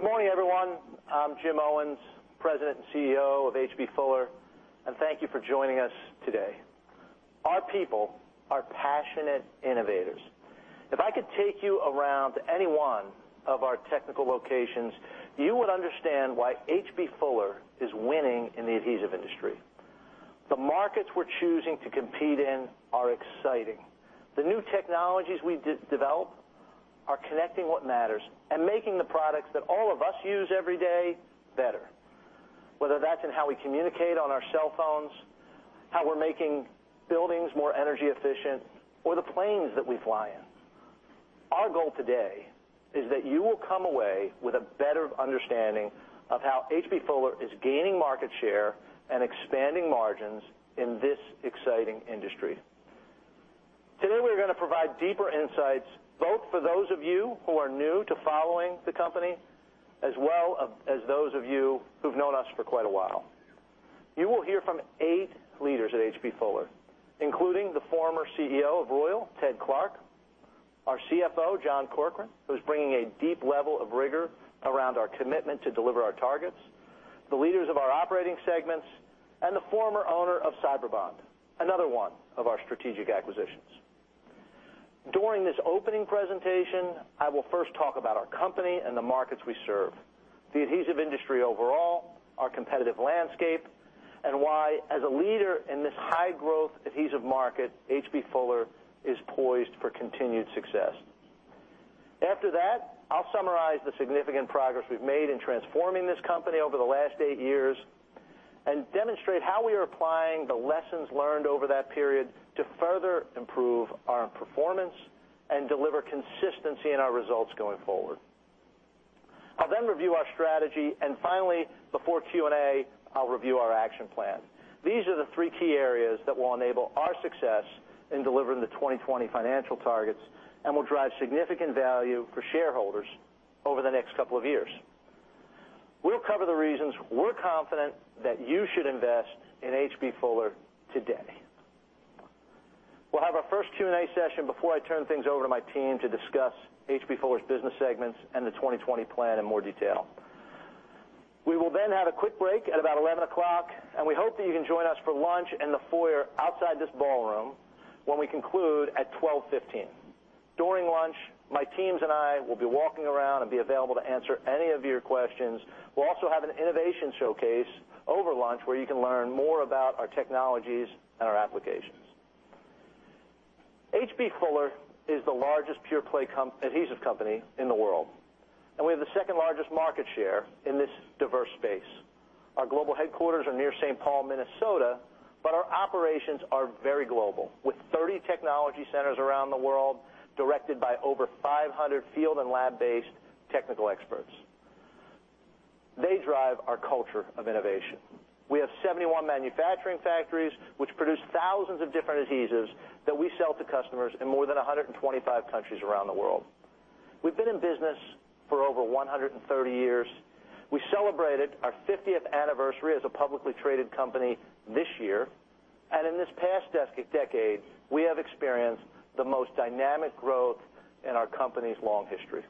Good morning, everyone. I'm Jim Owens, President and CEO of H.B. Fuller Company, and thank you for joining us today. Our people are passionate innovators. If I could take you around to any one of our technical locations, you would understand why H.B. Fuller Company is winning in the adhesive industry. The markets we're choosing to compete in are exciting. The new technologies we develop are connecting what matters and making the products that all of us use every day better, whether that's in how we communicate on our cell phones, how we're making buildings more energy efficient, or the planes that we fly in. Our goal today is that you will come away with a better understanding of how H.B. Fuller Company is gaining market share and expanding margins in this exciting industry. Today, we're going to provide deeper insights, both for those of you who are new to following the company, as well as those of you who've known us for quite a while. You will hear from eight leaders at H.B. Fuller Company, including the former CEO of Royal, Ted Clark, our CFO, John Corkrean, who's bringing a deep level of rigor around our commitment to deliver our targets, the leaders of our operating segments, and the former owner of Cyberbond, another one of our strategic acquisitions. During this opening presentation, I will first talk about our company and the markets we serve, the adhesive industry overall, our competitive landscape, and why, as a leader in this high-growth adhesive market, H.B. Fuller Company is poised for continued success. After that, I'll summarize the significant progress we've made in transforming this company over the last eight years and demonstrate how we are applying the lessons learned over that period to further improve our performance and deliver consistency in our results going forward. I'll then review our strategy, and finally, before Q&A, I'll review our action plan. These are the three key areas that will enable our success in delivering the 2020 financial targets and will drive significant value for shareholders over the next couple of years. We'll cover the reasons we're confident that you should invest in H.B. Fuller Company today. We'll have our first Q&A session before I turn things over to my team to discuss H.B. Fuller Company's business segments and the 2020 plan in more detail. We will then have a quick break at about 11:00 A.M., and we hope that you can join us for lunch in the foyer outside this ballroom when we conclude at 12:15 P.M. During lunch, my teams and I will be walking around and be available to answer any of your questions. We'll also have an innovation showcase over lunch, where you can learn more about our technologies and our applications. H.B. Fuller Company is the largest pure-play adhesive company in the world, and we have the second largest market share in this diverse space. Our global headquarters are near St. Paul, Minnesota, but our operations are very global, with 30 technology centers around the world, directed by over 500 field and lab-based technical experts. They drive our culture of innovation. We have 71 manufacturing factories, which produce thousands of different adhesives that we sell to customers in more than 125 countries around the world. We've been in business for over 130 years. We celebrated our 50th anniversary as a publicly traded company this year. In this past decade, we have experienced the most dynamic growth in our company's long history.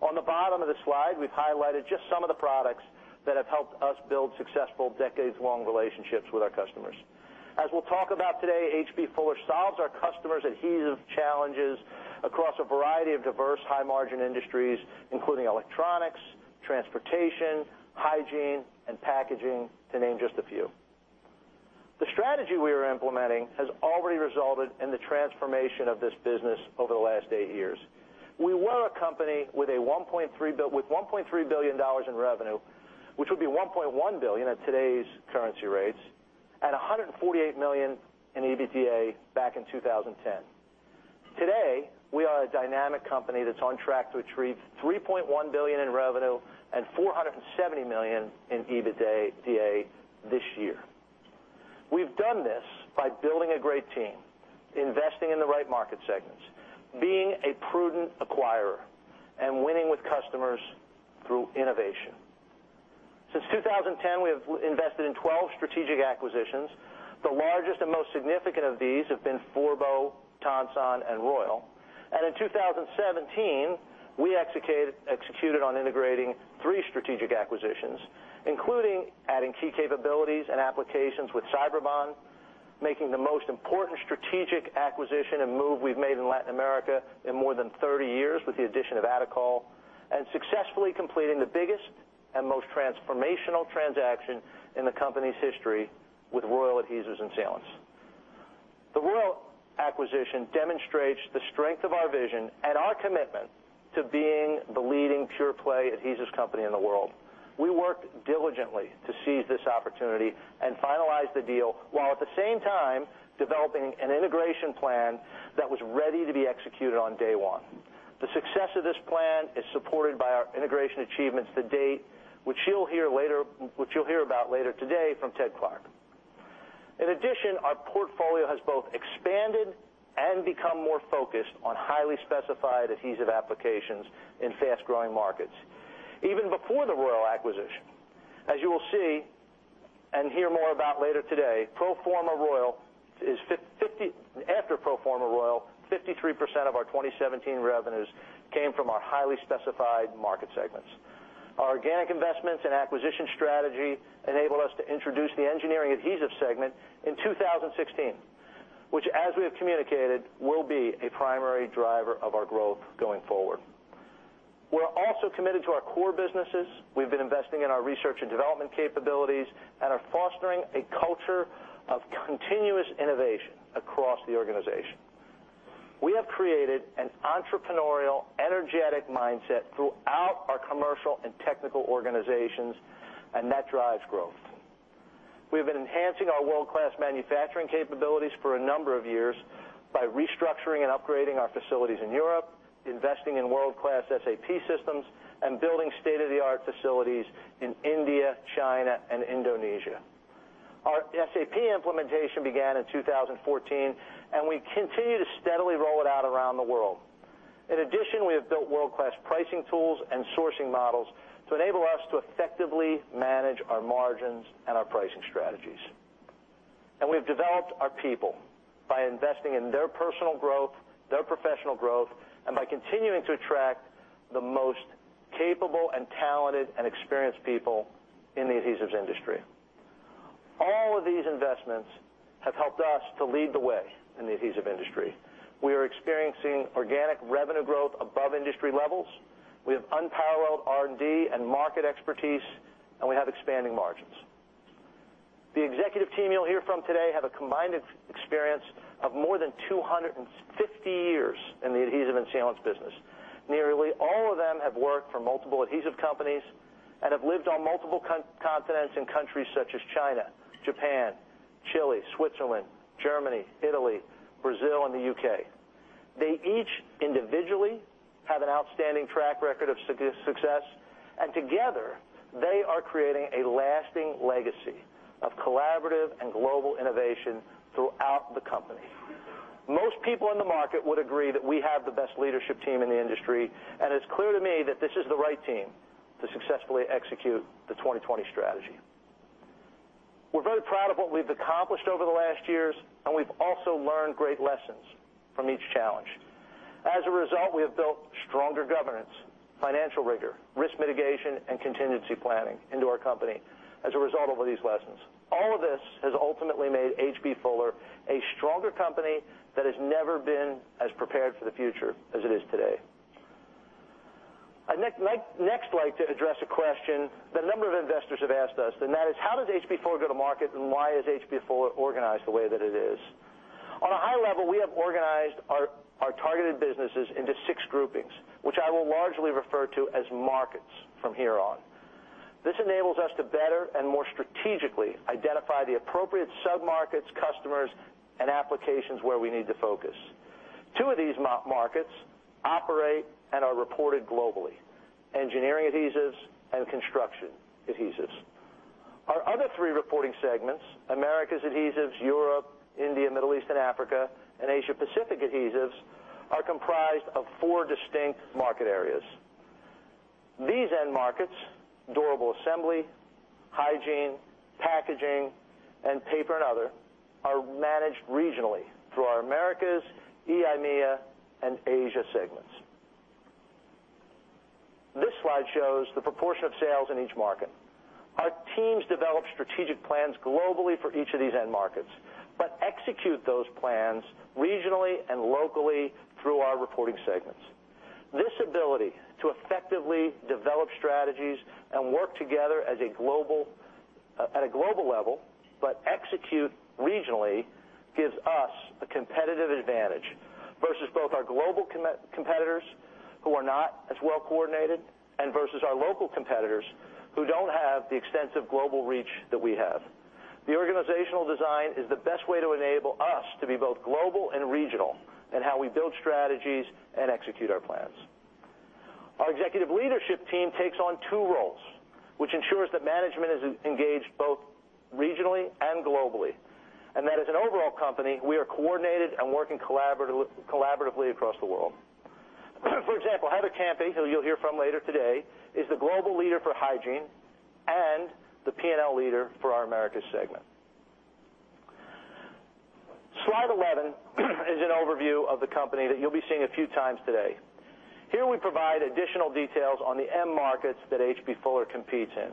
On the bottom of the slide, we've highlighted just some of the products that have helped us build successful decades-long relationships with our customers. As we'll talk about today, H.B. Fuller solves our customers' adhesive challenges across a variety of diverse, high-margin industries, including Electronics, Transportation, hygiene, and packaging, to name just a few. The strategy we are implementing has already resulted in the transformation of this business over the last eight years. We were a company with $1.3 billion in revenue, which would be $1.1 billion at today's currency rates, and $148 million in EBITDA back in 2010. Today, we are a dynamic company that's on track to achieve $3.1 billion in revenue and $470 million in EBITDA this year. We've done this by building a great team, investing in the right market segments, being a prudent acquirer, and winning with customers through innovation. Since 2010, we have invested in 12 strategic acquisitions. The largest and most significant of these have been Forbo, Tonsan, and Royal. In 2017, we executed on integrating three strategic acquisitions, including adding key capabilities and applications with Cyberbond, making the most important strategic acquisition and move we've made in Latin America in more than 30 years with the addition of Adecol, and successfully completing the biggest and most transformational transaction in the company's history with Royal Adhesives & Sealants. The Royal acquisition demonstrates the strength of our vision and our commitment to being the leading pure-play adhesives company in the world. We worked diligently to seize this opportunity and finalize the deal, while at the same time, developing an integration plan that was ready to be executed on day one. The success of this plan is supported by our integration achievements to date, which you'll hear about later today from Ted Clark. In addition, our portfolio has both expanded and become more focused on highly specified adhesive applications in fast-growing markets. Even before the Royal acquisition, as you will see and hear more about later today, after pro forma Royal, 53% of our 2017 revenues came from our highly specified market segments. Our organic investments and acquisition strategy enabled us to introduce the Engineering Adhesives segment in 2016, which, as we have communicated, will be a primary driver of our growth going forward. We're also committed to our core businesses. We've been investing in our research and development capabilities and are fostering a culture of continuous innovation across the organization. We have created an entrepreneurial, energetic mindset throughout our commercial and technical organizations, and that drives growth. We have been enhancing our world-class manufacturing capabilities for a number of years by restructuring and upgrading our facilities in Europe, investing in world-class SAP systems, and building state-of-the-art facilities in India, China, and Indonesia. Our SAP implementation began in 2014, and we continue to steadily roll it out around the world. In addition, we have built world-class pricing tools and sourcing models to enable us to effectively manage our margins and our pricing strategies. We've developed our people by investing in their personal growth, their professional growth, and by continuing to attract the most capable and talented and experienced people in the adhesives industry. All of these investments have helped us to lead the way in the adhesive industry. We are experiencing organic revenue growth above industry levels. We have unparalleled R&D and market expertise, and we have expanding margins. The executive team you'll hear from today have a combined experience of more than 250 years in the adhesive and sealants business. Nearly all of them have worked for multiple adhesive companies and have lived on multiple continents in countries such as China, Japan, Chile, Switzerland, Germany, Italy, Brazil, and the U.K. They each individually have an outstanding track record of success. Together, they are creating a lasting legacy of collaborative and global innovation throughout the company. Most people in the market would agree that we have the best leadership team in the industry. It's clear to me that this is the right team to successfully execute the 2020 strategy. We're very proud of what we've accomplished over the last years. We've also learned great lessons from each challenge. As a result, we have built stronger governance, financial rigor, risk mitigation, and contingency planning into our company as a result of these lessons. All of this has ultimately made H.B. Fuller a stronger company that has never been as prepared for the future as it is today. I'd next like to address a question that a number of investors have asked us, and that is how does H.B. Fuller go to market, and why is H.B. Fuller organized the way that it is? On a high level, we have organized our targeted businesses into six groupings, which I will largely refer to as markets from here on. This enables us to better and more strategically identify the appropriate sub-markets, customers, and applications where we need to focus. Two of these markets operate and are reported globally, Engineering Adhesives and Construction Adhesives. Our other three reporting segments, Americas Adhesives, Europe, India, Middle East, and Africa, and Asia-Pacific Adhesives, are comprised of four distinct market areas. These end markets, durable assembly, hygiene, packaging, and paper and other, are managed regionally through our Americas, EIMEA, and Asia segments. This slide shows the proportion of sales in each market. Our teams develop strategic plans globally for each of these end markets, but execute those plans regionally and locally through our reporting segments. This ability to effectively develop strategies and work together at a global level, but execute regionally gives us a competitive advantage versus both our global competitors who are not as well coordinated and versus our local competitors who don't have the extensive global reach that we have. The organizational design is the best way to enable us to be both global and regional in how we build strategies and execute our plans. Our executive leadership team takes on two roles, which ensures that management is engaged both regionally and globally, and that as an overall company, we are coordinated and working collaboratively across the world. For example, Heather Campe, who you'll hear from later today, is the global leader for hygiene and the P&L leader for our Americas segment. Slide 11 is an overview of the company that you'll be seeing a few times today. Here we provide additional details on the end markets that H.B. Fuller competes in.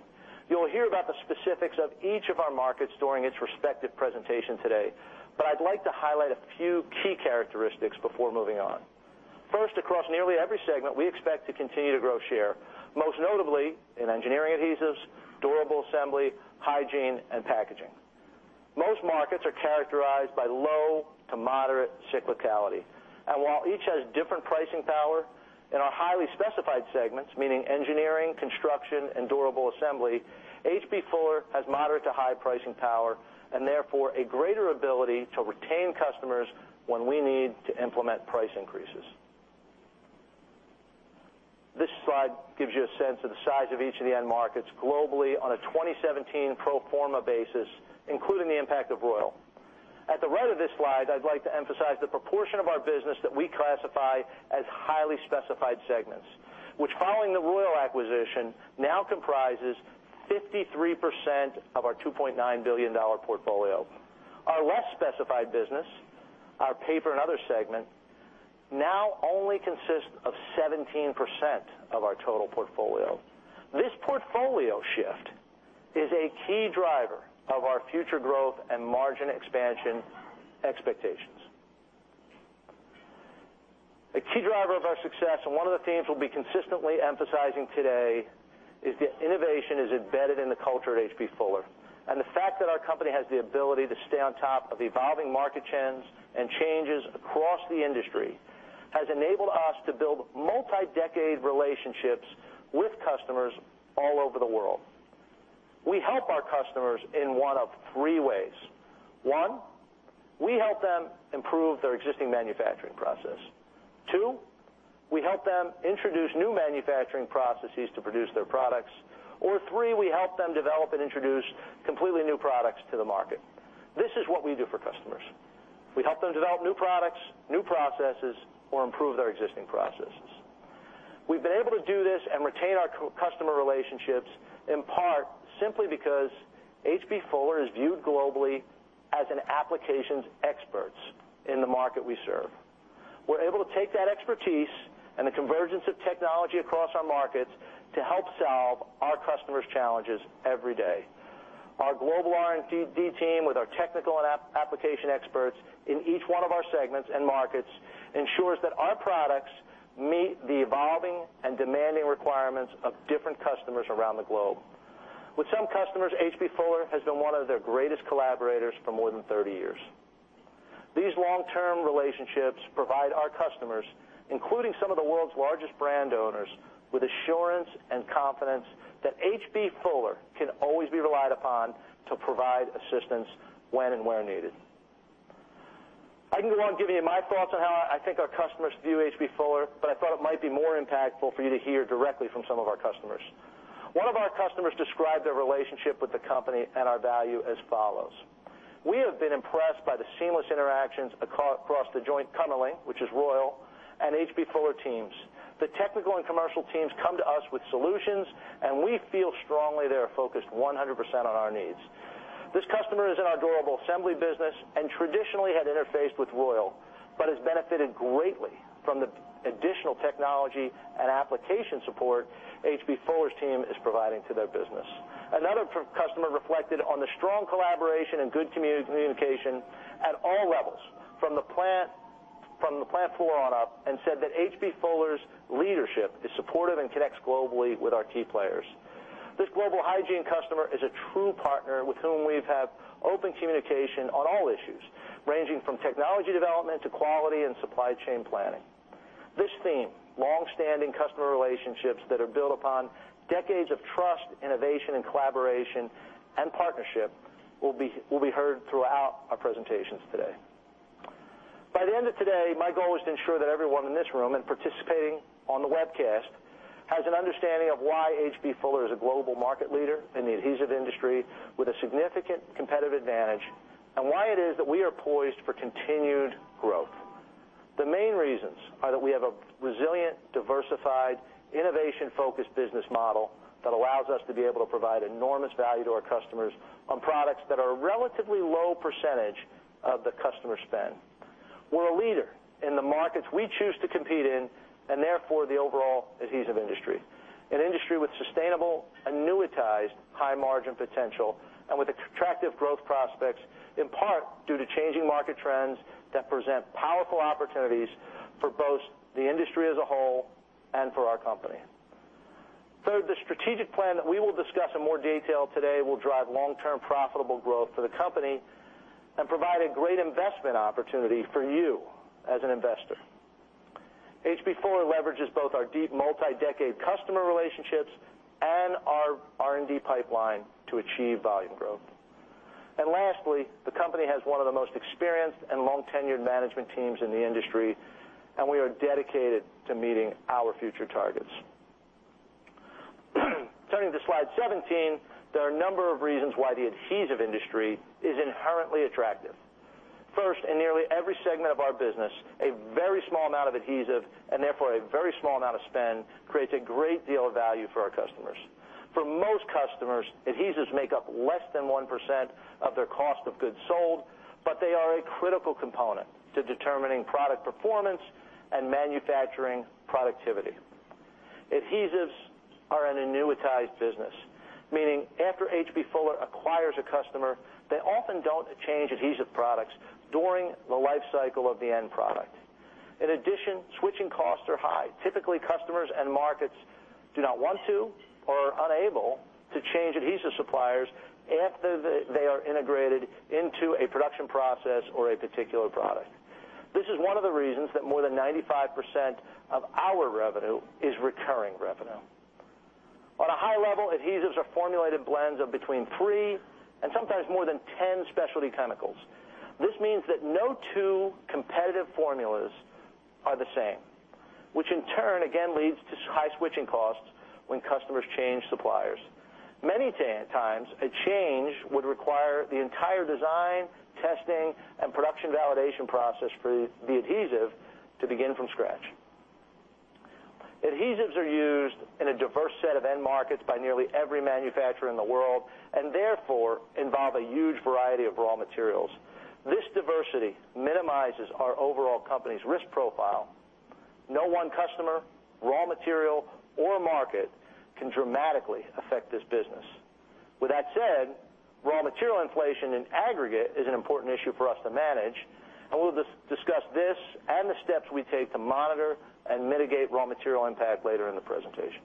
You'll hear about the specifics of each of our markets during its respective presentation today, but I'd like to highlight a few key characteristics before moving on. First, across nearly every segment, we expect to continue to grow share, most notably in Engineering Adhesives, durable assembly, hygiene, and packaging. Most markets are characterized by low to moderate cyclicality. While each has different pricing power in our highly specified segments, meaning Engineering, Construction, and durable assembly, H.B. Fuller has moderate to high pricing power and therefore a greater ability to retain customers when we need to implement price increases. This slide gives you a sense of the size of each of the end markets globally on a 2017 pro forma basis, including the impact of Royal. At the right of this slide, I'd like to emphasize the proportion of our business that we classify as highly specified segments, which following the Royal acquisition, now comprises 53% of our $2.9 billion portfolio. Our less specified business, our paper and other segment, now only consists of 17% of our total portfolio. This portfolio shift is a key driver of our future growth and margin expansion expectations. A key driver of our success, and one of the themes we'll be consistently emphasizing today, is that innovation is embedded in the culture at H.B. Fuller, and the fact that our company has the ability to stay on top of evolving market trends and changes across the industry has enabled us to build multi-decade relationships with customers all over the world. We help our customers in 1 of 3 ways. 1, we help them improve their existing manufacturing process. 2, we help them introduce new manufacturing processes to produce their products. 3, we help them develop and introduce completely new products to the market. This is what we do for customers. We help them develop new products, new processes, or improve their existing processes. We've been able to do this and retain our customer relationships, in part, simply because H.B. H.B. Fuller is viewed globally as an applications expert in the market we serve. We're able to take that expertise and the convergence of technology across our markets to help solve our customers' challenges every day. Our global R&D team with our technical and application experts in each one of our segments and markets ensures that our products meet the evolving and demanding requirements of different customers around the globe. With some customers, H.B. Fuller has been one of their greatest collaborators for more than 30 years. These long-term relationships provide our customers, including some of the world's largest brand owners, with assurance and confidence that H.B. Fuller can always be relied upon to provide assistance when and where needed. I can go on giving you my thoughts on how I think our customers view H.B. Fuller, but I thought it might be more impactful for you to hear directly from some of our customers. One of our customers described their relationship with the company and our value as follows. "We have been impressed by the seamless interactions across the joint," [inaudible] which is Royal, "and H.B. Fuller teams. The technical and commercial teams come to us with solutions, and we feel strongly they are focused 100% on our needs." This customer is in our durable assembly business and traditionally had interfaced with Royal, but has benefited greatly from the additional technology and application support H.B. Fuller's team is providing to their business. Another customer reflected on the strong collaboration and good communication at all levels from the plant floor on up and said that H.B. Fuller's leadership is supportive and connects globally with our key players. This global hygiene customer is a true partner with whom we've had open communication on all issues, ranging from technology development to quality and supply chain planning. This theme, longstanding customer relationships that are built upon decades of trust, innovation, and collaboration and partnership, will be heard throughout our presentations today. By the end of today, my goal is to ensure that everyone in this room and participating on the webcast has an understanding of why H.B. Fuller is a global market leader in the adhesive industry with a significant competitive advantage, and why it is that we are poised for continued growth. The main reasons are that we have a resilient, diversified, innovation-focused business model that allows us to be able to provide enormous value to our customers on products that are a relatively low percentage of the customer spend. We're a leader in the markets we choose to compete in, and therefore, the overall adhesive industry, an industry with sustainable, annuitized high margin potential, and with attractive growth prospects, in part, due to changing market trends that present powerful opportunities for both the industry as a whole and for our company. Third, the strategic plan that we will discuss in more detail today will drive long-term profitable growth for the company and provide a great investment opportunity for you as an investor. H.B. Fuller leverages both our deep multi-decade customer relationships and our R&D pipeline to achieve volume growth. Lastly, the company has one of the most experienced and long-tenured management teams in the industry, and we are dedicated to meeting our future targets. Turning to slide 17, there are a number of reasons why the adhesive industry is inherently attractive. First, in nearly every segment of our business, a very small amount of adhesive, and therefore a very small amount of spend, creates a great deal of value for our customers. For most customers, adhesives make up less than 1% of their cost of goods sold, but they are a critical component to determining product performance and manufacturing productivity. Adhesives are an annuitized business, meaning after H.B. Fuller acquires a customer, they often don't change adhesive products during the life cycle of the end product. In addition, switching costs are high. Typically, customers and markets do not want to or are unable to change adhesive suppliers after they are integrated into a production process or a particular product. This is one of the reasons that more than 95% of our revenue is recurring revenue. On a high level, adhesives are formulated blends of between three and sometimes more than 10 specialty chemicals. This means that no two competitive formulas are the same. Which in turn, again, leads to high switching costs when customers change suppliers. Many times, a change would require the entire design, testing, and production validation process for the adhesive to begin from scratch. Adhesives are used in a diverse set of end markets by nearly every manufacturer in the world, and therefore, involve a huge variety of raw materials. This diversity minimizes our overall company's risk profile. No one customer, raw material, or market can dramatically affect this business. With that said, raw material inflation in aggregate is an important issue for us to manage, and we'll discuss this and the steps we take to monitor and mitigate raw material impact later in the presentation.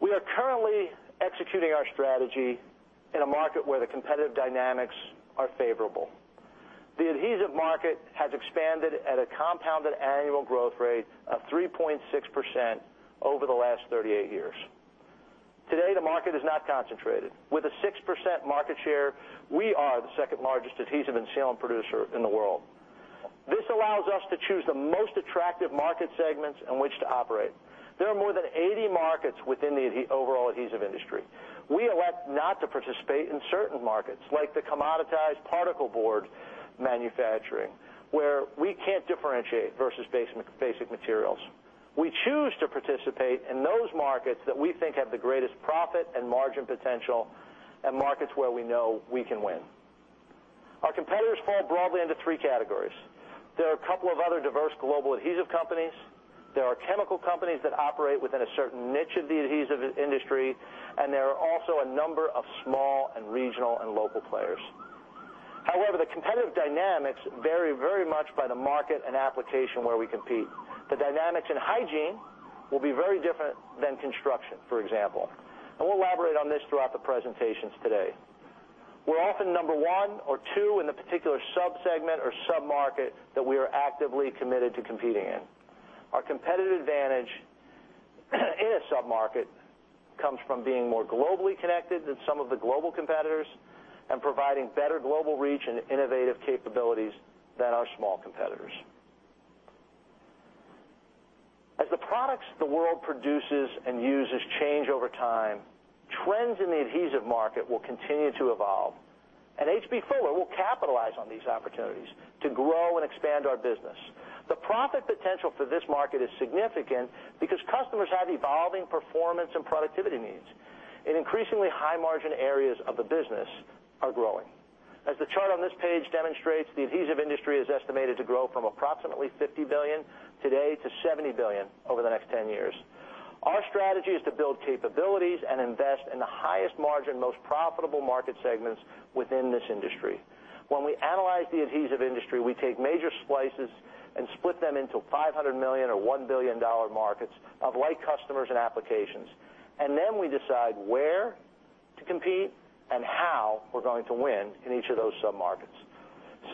We are currently executing our strategy in a market where the competitive dynamics are favorable. The adhesive market has expanded at a compounded annual growth rate of 3.6% over the last 38 years. Today, the market is not concentrated. With a 6% market share, we are the second-largest adhesive and sealant producer in the world. This allows us to choose the most attractive market segments in which to operate. There are more than 80 markets within the overall adhesive industry. We elect not to participate in certain markets, like the commoditized particle board manufacturing, where we can't differentiate versus basic materials. We choose to participate in those markets that we think have the greatest profit and margin potential, and markets where we know we can win. Our competitors fall broadly into three categories. There are a couple of other diverse global adhesive companies, there are chemical companies that operate within a certain niche of the adhesive industry, and there are also a number of small and regional and local players. However, the competitive dynamics vary very much by the market and application where we compete. The dynamics in hygiene will be very different than construction, for example. We'll elaborate on this throughout the presentations today. We're often number 1 or 2 in the particular sub-segment or sub-market that we are actively committed to competing in. Our competitive advantage in a sub-market comes from being more globally connected than some of the global competitors and providing better global reach and innovative capabilities than our small competitors. As the products the world produces and uses change over time, trends in the adhesive market will continue to evolve. H.B. Fuller will capitalize on these opportunities to grow and expand our business. The profit potential for this market is significant because customers have evolving performance and productivity needs, and increasingly high-margin areas of the business are growing. As the chart on this page demonstrates, the adhesive industry is estimated to grow from approximately $50 billion today to $70 billion over the next 10 years. Our strategy is to build capabilities and invest in the highest margin, most profitable market segments within this industry. When we analyze the adhesive industry, we take major splices and split them into $500 million or $1 billion markets of like customers and applications. Then we decide where to compete and how we're going to win in each of those sub-markets.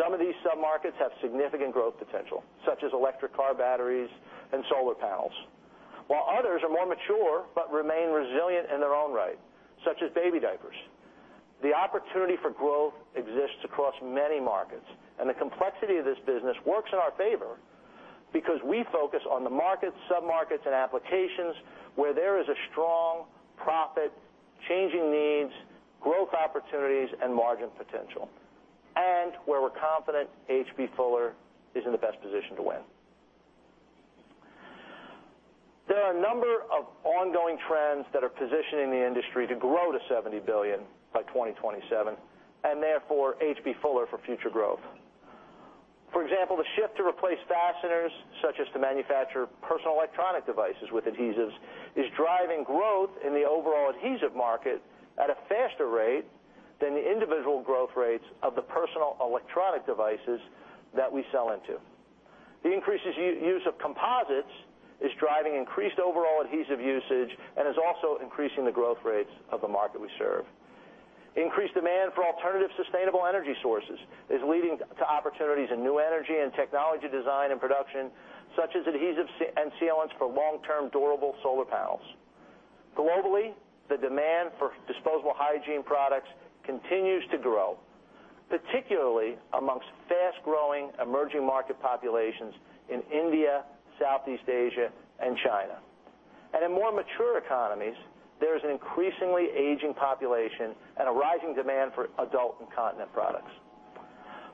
Some of these sub-markets have significant growth potential, such as electric car batteries and solar panels. While others are more mature, but remain resilient in their own right, such as baby diapers. The opportunity for growth exists across many markets, and the complexity of this business works in our favor because we focus on the markets, sub-markets, and applications where there is a strong profit, changing needs, growth opportunities, and margin potential, and where we're confident H.B. Fuller is in the best position to win. There are a number of ongoing trends that are positioning the industry to grow to $70 billion by 2027. Therefore, H.B. Fuller for future growth. For example, the shift to replace fasteners, such as to manufacture personal electronic devices with adhesives, is driving growth in the overall adhesive market at a faster rate than the individual growth rates of the personal electronic devices that we sell into. The increased use of composites is driving increased overall adhesive usage and is also increasing the growth rates of the market we serve. Increased demand for alternative sustainable energy sources is leading to opportunities in new energy and technology design and production, such as adhesives and sealants for long-term durable solar panels. Globally, the demand for disposable hygiene products continues to grow, particularly amongst fast-growing emerging market populations in India, Southeast Asia, and China. In more mature economies, there is an increasingly aging population and a rising demand for adult incontinence products.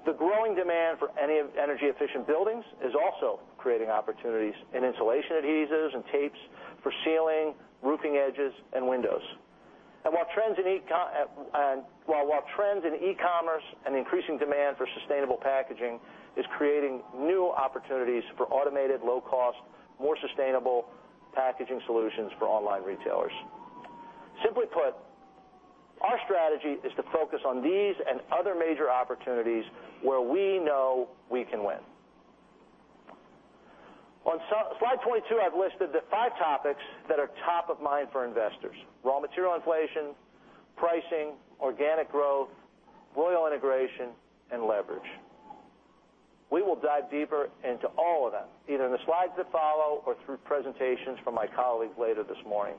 The growing demand for energy-efficient buildings is also creating opportunities in insulation adhesives and tapes for sealing roofing edges and windows. While trends in e-commerce and increasing demand for sustainable packaging is creating new opportunities for automated, low-cost, more sustainable packaging solutions for online retailers. Simply put, our strategy is to focus on these and other major opportunities where we know we can win. On slide 22, I've listed the five topics that are top of mind for investors, raw material inflation, pricing, organic growth, Royal integration, and leverage. We will dive deeper into all of them, either in the slides that follow or through presentations from my colleagues later this morning.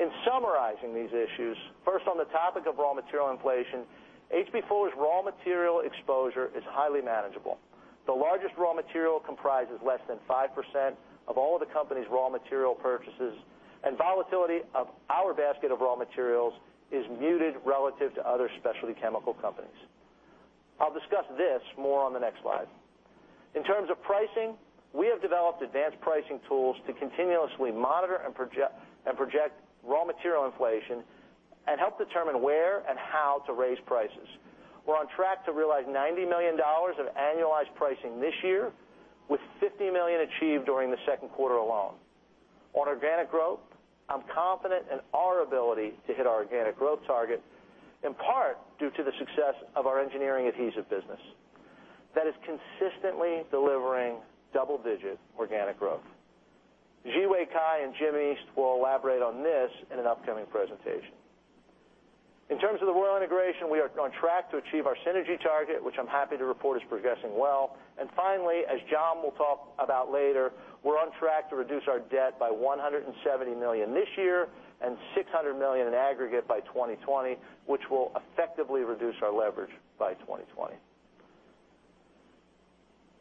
In summarizing these issues, first, on the topic of raw material inflation, H.B. Fuller's raw material exposure is highly manageable. The largest raw material comprises less than 5% of all of the company's raw material purchases, and volatility of our basket of raw materials is muted relative to other specialty chemical companies. I'll discuss this more on the next slide. In terms of pricing, we have developed advanced pricing tools to continuously monitor and project raw material inflation and help determine where and how to raise prices. We're on track to realize $90 million of annualized pricing this year, with $50 million achieved during the second quarter alone. On organic growth, I'm confident in our ability to hit our organic growth target, in part due to the success of our engineering adhesive business. That is consistently delivering double-digit organic growth. Zhiwei Cai and Jim East will elaborate on this in an upcoming presentation. In terms of the Royal integration, we are on track to achieve our synergy target, which I'm happy to report is progressing well. Finally, as John will talk about later, we're on track to reduce our debt by $170 million this year and $600 million in aggregate by 2020, which will effectively reduce our leverage by 2020.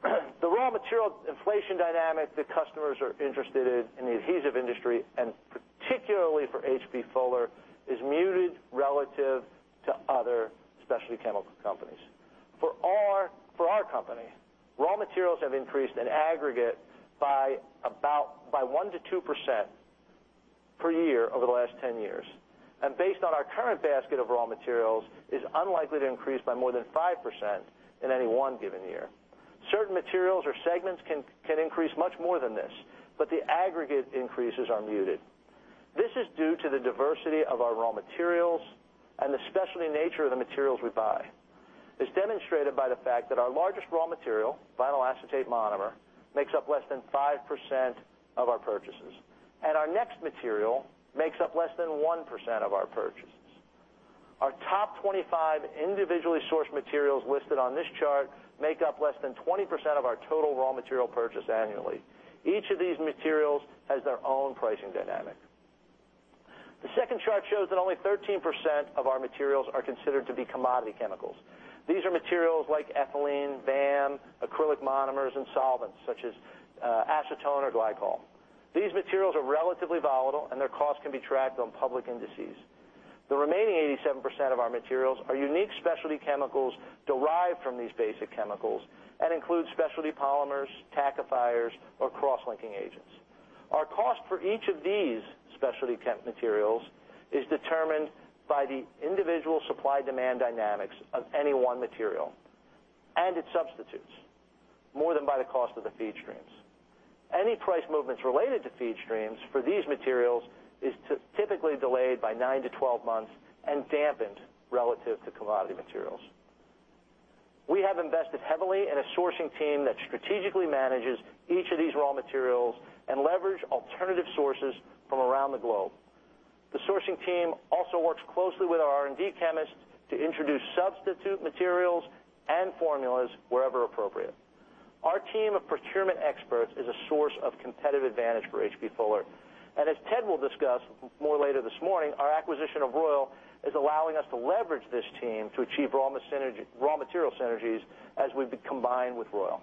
The raw material inflation dynamic that customers are interested in in the adhesive industry, particularly for H.B. Fuller, is muted relative to other specialty chemical companies. For our company, raw materials have increased in aggregate by 1%-2% per year over the last 10 years. Based on our current basket of raw materials, is unlikely to increase by more than 5% in any one given year. Certain materials or segments can increase much more than this, but the aggregate increases are muted. This is due to the diversity of our raw materials and the specialty nature of the materials we buy. It's demonstrated by the fact that our largest raw material, vinyl acetate monomer, makes up less than 5% of our purchases, our next material makes up less than 1% of our purchases. Our top 25 individually sourced materials listed on this chart make up less than 20% of our total raw material purchase annually. Each of these materials has their own pricing dynamic. The second chart shows that only 13% of our materials are considered to be commodity chemicals. These are materials like ethylene, VAM, acrylic monomers, and solvents, such as acetone or glycol. These materials are relatively volatile, and their cost can be tracked on public indices. The remaining 87% of our materials are unique specialty chemicals derived from these basic chemicals and include specialty polymers, tackifiers, or crosslinking agents. Our cost for each of these specialty chem materials is determined by the individual supply-demand dynamics of any one material and its substitutes more than by the cost of the feed streams. Any price movements related to feed streams for these materials is typically delayed by nine to 12 months and dampened relative to commodity materials. We have invested heavily in a sourcing team that strategically manages each of these raw materials and leverage alternative sources from around the globe. The sourcing team also works closely with our R&D chemists to introduce substitute materials and formulas wherever appropriate. Our team of procurement experts is a source of competitive advantage for H.B. Fuller. As Ted will discuss more later this morning, our acquisition of Royal is allowing us to leverage this team to achieve raw material synergies as we've been combined with Royal.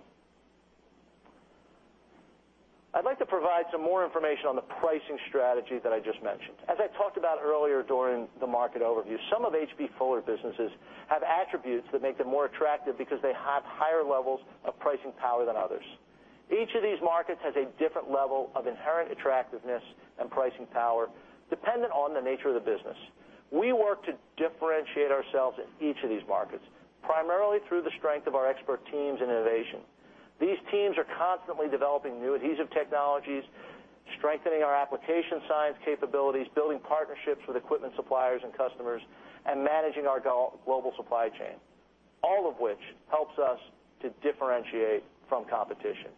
I'd like to provide some more information on the pricing strategy that I just mentioned. As I talked about earlier during the market overview, some of H.B. Fuller businesses have attributes that make them more attractive because they have higher levels of pricing power than others. Each of these markets has a different level of inherent attractiveness and pricing power dependent on the nature of the business. We work to differentiate ourselves in each of these markets, primarily through the strength of our expert teams and innovation. These teams are constantly developing new adhesive technologies, strengthening our application science capabilities, building partnerships with equipment suppliers and customers, and managing our global supply chain, all of which helps us to differentiate from competition.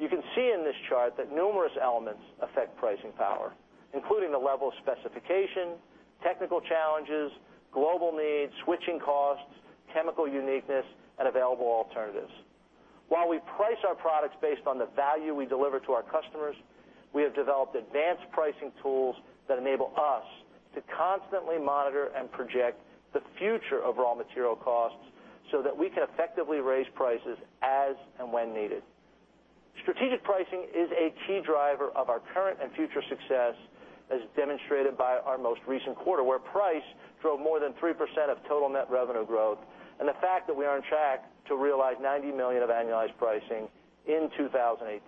You can see in this chart that numerous elements affect pricing power, including the level of specification, technical challenges, global needs, switching costs, chemical uniqueness, and available alternatives. While we price our products based on the value we deliver to our customers, we have developed advanced pricing tools that enable us to constantly monitor and project the future of raw material costs so that we can effectively raise prices as and when needed. Strategic pricing is a key driver of our current and future success, as demonstrated by our most recent quarter, where price drove more than 3% of total net revenue growth, and the fact that we are on track to realize $90 million of annualized pricing in 2018.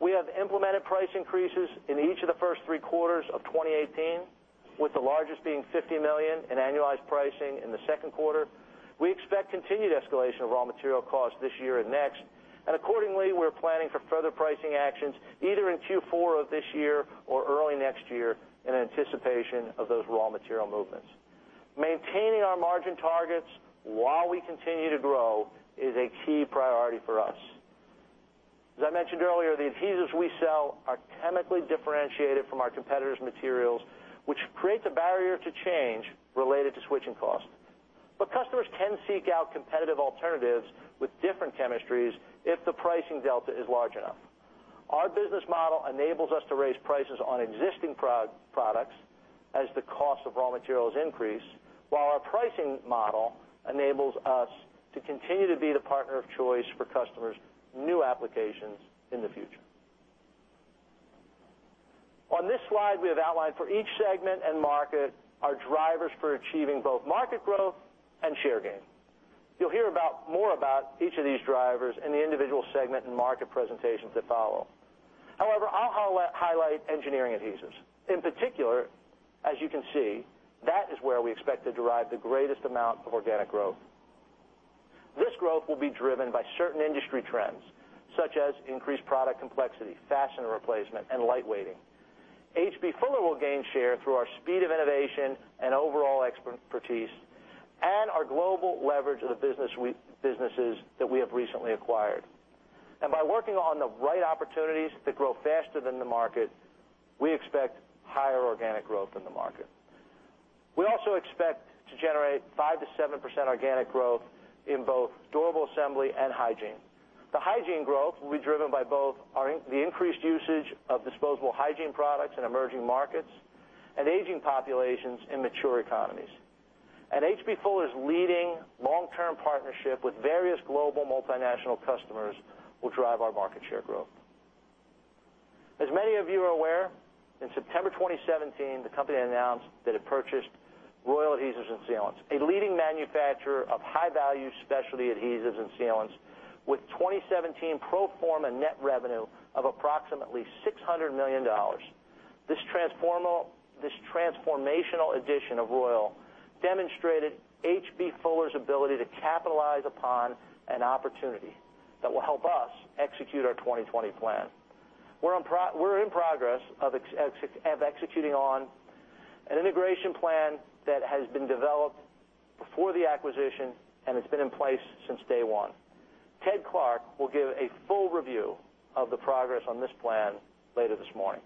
We have implemented price increases in each of the first three quarters of 2018, with the largest being $50 million in annualized pricing in the second quarter. We expect continued escalation of raw material costs this year and next, accordingly, we're planning for further pricing actions either in Q4 of this year or early next year in anticipation of those raw material movements. Maintaining our margin targets while we continue to grow is a key priority for us. As I mentioned earlier, the adhesives we sell are chemically differentiated from our competitors' materials, which creates a barrier to change related to switching costs. Customers can seek out competitive alternatives with different chemistries if the pricing delta is large enough. Our business model enables us to raise prices on existing products as the cost of raw materials increase, while our pricing model enables us to continue to be the partner of choice for customers' new applications in the future. On this slide, we have outlined for each segment and market our drivers for achieving both market growth and share gain. You'll hear more about each of these drivers in the individual segment and market presentations that follow. However, I'll highlight engineering adhesives. In particular, as you can see, that is where we expect to derive the greatest amount of organic growth. This growth will be driven by certain industry trends, such as increased product complexity, faster replacement, and lightweighting. H.B. Fuller will gain share through our speed of innovation and overall expertise and our global leverage of the businesses that we have recently acquired. By working on the right opportunities that grow faster than the market, we expect higher organic growth in the market. We also expect to generate 5%-7% organic growth in both durable assembly and hygiene. The hygiene growth will be driven by both the increased usage of disposable hygiene products in emerging markets and aging populations in mature economies. H.B. Fuller's leading long-term partnership with various global multinational customers will drive our market share growth. As many of you are aware, in September 2017, the company announced that it purchased Royal Adhesives & Sealants, a leading manufacturer of high-value specialty adhesives and sealants, with 2017 pro forma net revenue of approximately $600 million. This transformational addition of Royal demonstrated H.B. Fuller's ability to capitalize upon an opportunity that will help us execute our 2020 plan. We're in progress of executing on an integration plan that has been developed before the acquisition and has been in place since day one. Ted Clark will give a full review of the progress on this plan later this morning.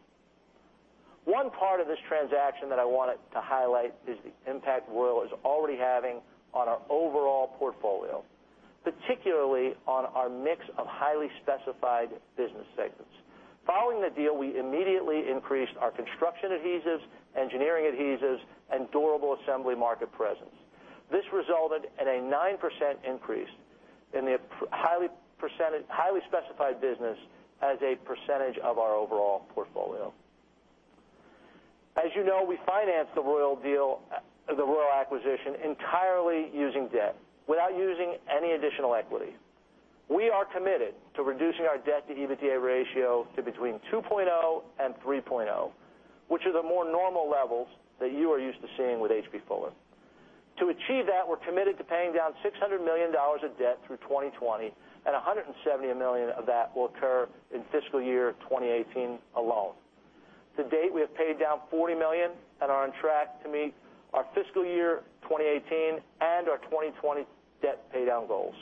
One part of this transaction that I wanted to highlight is the impact Royal is already having on our overall portfolio, particularly on our mix of highly specified business segments. Following the deal, we immediately increased our construction adhesives, engineering adhesives, and durable assembly market presence. This resulted in a 9% increase in the highly specified business as a percentage of our overall portfolio. As you know, we financed the Royal acquisition entirely using debt, without using any additional equity. We are committed to reducing our debt-to-EBITDA ratio to between 2.0 and 3.0, which are the more normal levels that you are used to seeing with H.B. Fuller. To achieve that, we're committed to paying down $600 million of debt through 2020, and $170 million of that will occur in fiscal year 2018 alone. To date, we have paid down $40 million and are on track to meet our fiscal year 2018 and our 2020 debt paydown goals.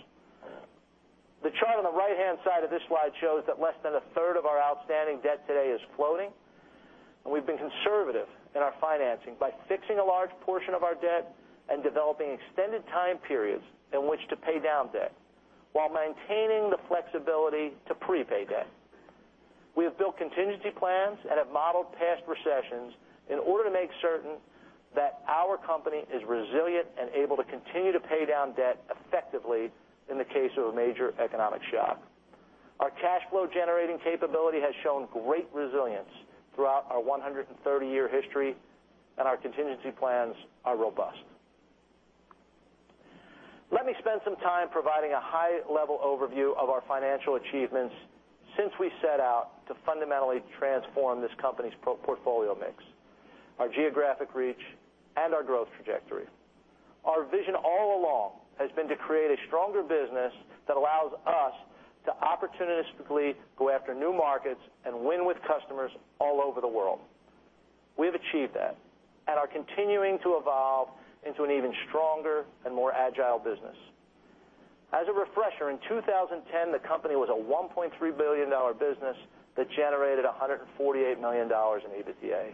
The chart on the right-hand side of this slide shows that less than a third of our outstanding debt today is floating, and we've been conservative in our financing by fixing a large portion of our debt and developing extended time periods in which to pay down debt while maintaining the flexibility to prepay debt. We have built contingency plans and have modeled past recessions in order to make certain that our company is resilient and able to continue to pay down debt effectively in the case of a major economic shock. Our cash flow generating capability has shown great resilience throughout our 130-year history, and our contingency plans are robust. Let me spend some time providing a high-level overview of our financial achievements since we set out to fundamentally transform this company's portfolio mix, our geographic reach, and our growth trajectory. Our vision all along has been to create a stronger business that allows us to opportunistically go after new markets and win with customers all over the world. We have achieved that and are continuing to evolve into an even stronger and more agile business. As a refresher, in 2010, the company was a $1.3 billion business that generated $148 million in EBITDA.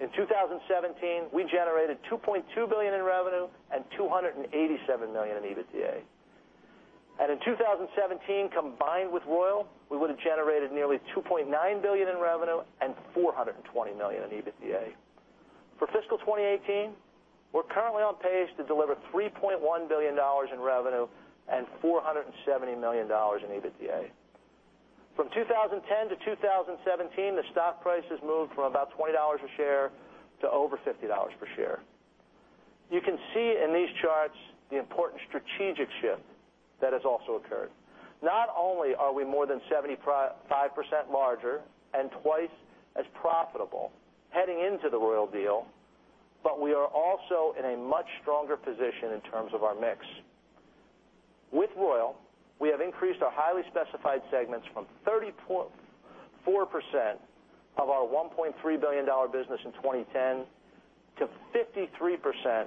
In 2017, we generated $2.2 billion in revenue and $287 million in EBITDA. In 2017, combined with Royal, we would have generated nearly $2.9 billion in revenue and $420 million in EBITDA. For fiscal 2018, we're currently on pace to deliver $3.1 billion in revenue and $470 million in EBITDA. From 2010 to 2017, the stock price has moved from about $20 a share to over $50 per share. You can see in these charts the important strategic shift that has also occurred. Not only are we more than 75% larger and twice as profitable heading into the Royal deal, but we are also in a much stronger position in terms of our mix. With Royal, we have increased our highly specified segments from 34% of our $1.3 billion business in 2010 to 53%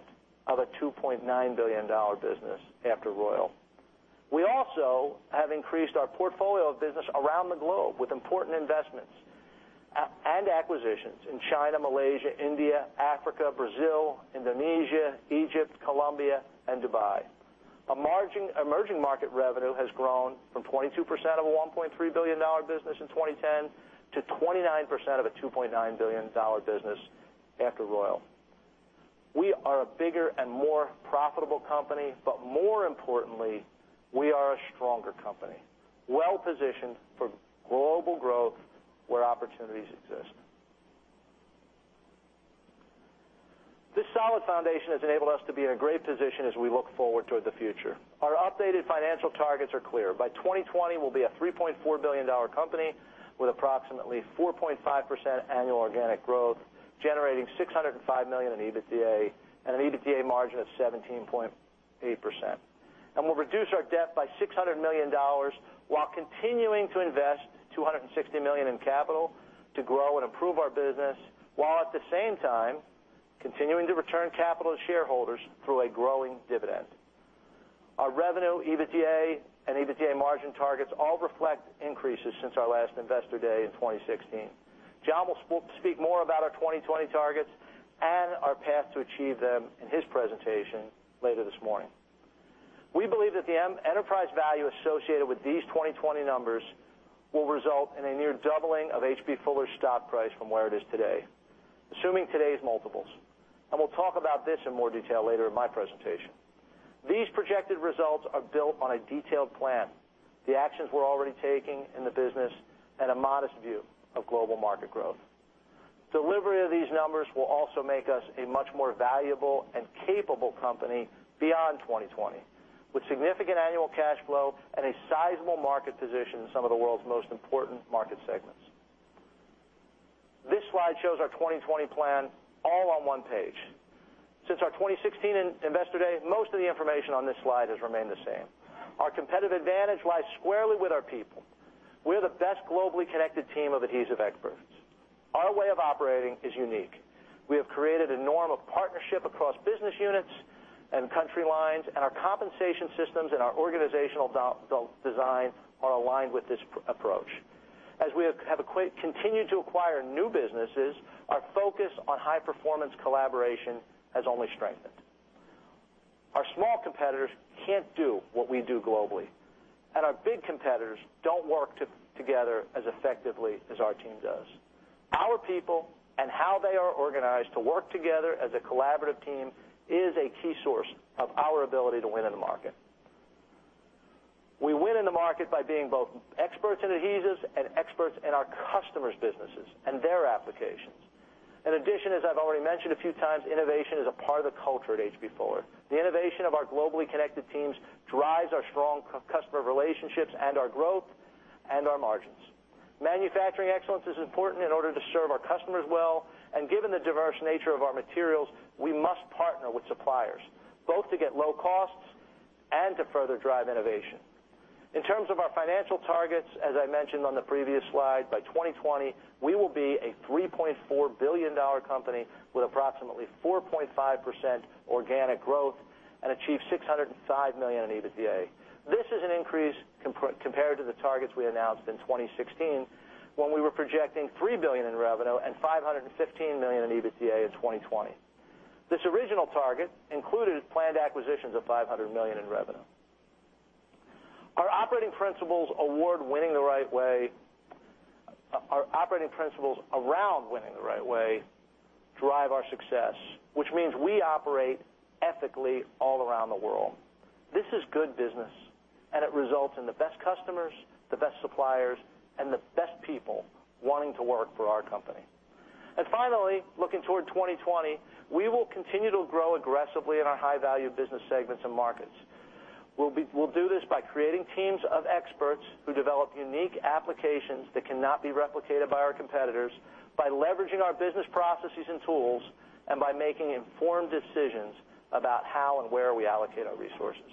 of a $2.9 billion business after Royal. We also have increased our portfolio of business around the globe with important investments. Acquisitions in China, Malaysia, India, Africa, Brazil, Indonesia, Egypt, Colombia, and Dubai. Our emerging market revenue has grown from 22% of a $1.3 billion business in 2010 to 29% of a $2.9 billion business after Royal. We are a bigger and more profitable company, more importantly, we are a stronger company, well-positioned for global growth where opportunities exist. This solid foundation has enabled us to be in a great position as we look forward toward the future. Our updated financial targets are clear. By 2020, we will be a $3.4 billion company with approximately 4.5% annual organic growth, generating $605 million in EBITDA and an EBITDA margin of 17.8%. We will reduce our debt by $600 million while continuing to invest $260 million in capital to grow and improve our business, while at the same time, continuing to return capital to shareholders through a growing dividend. Our revenue, EBITDA, and EBITDA margin targets all reflect increases since our last Investor Day in 2016. John will speak more about our 2020 targets and our path to achieve them in his presentation later this morning. We believe that the enterprise value associated with these 2020 numbers will result in a near doubling of H.B. Fuller's stock price from where it is today, assuming today's multiples. We will talk about this in more detail later in my presentation. These projected results are built on a detailed plan, the actions we are already taking in the business, and a modest view of global market growth. Delivery of these numbers will also make us a much more valuable and capable company beyond 2020, with significant annual cash flow and a sizable market position in some of the world's most important market segments. This slide shows our 2020 plan all on one page. Since our 2016 Investor Day, most of the information on this slide has remained the same. Our competitive advantage lies squarely with our people. We are the best globally connected team of adhesive experts. Our way of operating is unique. We have created a norm of partnership across business units and country lines, our compensation systems and our organizational design are aligned with this approach. As we have continued to acquire new businesses, our focus on high-performance collaboration has only strengthened. Our small competitors can't do what we do globally, our big competitors don't work together as effectively as our team does. Our people and how they are organized to work together as a collaborative team is a key source of our ability to win in the market. We win in the market by being both experts in adhesives and experts in our customers' businesses and their applications. In addition, as I have already mentioned a few times, innovation is a part of the culture at H.B. Fuller. The innovation of our globally connected teams drives our strong customer relationships, our growth and our margins. Manufacturing excellence is important in order to serve our customers well, given the diverse nature of our materials, we must partner with suppliers, both to get low costs and to further drive innovation. In terms of our financial targets, as I mentioned on the previous slide, by 2020, we will be a $3.4 billion company with approximately 4.5% organic growth and achieve $605 million in EBITDA. This is an increase compared to the targets we announced in 2016, when we were projecting $3 billion in revenue and $515 million in EBITDA in 2020. This original target included planned acquisitions of $500 million in revenue. Our operating principles around winning the right way drive our success, which means we operate ethically all around the world. This is good business, and it results in the best customers, the best suppliers, and the best people wanting to work for our company. Finally, looking toward 2020, we will continue to grow aggressively in our high-value business segments and markets. We will do this by creating teams of experts who develop unique applications that cannot be replicated by our competitors, by leveraging our business processes and tools, and by making informed decisions about how and where we allocate our resources.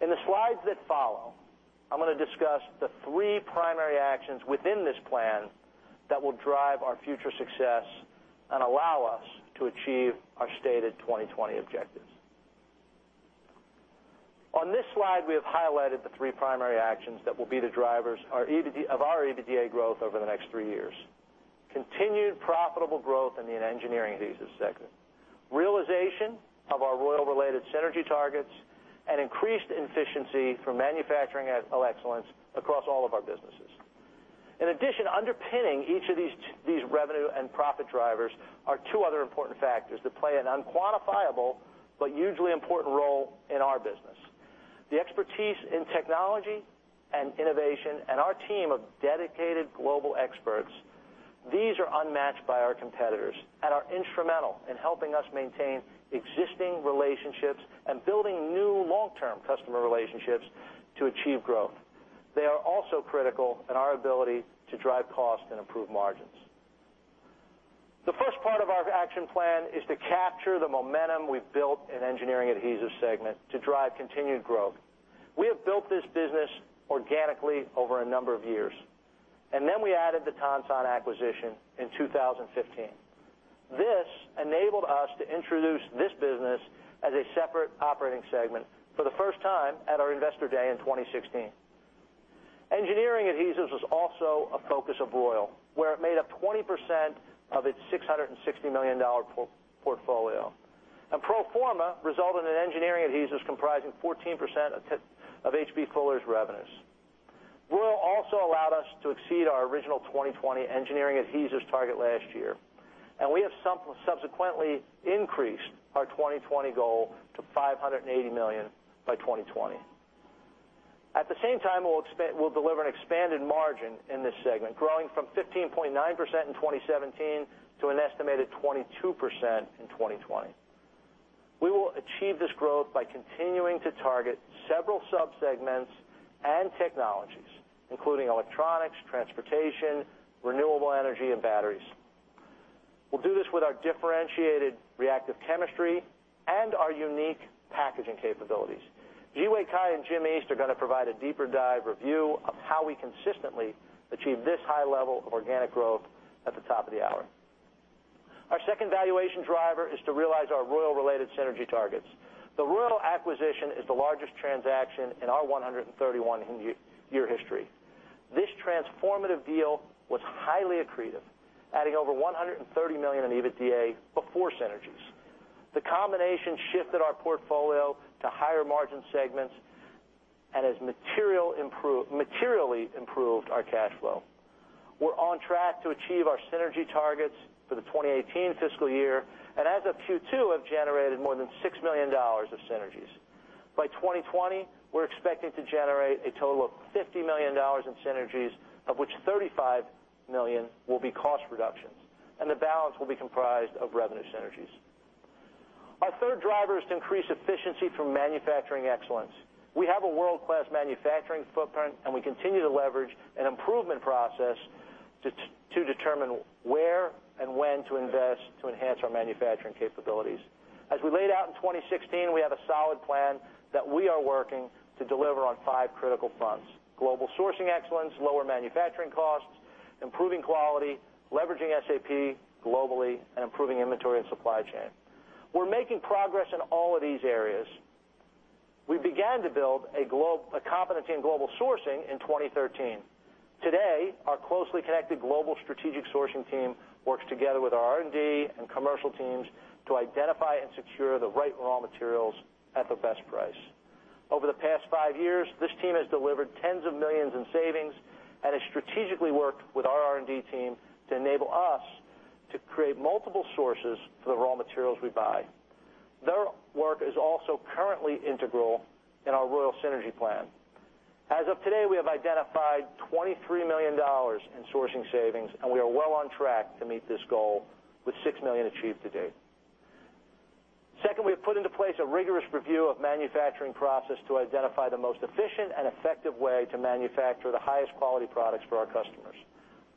In the slides that follow, I am going to discuss the three primary actions within this plan that will drive our future success and allow us to achieve our stated 2020 objectives. On this slide, we have highlighted the three primary actions that will be the drivers of our EBITDA growth over the next three years. Continued profitable growth in the Engineering Adhesives segment, realization of our Royal-related synergy targets, and increased efficiency from manufacturing excellence across all of our businesses. In addition, underpinning each of these revenue and profit drivers are two other important factors that play an unquantifiable but hugely important role in our business. The expertise in technology and innovation and our team of dedicated global experts, these are unmatched by our competitors and are instrumental in helping us maintain existing relationships and building new long-term customer relationships to achieve growth. They are also critical in our ability to drive cost and improve margins. The first part of our action plan is to capture the momentum we have built in Engineering Adhesives segment to drive continued growth. We have built this business organically over a number of years. Then we added the Tonsan acquisition in 2015. This enabled us to introduce this business as a separate operating segment for the first time at our Investor Day in 2016. Engineering Adhesives was also a focus of Royal, where it made up 20% of its $660 million portfolio. Pro forma resulted in Engineering Adhesives comprising 14% of H.B. Fuller's revenues. Royal also allowed us to exceed our original 2020 Engineering Adhesives target last year, and we have subsequently increased our 2020 goal to $580 million by 2020. At the same time, we will deliver an expanded margin in this segment, growing from 15.9% in 2017 to an estimated 22% in 2020. We will achieve this growth by continuing to target several sub-segments and technologies, including Electronics, Transportation, renewable energy, and batteries. We will do this with our differentiated reactive chemistry and our unique packaging capabilities. Zhiwei Cai and Jim East are going to provide a deeper dive review of how we consistently achieve this high level of organic growth at the top of the hour. Our second valuation driver is to realize our Royal-related synergy targets. The Royal acquisition is the largest transaction in our 131-year history. This transformative deal was highly accretive, adding over $130 million in EBITDA before synergies. The combination shifted our portfolio to higher margin segments and has materially improved our cash flow. We are on track to achieve our synergy targets for the 2018 fiscal year, and as of Q2, have generated more than $6 million of synergies. By 2020, we are expecting to generate a total of $50 million in synergies, of which $35 million will be cost reductions, and the balance will be comprised of revenue synergies. Our third driver is to increase efficiency from manufacturing excellence. We have a world-class manufacturing footprint. We continue to leverage an improvement process to determine where and when to invest to enhance our manufacturing capabilities. As we laid out in 2016, we have a solid plan that we are working to deliver on five critical fronts: global sourcing excellence, lower manufacturing costs, improving quality, leveraging SAP globally, and improving inventory and supply chain. We're making progress in all of these areas. We began to build a competency in global sourcing in 2013. Today, our closely connected global strategic sourcing team works together with our R&D and commercial teams to identify and secure the right raw materials at the best price. Over the past 5 years, this team has delivered tens of millions in savings and has strategically worked with our R&D team to enable us to create multiple sources for the raw materials we buy. Their work is also currently integral in our Royal synergy plan. As of today, we have identified $23 million in sourcing savings. We are well on track to meet this goal, with $6 million achieved to date. Second, we have put into place a rigorous review of manufacturing process to identify the most efficient and effective way to manufacture the highest quality products for our customers.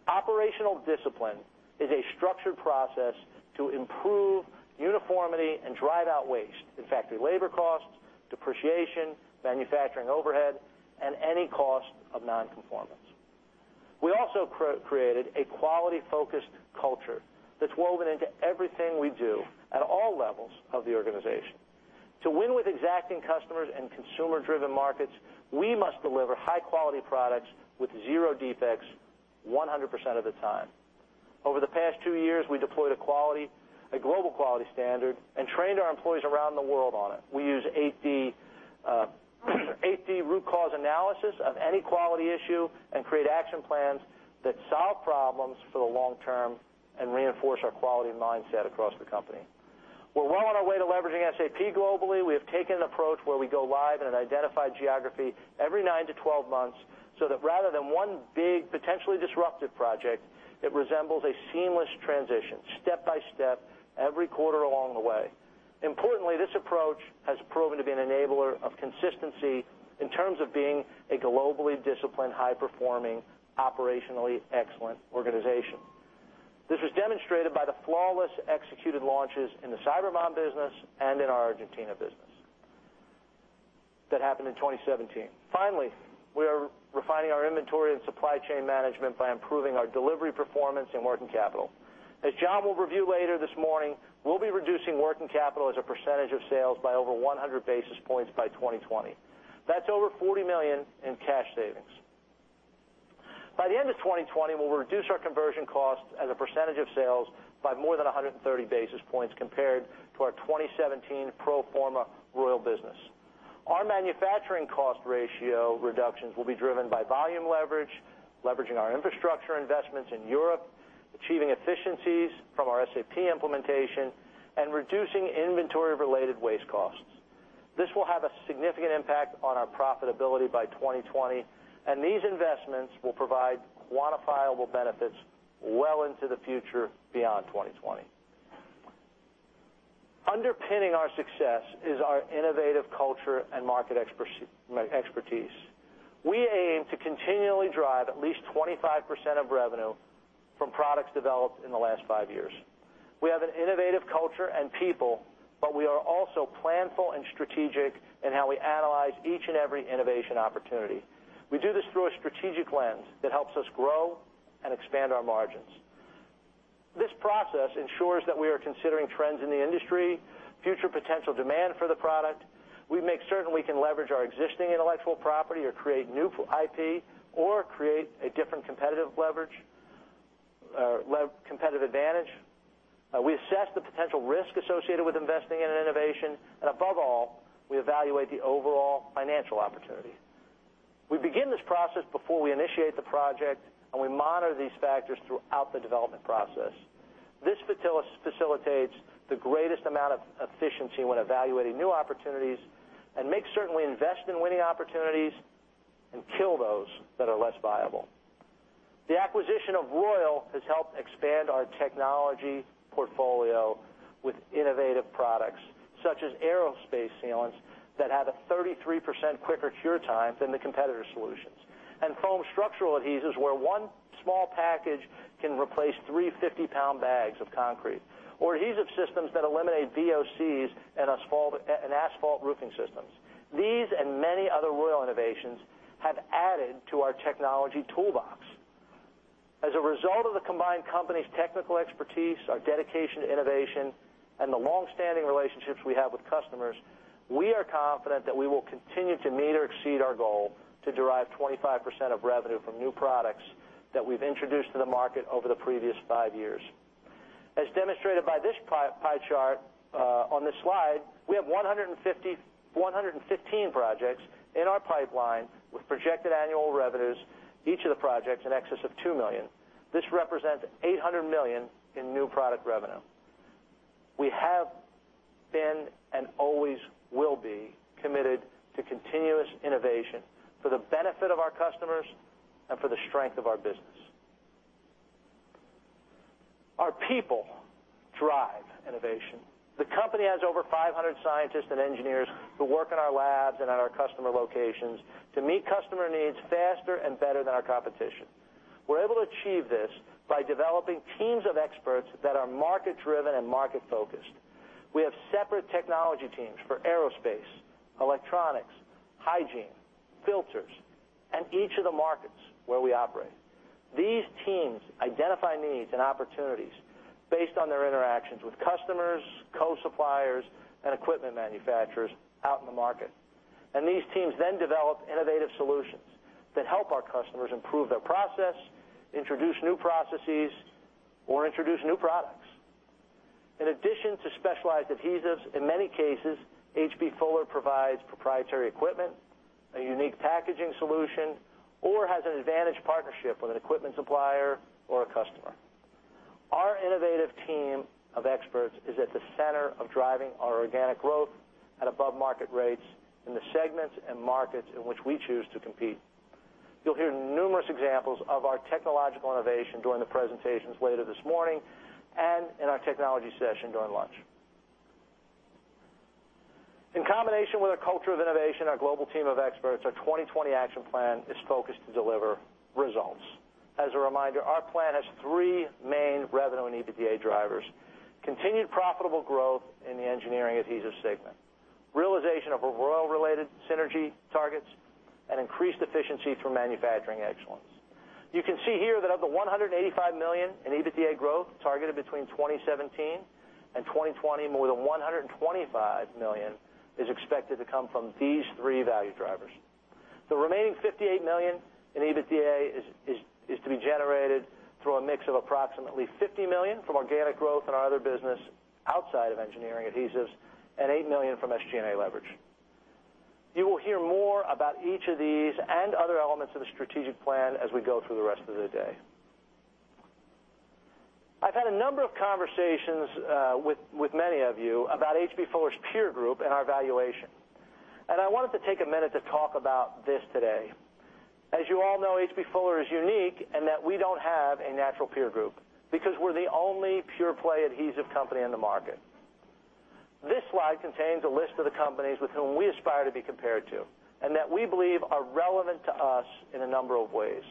Operational discipline is a structured process to improve uniformity and drive out waste in factory labor costs, depreciation, manufacturing overhead, and any cost of non-conformance. We also created a quality-focused culture that's woven into everything we do at all levels of the organization. To win with exacting customers and consumer-driven markets, we must deliver high-quality products with 0 defects 100% of the time. Over the past 2 years, we deployed a global quality standard and trained our employees around the world on it. We use 8D root cause analysis of any quality issue and create action plans that solve problems for the long term and reinforce our quality mindset across the company. We're well on our way to leveraging SAP globally. We have taken an approach where we go live in an identified geography every 9 to 12 months, so that rather than 1 big, potentially disruptive project, it resembles a seamless transition, step by step, every quarter along the way. Importantly, this approach has proven to be an enabler of consistency in terms of being a globally disciplined, high-performing, operationally excellent organization. This was demonstrated by the flawlessly executed launches in the Cyberbond business and in our Argentina business that happened in 2017. Finally, we are refining our inventory and supply chain management by improving our delivery performance and working capital. As John will review later this morning, we'll be reducing working capital as a percentage of sales by over 100 basis points by 2020. That's over $40 million in cash savings. By the end of 2020, we'll reduce our conversion cost as a percentage of sales by more than 130 basis points compared to our 2017 pro forma Royal business. Our manufacturing cost ratio reductions will be driven by volume leverage, leveraging our infrastructure investments in Europe, achieving efficiencies from our SAP implementation, and reducing inventory-related waste costs. This will have a significant impact on our profitability by 2020, and these investments will provide quantifiable benefits well into the future, beyond 2020. Underpinning our success is our innovative culture and market expertise. We aim to continually drive at least 25% of revenue from products developed in the last five years. We have an innovative culture and people, but we are also planful and strategic in how we analyze each and every innovation opportunity. We do this through a strategic lens that helps us grow and expand our margins. This process ensures that we are considering trends in the industry, future potential demand for the product. We make certain we can leverage our existing intellectual property or create new IP or create a different competitive advantage. We assess the potential risk associated with investing in an innovation, and above all, we evaluate the overall financial opportunity. We begin this process before we initiate the project, and we monitor these factors throughout the development process. This facilitates the greatest amount of efficiency when evaluating new opportunities and makes certain we invest in winning opportunities and kill those that are less viable. The acquisition of Royal has helped expand our technology portfolio with innovative products such as aerospace sealants that have a 33% quicker cure time than the competitor solutions, and foam structural adhesives, where one small package can replace three 50-pound bags of concrete, or adhesive systems that eliminate VOCs in asphalt roofing systems. These and many other Royal innovations have added to our technology toolbox. As a result of the combined company's technical expertise, our dedication to innovation, and the longstanding relationships we have with customers, we are confident that we will continue to meet or exceed our goal to derive 25% of revenue from new products that we've introduced to the market over the previous five years. As demonstrated by this pie chart on this slide, we have 115 projects in our pipeline with projected annual revenues, each of the projects in excess of $2 million. This represents $800 million in new product revenue. We have been and always will be committed to continuous innovation for the benefit of our customers and for the strength of our business. Our people drive innovation. The company has over 500 scientists and engineers who work in our labs and at our customer locations to meet customer needs faster and better than our competition. We're able to achieve this by developing teams of experts that are market-driven and market-focused. We have separate technology teams for aerospace, electronics, hygiene, filters, and each of the markets where we operate. These teams identify needs and opportunities based on their interactions with customers, co-suppliers, and equipment manufacturers out in the market. These teams then develop innovative solutions that help our customers improve their process, introduce new processes, or introduce new products. In addition to specialized adhesives, in many cases, H.B. Fuller provides proprietary equipment, a unique packaging solution, or has an advantage partnership with an equipment supplier or a customer. Our innovative team of experts is at the center of driving our organic growth at above market rates in the segments and markets in which we choose to compete. You'll hear numerous examples of our technological innovation during the presentations later this morning and in our technology session during lunch. In combination with our culture of innovation, our global team of experts, our 2020 action plan is focused to deliver results. As a reminder, our plan has three main revenue and EBITDA drivers: continued profitable growth in the Engineering Adhesives segment, realization of overall related synergy targets, and increased efficiency through manufacturing excellence. You can see here that of the $185 million in EBITDA growth targeted between 2017 and 2020, more than $125 million is expected to come from these three value drivers. The remaining $58 million in EBITDA is to be generated through a mix of approximately $50 million from organic growth in our other business outside of Engineering Adhesives and $8 million from SG&A leverage. You will hear more about each of these and other elements of the strategic plan as we go through the rest of the day. I've had a number of conversations with many of you about H.B. Fuller's peer group and our valuation. I wanted to take a minute to talk about this today. As you all know, H.B. Fuller is unique and that we don't have a natural peer group because we're the only pure-play adhesive company in the market. This slide contains a list of the companies with whom we aspire to be compared to, that we believe are relevant to us in a number of ways.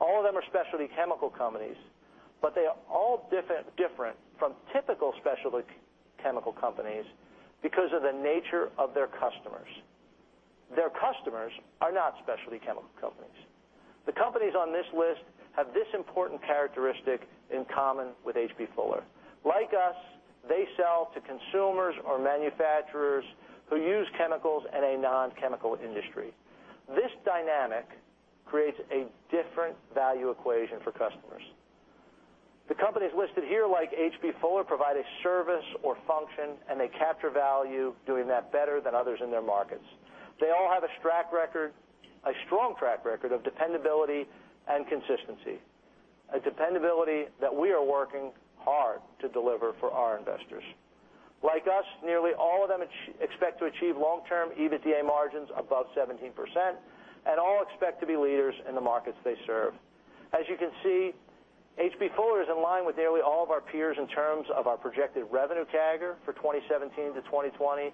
All of them are specialty chemical companies, but they are all different from typical specialty chemical companies because of the nature of their customers. Their customers are not specialty chemical companies. The companies on this list have this important characteristic in common with H.B. Fuller. Like us, they sell to consumers or manufacturers who use chemicals in a non-chemical industry. This dynamic creates a different value equation for customers. The companies listed here, like H.B. Fuller, provide a service or function. They capture value doing that better than others in their markets. They all have a strong track record of dependability and consistency, a dependability that we are working hard to deliver for our investors. Like us, nearly all of them expect to achieve long-term EBITDA margins above 17%. All expect to be leaders in the markets they serve. As you can see, H.B. Fuller is in line with nearly all of our peers in terms of our projected revenue CAGR for 2017 to 2020.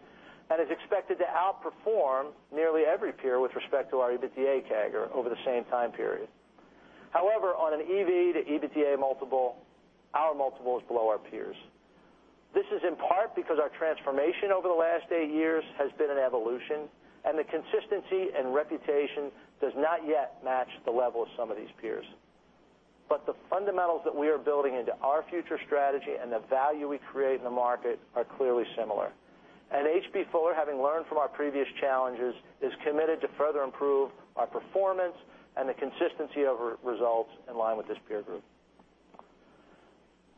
Is expected to outperform nearly every peer with respect to our EBITDA CAGR over the same time period. However, on an EV to EBITDA multiple, our multiple is below our peers. This is in part because our transformation over the last eight years has been an evolution. The consistency and reputation does not yet match the level of some of these peers. The fundamentals that we are building into our future strategy and the value we create in the market are clearly similar. H.B. Fuller, having learned from our previous challenges, is committed to further improve our performance and the consistency of results in line with this peer group.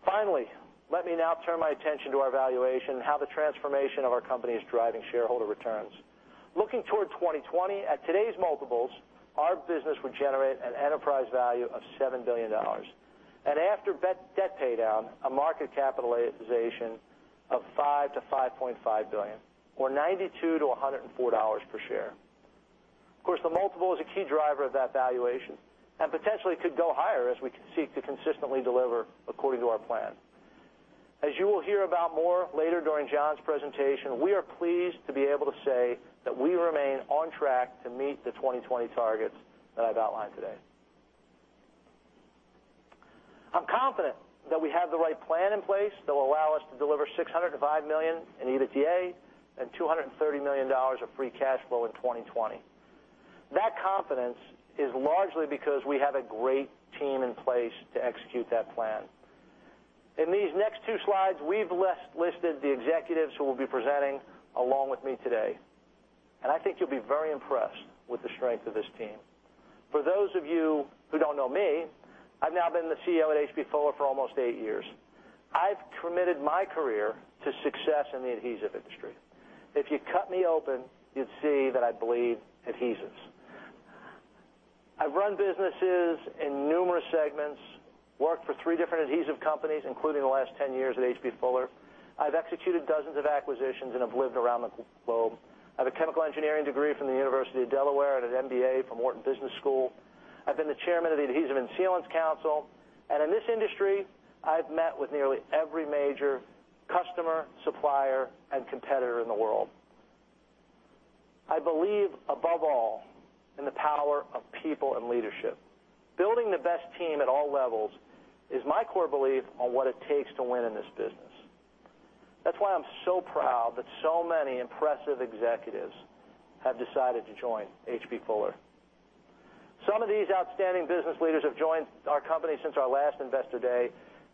Finally, let me now turn my attention to our valuation and how the transformation of our company is driving shareholder returns. Looking toward 2020 at today's multiples, our business would generate an enterprise value of $7 billion. After debt paydown, a market capitalization of $5 billion-$5.5 billion, or $92-$104 per share. Of course, the multiple is a key driver of that valuation and potentially could go higher as we seek to consistently deliver according to our plan. As you will hear about more later during John Corkrean's presentation, we are pleased to be able to say that we remain on track to meet the 2020 targets that I've outlined today. I'm confident that we have the right plan in place that will allow us to deliver $605 million in EBITDA and $230 million of free cash flow in 2020. That confidence is largely because we have a great team in place to execute that plan. In these next two slides, we've listed the executives who will be presenting along with me today, and I think you'll be very impressed with the strength of this team. For those of you who don't know me, I've now been the CEO at H.B. Fuller for almost eight years. I've committed my career to success in the adhesive industry. If you cut me open, you'd see that I bleed adhesives. I've run businesses in numerous segments, worked for three different adhesive companies, including the last 10 years at H.B. Fuller. I've executed dozens of acquisitions, and have lived around the globe. I have a chemical engineering degree from the University of Delaware and an MBA from Wharton Business School. I've been the chairman of the Adhesive and Sealant Council, in this industry, I've met with nearly every major customer, supplier, and competitor in the world. I believe above all in the power of people and leadership. Building the best team at all levels is my core belief on what it takes to win in this business. That's why I'm so proud that so many impressive executives have decided to join H.B. Fuller. Some of these outstanding business leaders have joined our company since our last Investor Day,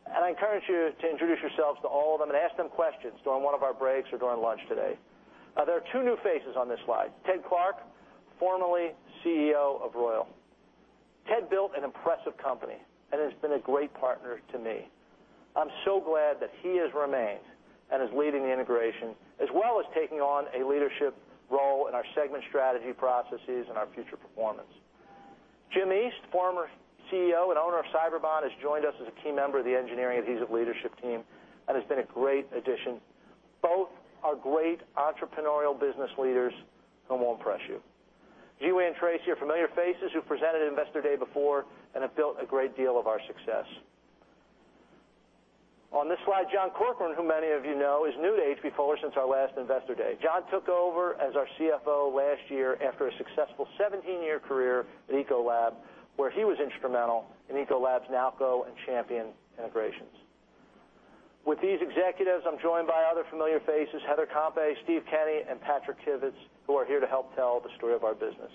and I encourage you to introduce yourselves to all of them and ask them questions during one of our breaks or during lunch today. There are two new faces on this slide. Ted Clark, formerly CEO of Royal. Ted built an impressive company and has been a great partner to me. I'm so glad that he has remained and is leading the integration, as well as taking on a leadership role in our segment strategy processes and our future performance. Jim East, former CEO and owner of Cyberbond, has joined us as a key member of the engineering adhesive leadership team and has been a great addition. Both are great entrepreneurial business leaders who will impress you. Zhiwei and Traci are familiar faces who presented at Investor Day before and have built a great deal of our success. On this slide, John Corkrean, who many of you know, is new to H.B. Fuller since our last Investor Day. John took over as our CFO last year after a successful 17-year career at Ecolab, where he was instrumental in Ecolab's Nalco and Champion integrations. With these executives, I'm joined by other familiar faces, Heather Campe, Steven Kenny, and Patrick Kivits, who are here to help tell the story of our business.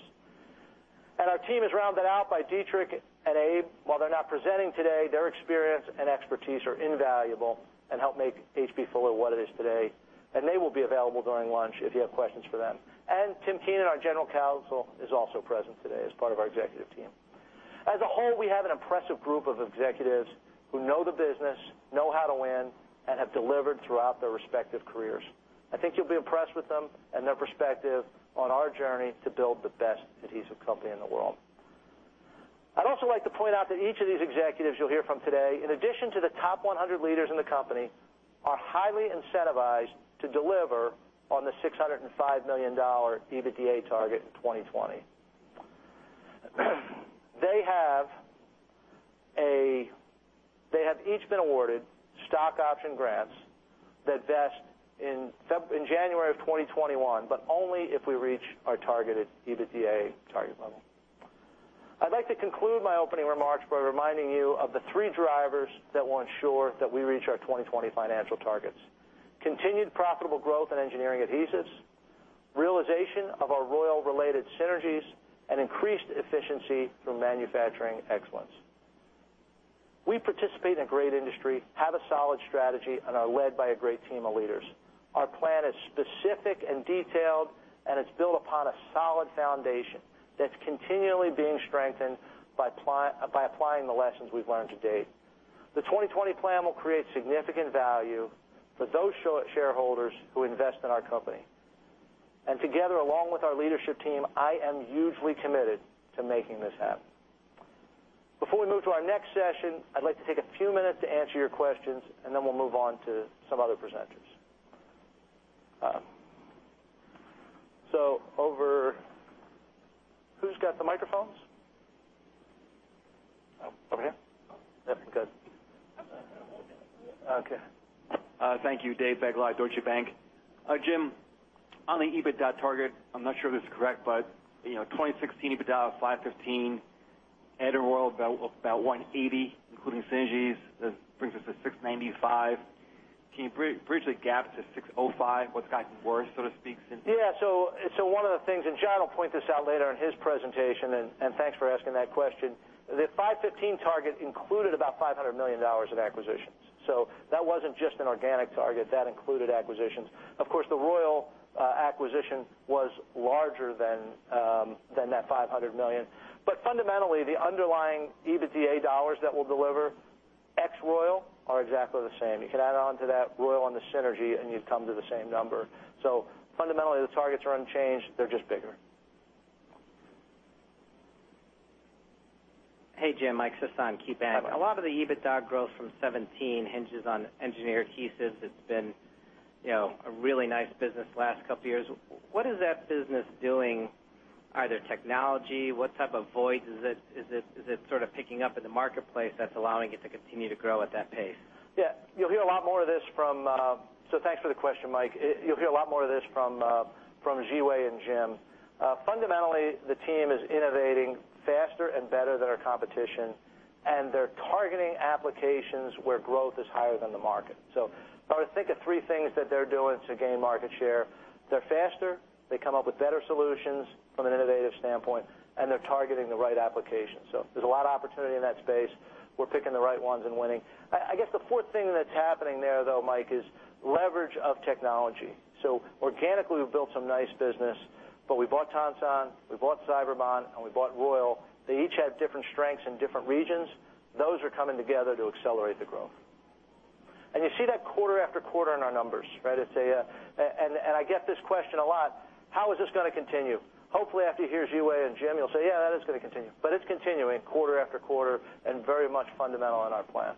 Our team is rounded out by Dietrich and Abe. While they're not presenting today, their experience and expertise are invaluable and help make H.B. Fuller what it is today, and they will be available during lunch if you have questions for them. Tim Keenan, our general counsel, is also present today as part of our executive team. As a whole, we have an impressive group of executives who know the business, know how to win, and have delivered throughout their respective careers. I think you'll be impressed with them and their perspective on our journey to build the best adhesive company in the world. I'd also like to point out that each of these executives you'll hear from today, in addition to the top 100 leaders in the company, are highly incentivized to deliver on the $605 million EBITDA target in 2020. They have each been awarded stock option grants that vest in January of 2021, but only if we reach our targeted EBITDA target level. I'd like to conclude my opening remarks by reminding you of the three drivers that will ensure that we reach our 2020 financial targets: continued profitable growth in engineering adhesives, realization of our Royal-related synergies, and increased efficiency through manufacturing excellence. We participate in a great industry, have a solid strategy, and are led by a great team of leaders. Our plan is specific and detailed, and it's built upon a solid foundation that's continually being strengthened by applying the lessons we've learned to date. The 2020 plan will create significant value for those shareholders who invest in our company. Together, along with our leadership team, I am hugely committed to making this happen. Before we move to our next session, I'd like to take a few minutes to answer your questions, and then we'll move on to some other presenters. Who's got the microphones? Over here. Good. Okay. Thank you, Dave Begleiter, Deutsche Bank. Jim On the EBITDA target, I'm not sure if this is correct, but 2016 EBITDA was $515, adding Royal about $180, including synergies, that brings us to $695. Can you bridge the gap to $605? What's gotten worse, so to speak, since- Yeah. One of the things, and John will point this out later in his presentation, and thanks for asking that question, the $515 target included about $500 million of acquisitions. That wasn't just an organic target. That included acquisitions. Of course, the Royal acquisition was larger than that $500 million. Fundamentally, the underlying EBITDA dollars that we'll deliver ex Royal are exactly the same. You can add on to that Royal and the synergy, and you'd come to the same number. Fundamentally, the targets are unchanged. They're just bigger. Hey, Jim. Mike Sison, KeyBanc. Hi, Mike. A lot of the EBITDA growth from 2017 hinges on Engineering Adhesives. It's been a really nice business the last couple of years. What is that business doing? Are there technology? What type of voids is it sort of picking up in the marketplace that's allowing it to continue to grow at that pace? Yeah. Thanks for the question, Mike. You'll hear a lot more of this from Zhiwei and Jim. Fundamentally, the team is innovating faster and better than our competition, and they're targeting applications where growth is higher than the market. If I were to think of three things that they're doing to gain market share, they're faster, they come up with better solutions from an innovative standpoint, and they're targeting the right application. There's a lot of opportunity in that space. We're picking the right ones and winning. I guess the fourth thing that's happening there, though, Mike, is leverage of technology. Organically, we've built some nice business, but we bought Tonsan, we bought Cyberbond, and we bought Royal. They each have different strengths in different regions. Those are coming together to accelerate the growth. You see that quarter after quarter in our numbers, right? I get this question a lot. How is this going to continue? Hopefully, after you hear Zhiwei and Jim, you'll say, "Yeah, that is going to continue." It's continuing quarter after quarter and very much fundamental in our plan.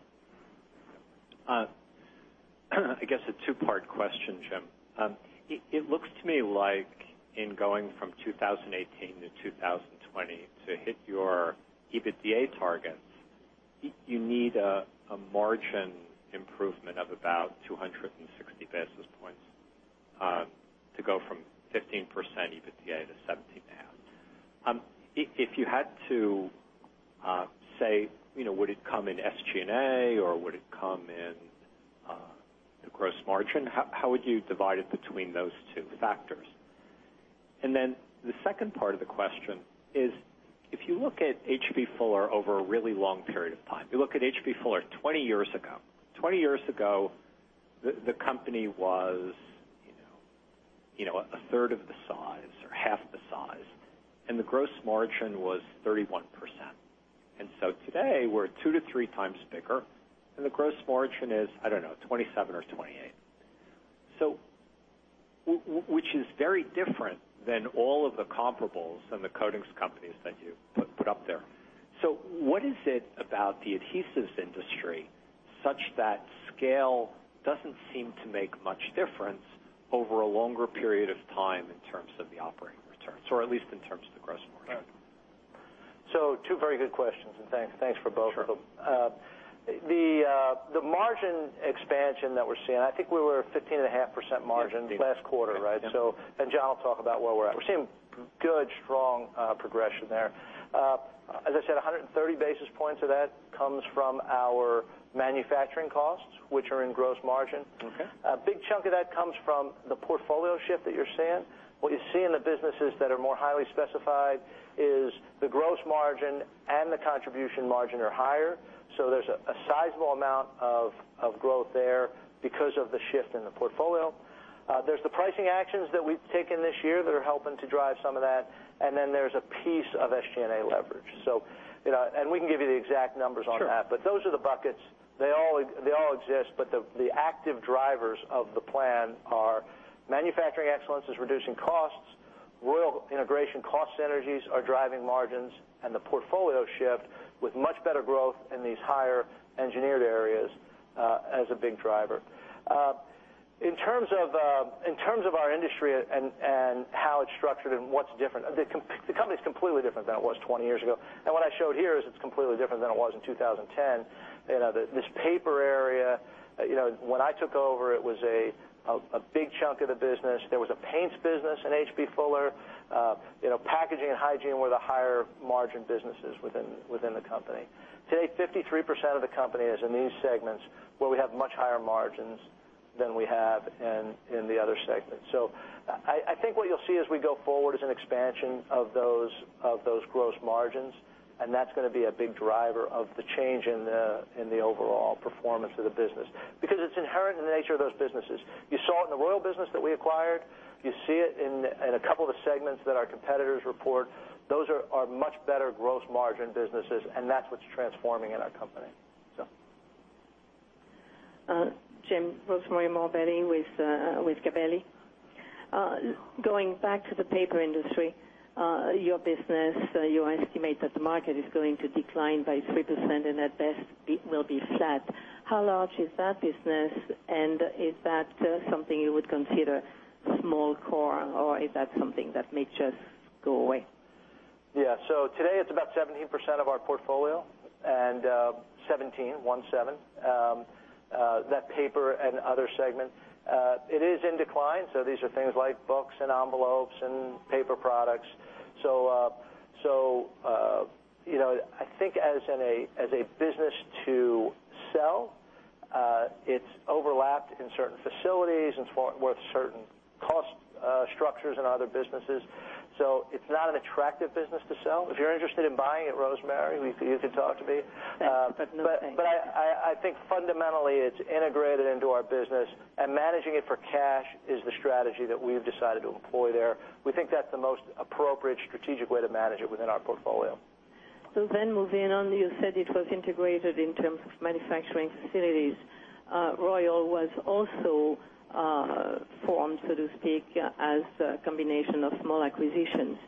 A two-part question, Jim. It looks to me like in going from 2018 to 2020 to hit your EBITDA targets, you need a margin improvement of about 260 basis points, to go from 15% EBITDA to 17.5%. If you had to say, would it come in SG&A or would it come in the gross margin, how would you divide it between those two factors? The second part of the question is, if you look at H.B. Fuller over a really long period of time, you look at H.B. Fuller 20 years ago. Twenty years ago, the company was a third of the size or half the size, and the gross margin was 31%. Today, we're two to three times bigger, and the gross margin is, I don't know, 27% or 28%. Which is very different than all of the comparables and the coatings companies that you put up there. What is it about the adhesives industry such that scale doesn't seem to make much difference over a longer period of time in terms of the operating returns, or at least in terms of the gross margin? Two very good questions, and thanks for both of them. Sure. The margin expansion that we're seeing, I think we were at 15.5% margin last quarter, right? Yes. John will talk about where we're at. We're seeing good, strong progression there. As I said, 130 basis points of that comes from our manufacturing costs, which are in gross margin. Okay. A big chunk of that comes from the portfolio shift that you're seeing. What you see in the businesses that are more highly specified is the gross margin and the contribution margin are higher. There's a sizable amount of growth there because of the shift in the portfolio. There's the pricing actions that we've taken this year that are helping to drive some of that, and then there's a piece of SG&A leverage. We can give you the exact numbers on that. Sure. Those are the buckets. They all exist, but the active drivers of the plan are manufacturing excellence is reducing costs, Royal integration cost synergies are driving margins, and the portfolio shift with much better growth in these higher engineered areas as a big driver. In terms of our industry and how it's structured and what's different, the company's completely different than it was 20 years ago. What I showed here is it's completely different than it was in 2010. This paper area, when I took over, it was a big chunk of the business. There was a paints business in H.B. Fuller Company. Packaging and hygiene were the higher margin businesses within the company. Today, 53% of the company is in these segments where we have much higher margins than we have in the other segments. I think what you'll see as we go forward is an expansion of those gross margins, and that's going to be a big driver of the change in the overall performance of the business. Because it's inherent in the nature of those businesses. You saw it in the Royal business that we acquired. You see it in a couple of the segments that our competitors report. Those are much better gross margin businesses, and that's what's transforming in our company, so. Jim, Rosemarie Morbelli with Gabelli. Going back to the paper industry, your business, you estimate that the market is going to decline by 3%. At best it will be flat. How large is that business, and is that something you would consider small core, or is that something that may just go away? Yeah. Today it's about 17% of our portfolio, 17, one seven, that paper and other segment. It is in decline, these are things like books and envelopes and paper products. I think as a business to sell, it's overlapped in certain facilities and it's worth certain cost structures in other businesses. It's not an attractive business to sell. If you're interested in buying it, Rosemarie, you can talk to me. Thank you. No thank you. I think fundamentally it's integrated into our business. Managing it for cash is the strategy that we've decided to employ there. We think that's the most appropriate strategic way to manage it within our portfolio. Moving on, you said it was integrated in terms of manufacturing facilities. Royal was also formed, so to speak, as a combination of small acquisitions.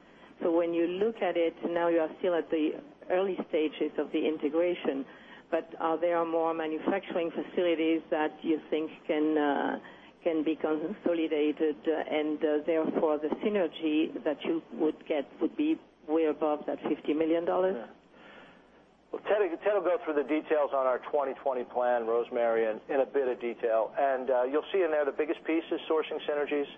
When you look at it, now you are still at the early stages of the integration, but are there more manufacturing facilities that you think can be consolidated, and therefore, the synergy that you would get would be way above that $50 million? Ted will go through the details on our 2020 plan, Rosemarie, in a bit of detail. You'll see in there the biggest piece is sourcing synergies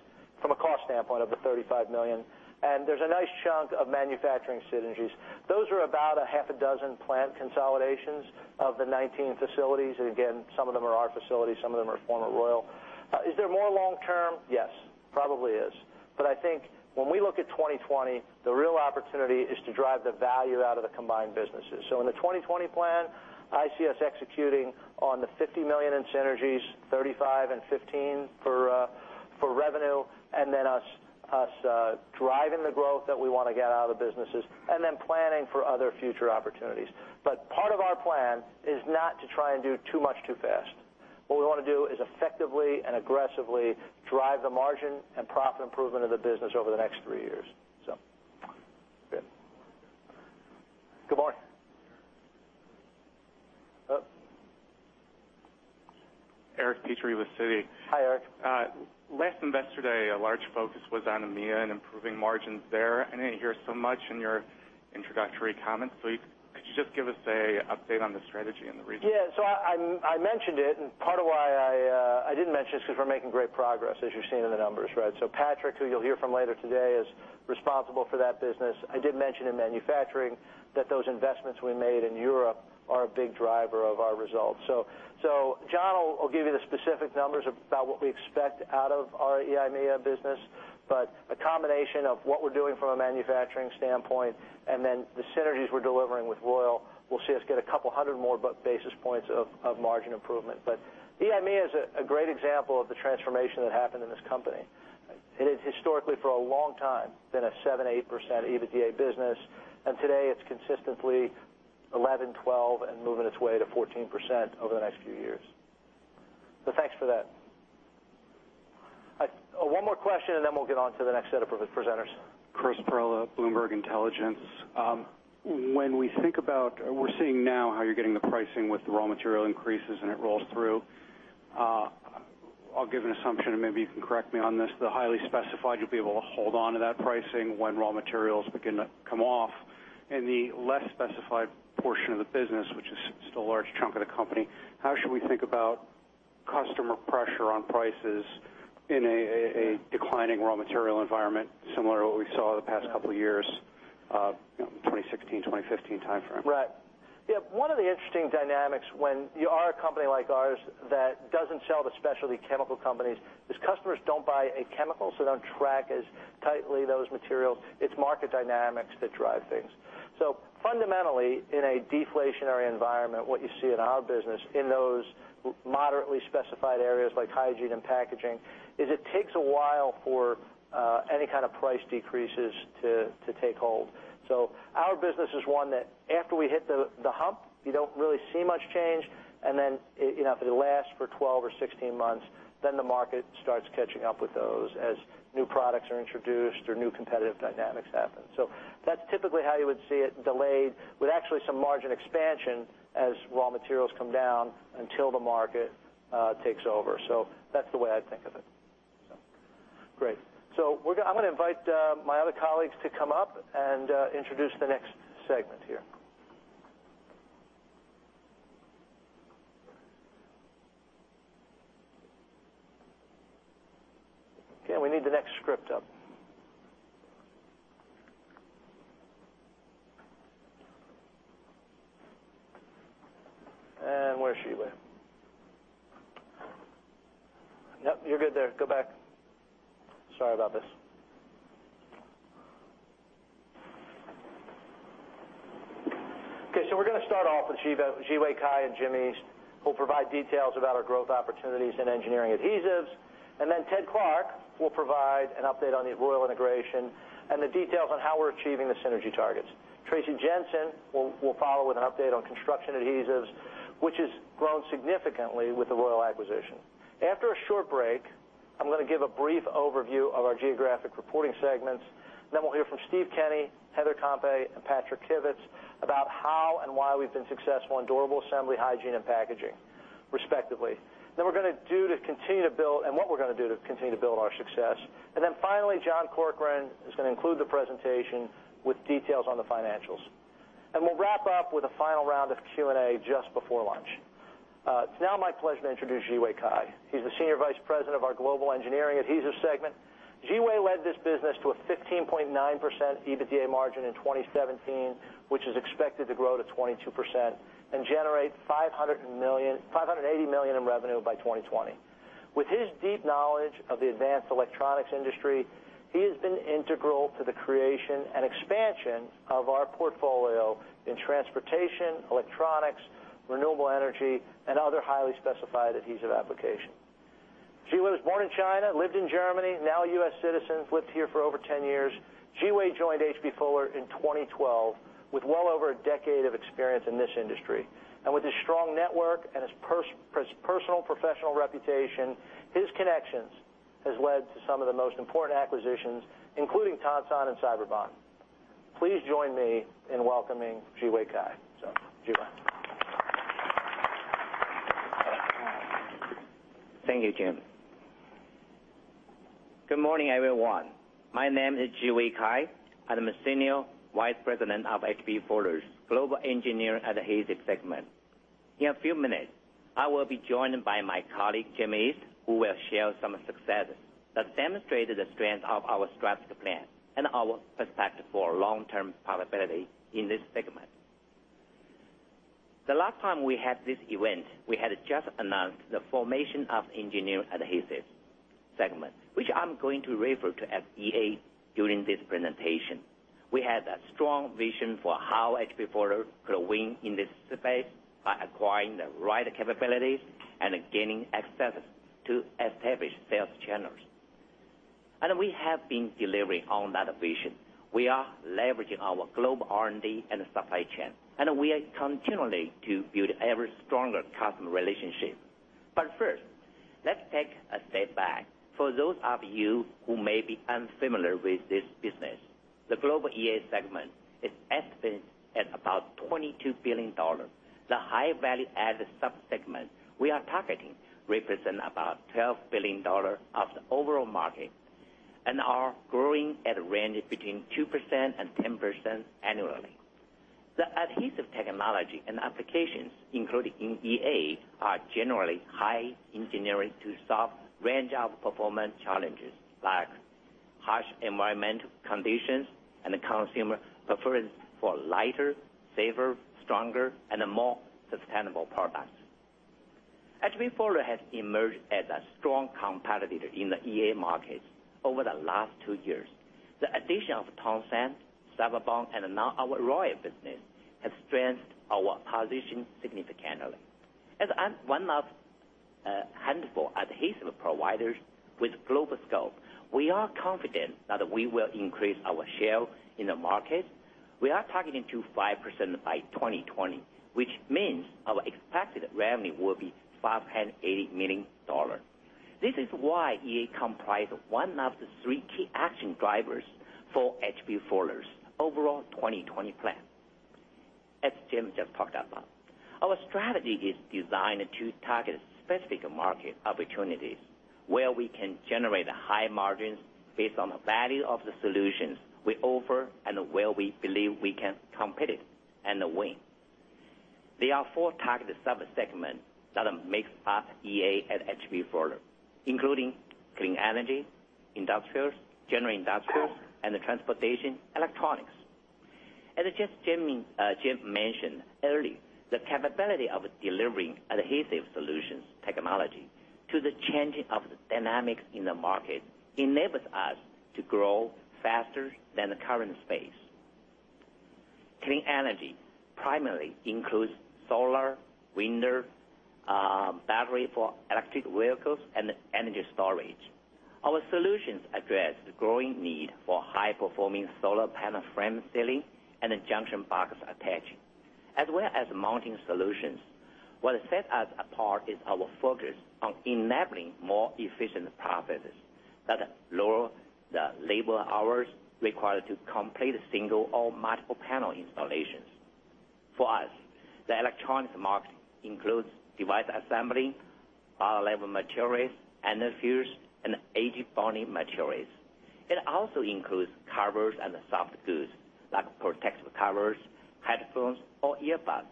from a cost standpoint of the $35 million. There's a nice chunk of manufacturing synergies. Those are about a half a dozen plant consolidations of the 19 facilities. Again, some of them are our facilities, some of them are former Royal. Is there more long term? Yes. Probably is. I think when we look at 2020, the real opportunity is to drive the value out of the combined businesses. In the 2020 plan, I see us executing on the $50 million in synergies, $35 and $15 for revenue, and then us driving the growth that we want to get out of the businesses, and then planning for other future opportunities. Part of our plan is not to try and do too much, too fast. What we want to do is effectively and aggressively drive the margin and profit improvement of the business over the next three years. Good. Good morning. Eric Petrie with Citi. Hi, Eric. Last Investor Day, a large focus was on EMEA and improving margins there. I didn't hear so much in your introductory comments. Could you just give us an update on the strategy in the region? I mentioned it, and part of why I didn't mention it is because we're making great progress, as you've seen in the numbers, right? Patrick, who you'll hear from later today, is responsible for that business. I did mention in manufacturing that those investments we made in Europe are a big driver of our results. John will give you the specific numbers about what we expect out of our EIMEA business, but a combination of what we're doing from a manufacturing standpoint, and then the synergies we're delivering with Royal, will see us get 200 more basis points of margin improvement. EIMEA is a great example of the transformation that happened in this company. It had historically, for a long time, been a 7%, 8% EBITDA business, and today it's consistently 11%, 12%, and moving its way to 14% over the next few years. Thanks for that. One more question, and then we'll get on to the next set of presenters. Chris Perrella, Bloomberg Intelligence. We're seeing now how you're getting the pricing with the raw material increases, and it rolls through. I'll give an assumption, and maybe you can correct me on this. The highly specified, you'll be able to hold onto that pricing when raw materials begin to come off. In the less specified portion of the business, which is still a large chunk of the company, how should we think about customer pressure on prices in a declining raw material environment, similar to what we saw the past couple of years, 2016, 2015 timeframe? Right. Yeah. One of the interesting dynamics when you are a company like ours that doesn't sell to specialty chemical companies is customers don't buy a chemical, so they don't track as tightly those materials. It's market dynamics that drive things. Fundamentally, in a deflationary environment, what you see in our business in those moderately specified areas like hygiene and packaging, is it takes a while for any kind of price decreases to take hold. Our business is one that after we hit the hump, you don't really see much change, and then it lasts for 12 or 16 months, then the market starts catching up with those as new products are introduced or new competitive dynamics happen. That's typically how you would see it delayed, with actually some margin expansion as raw materials come down until the market takes over. That's the way I think of it. Great. I'm going to invite my other colleagues to come up and introduce the next segment here. Okay, we need the next script up. Where is Zhiwei? Yep, you're good there. Go back. Sorry about this. We're going to start off with Zhiwei Cai and Jim East, who will provide details about our growth opportunities in Engineering Adhesives. Ted Clark will provide an update on the Royal integration and the details on how we're achieving the synergy targets. Traci Jensen will follow with an update on Construction Adhesives, which has grown significantly with the Royal acquisition. After a short break, I'm going to give a brief overview of our geographic reporting segments. We'll hear from Steve Kenny, Heather Campe, and Patrick Kivits about how and why we've been successful in Durable, Assembly, Hygiene, and Packaging, respectively. What we're going to do to continue to build our success. Finally, John Corkrean is going to include the presentation with details on the financials. We'll wrap up with a final round of Q&A just before lunch. It's now my pleasure to introduce Zhiwei Cai. He's the Senior Vice President of our global Engineering Adhesives segment. Zhiwei led this business to a 15.9% EBITDA margin in 2017, which is expected to grow to 22% and generate $580 million in revenue by 2020. With his deep knowledge of the advanced electronics industry, he has been integral to the creation and expansion of our portfolio in Transportation, Electronics, renewable energy, and other highly specified adhesive applications. Zhiwei was born in China, lived in Germany, now a U.S. citizen, lived here for over 10 years. Zhiwei joined H.B. Fuller in 2012 with well over a decade of experience in this industry. With his strong network and his personal professional reputation, his connections has led to some of the most important acquisitions, including Tonsan and Cyberbond. Please join me in welcoming Zhiwei Cai. Zhiwei. Thank you, Jim. Good morning, everyone. My name is Zhiwei Cai. I'm a Senior Vice President of H.B. Fuller's Global Engineering Adhesives segment. In a few minutes, I will be joined by my colleague, Jim East, who will share some successes that demonstrate the strength of our strategic plan and our perspective for long-term profitability in this segment. The last time we had this event, we had just announced the formation of Engineering Adhesives segment, which I'm going to refer to as EA during this presentation. We had a strong vision for how H.B. Fuller could win in this space by acquiring the right capabilities and gaining access to established sales channels. We have been delivering on that vision. We are leveraging our global R&D and supply chain, and we are continuing to build ever stronger customer relationships. First, let's take a step back. For those of you who may be unfamiliar with this business, the global EA segment is estimated at about $22 billion. The high value-added sub-segment we are targeting represent about $12 billion of the overall market and are growing at a range between 2%-10% annually. The adhesive technology and applications included in EA are generally highly engineered to solve range of performance challenges, like harsh environmental conditions and consumer preference for lighter, safer, stronger, and more sustainable products. H.B. Fuller has emerged as a strong competitor in the EA market over the last two years. The addition of Tonsan, Cyberbond, and now our Royal business, has strengthened our position significantly. As one of handful adhesive providers with global scope, we are confident that we will increase our share in the market. We are targeting to 5% by 2020, which means our expected revenue will be $580 million. This is why EA comprise one of the three key action drivers for H.B. Fuller's overall 2020 plan, as Jim just talked about. Our strategy is designed to target specific market opportunities where we can generate high margins based on the value of the solutions we offer and where we believe we can compete and win. There are four target sub-segments that makes up EA at H.B. Fuller, including Clean Energy, Industrials, General Industrial, and Transportation, Electronics. As just Jim mentioned earlier, the capability of delivering adhesive solutions technology to the changing of the dynamics in the market enables us to grow faster than the current space. Clean Energy primarily includes solar, wind, battery for electric vehicles, and energy storage. Our solutions address the growing need for high performing solar panel frame sealing and junction box attaching, as well as mounting solutions. What sets us apart is our focus on enabling more efficient processes that lower the labor hours required to complete a single or multiple panel installations. For us, the electronics market includes device assembly, bottom-level materials, underfills, and edge bonding materials. It also includes covers and soft goods, like protective covers, headphones, or earbuds.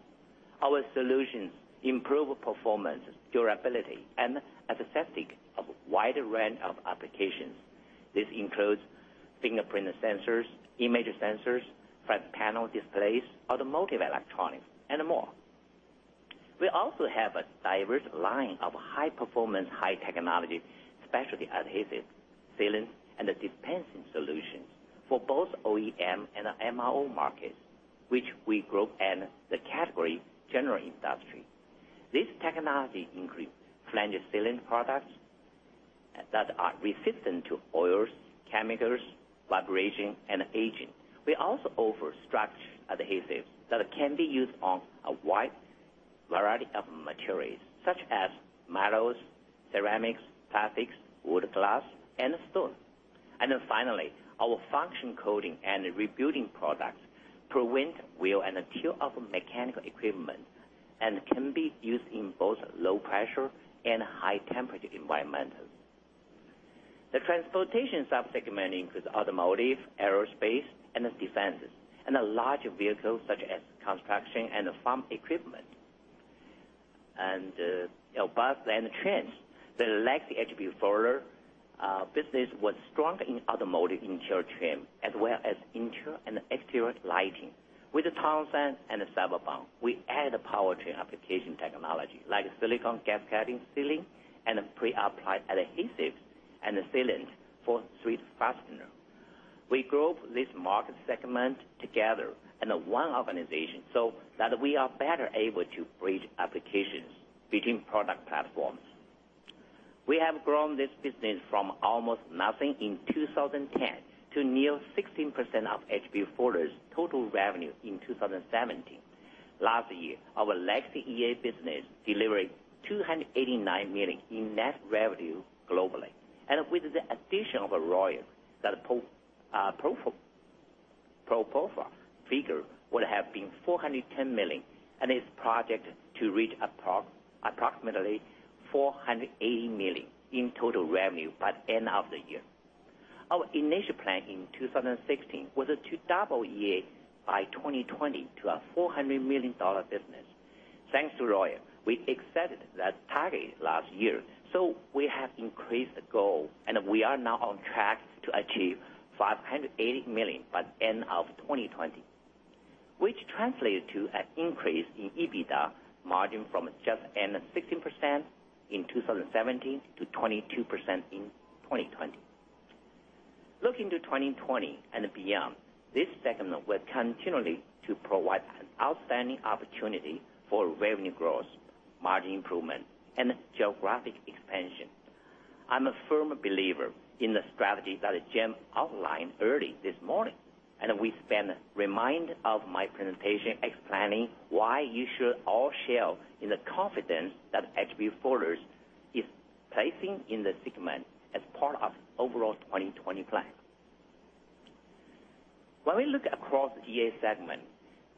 Our solutions improve performance, durability, and aesthetic of a wide range of applications. This includes fingerprint sensors, image sensors, flat panel displays, automotive electronics, and more. We also have a diverse line of high performance, high technology, specialty adhesives, sealants, and dispensing solutions for both OEM and MRO markets, which we group in the category general industry. This technology includes flange sealant products that are resistant to oils, chemicals, vibration, and edging. We also offer structural adhesives that can be used on a wide variety of materials, such as metals, ceramics, plastics, wood, glass, and stone. Finally, our functional coating and rebuilding products prevent wear and tear of mechanical equipment, and can be used in both low pressure and high temperature environments. The Transportation subsegment includes automotive, aerospace, and defense, and large vehicles such as construction and farm equipment. Above trend, the legacy H.B. Fuller business was strong in automotive interior trim, as well as interior and exterior lighting. With Tonsan and Cyberbond, we add powertrain application technology like silicone gap padding, sealing and pre-applied adhesives and sealants for thread fasteners. We group this market segment together in one organization so that we are better able to bridge applications between product platforms. We have grown this business from almost nothing in 2010 to near 16% of H.B. Fuller's total revenue in 2017. Last year, our legacy EA business delivered $289 million in net revenue globally. With the addition of Royal, that pro forma figure would have been $410 million, and is projected to reach approximately $480 million in total revenue by end of the year. Our initial plan in 2016 was to double EA by 2020 to a $400 million business. Thanks to Royal, we exceeded that target last year. So we have increased the goal, and we are now on track to achieve $580 million by end of 2020, which translates to an increase in EBITDA margin from just under 16% in 2017 to 22% in 2020. Looking to 2020 and beyond, this segment will continually provide an outstanding opportunity for revenue growth, margin improvement, and geographic expansion. I'm a firm believer in the strategy that Jim outlined early this morning, and we spend the remainder of my presentation explaining why you should all share in the confidence that H.B. Fuller is placing in the segment as part of overall 2020 plan. When we look across the EA segment,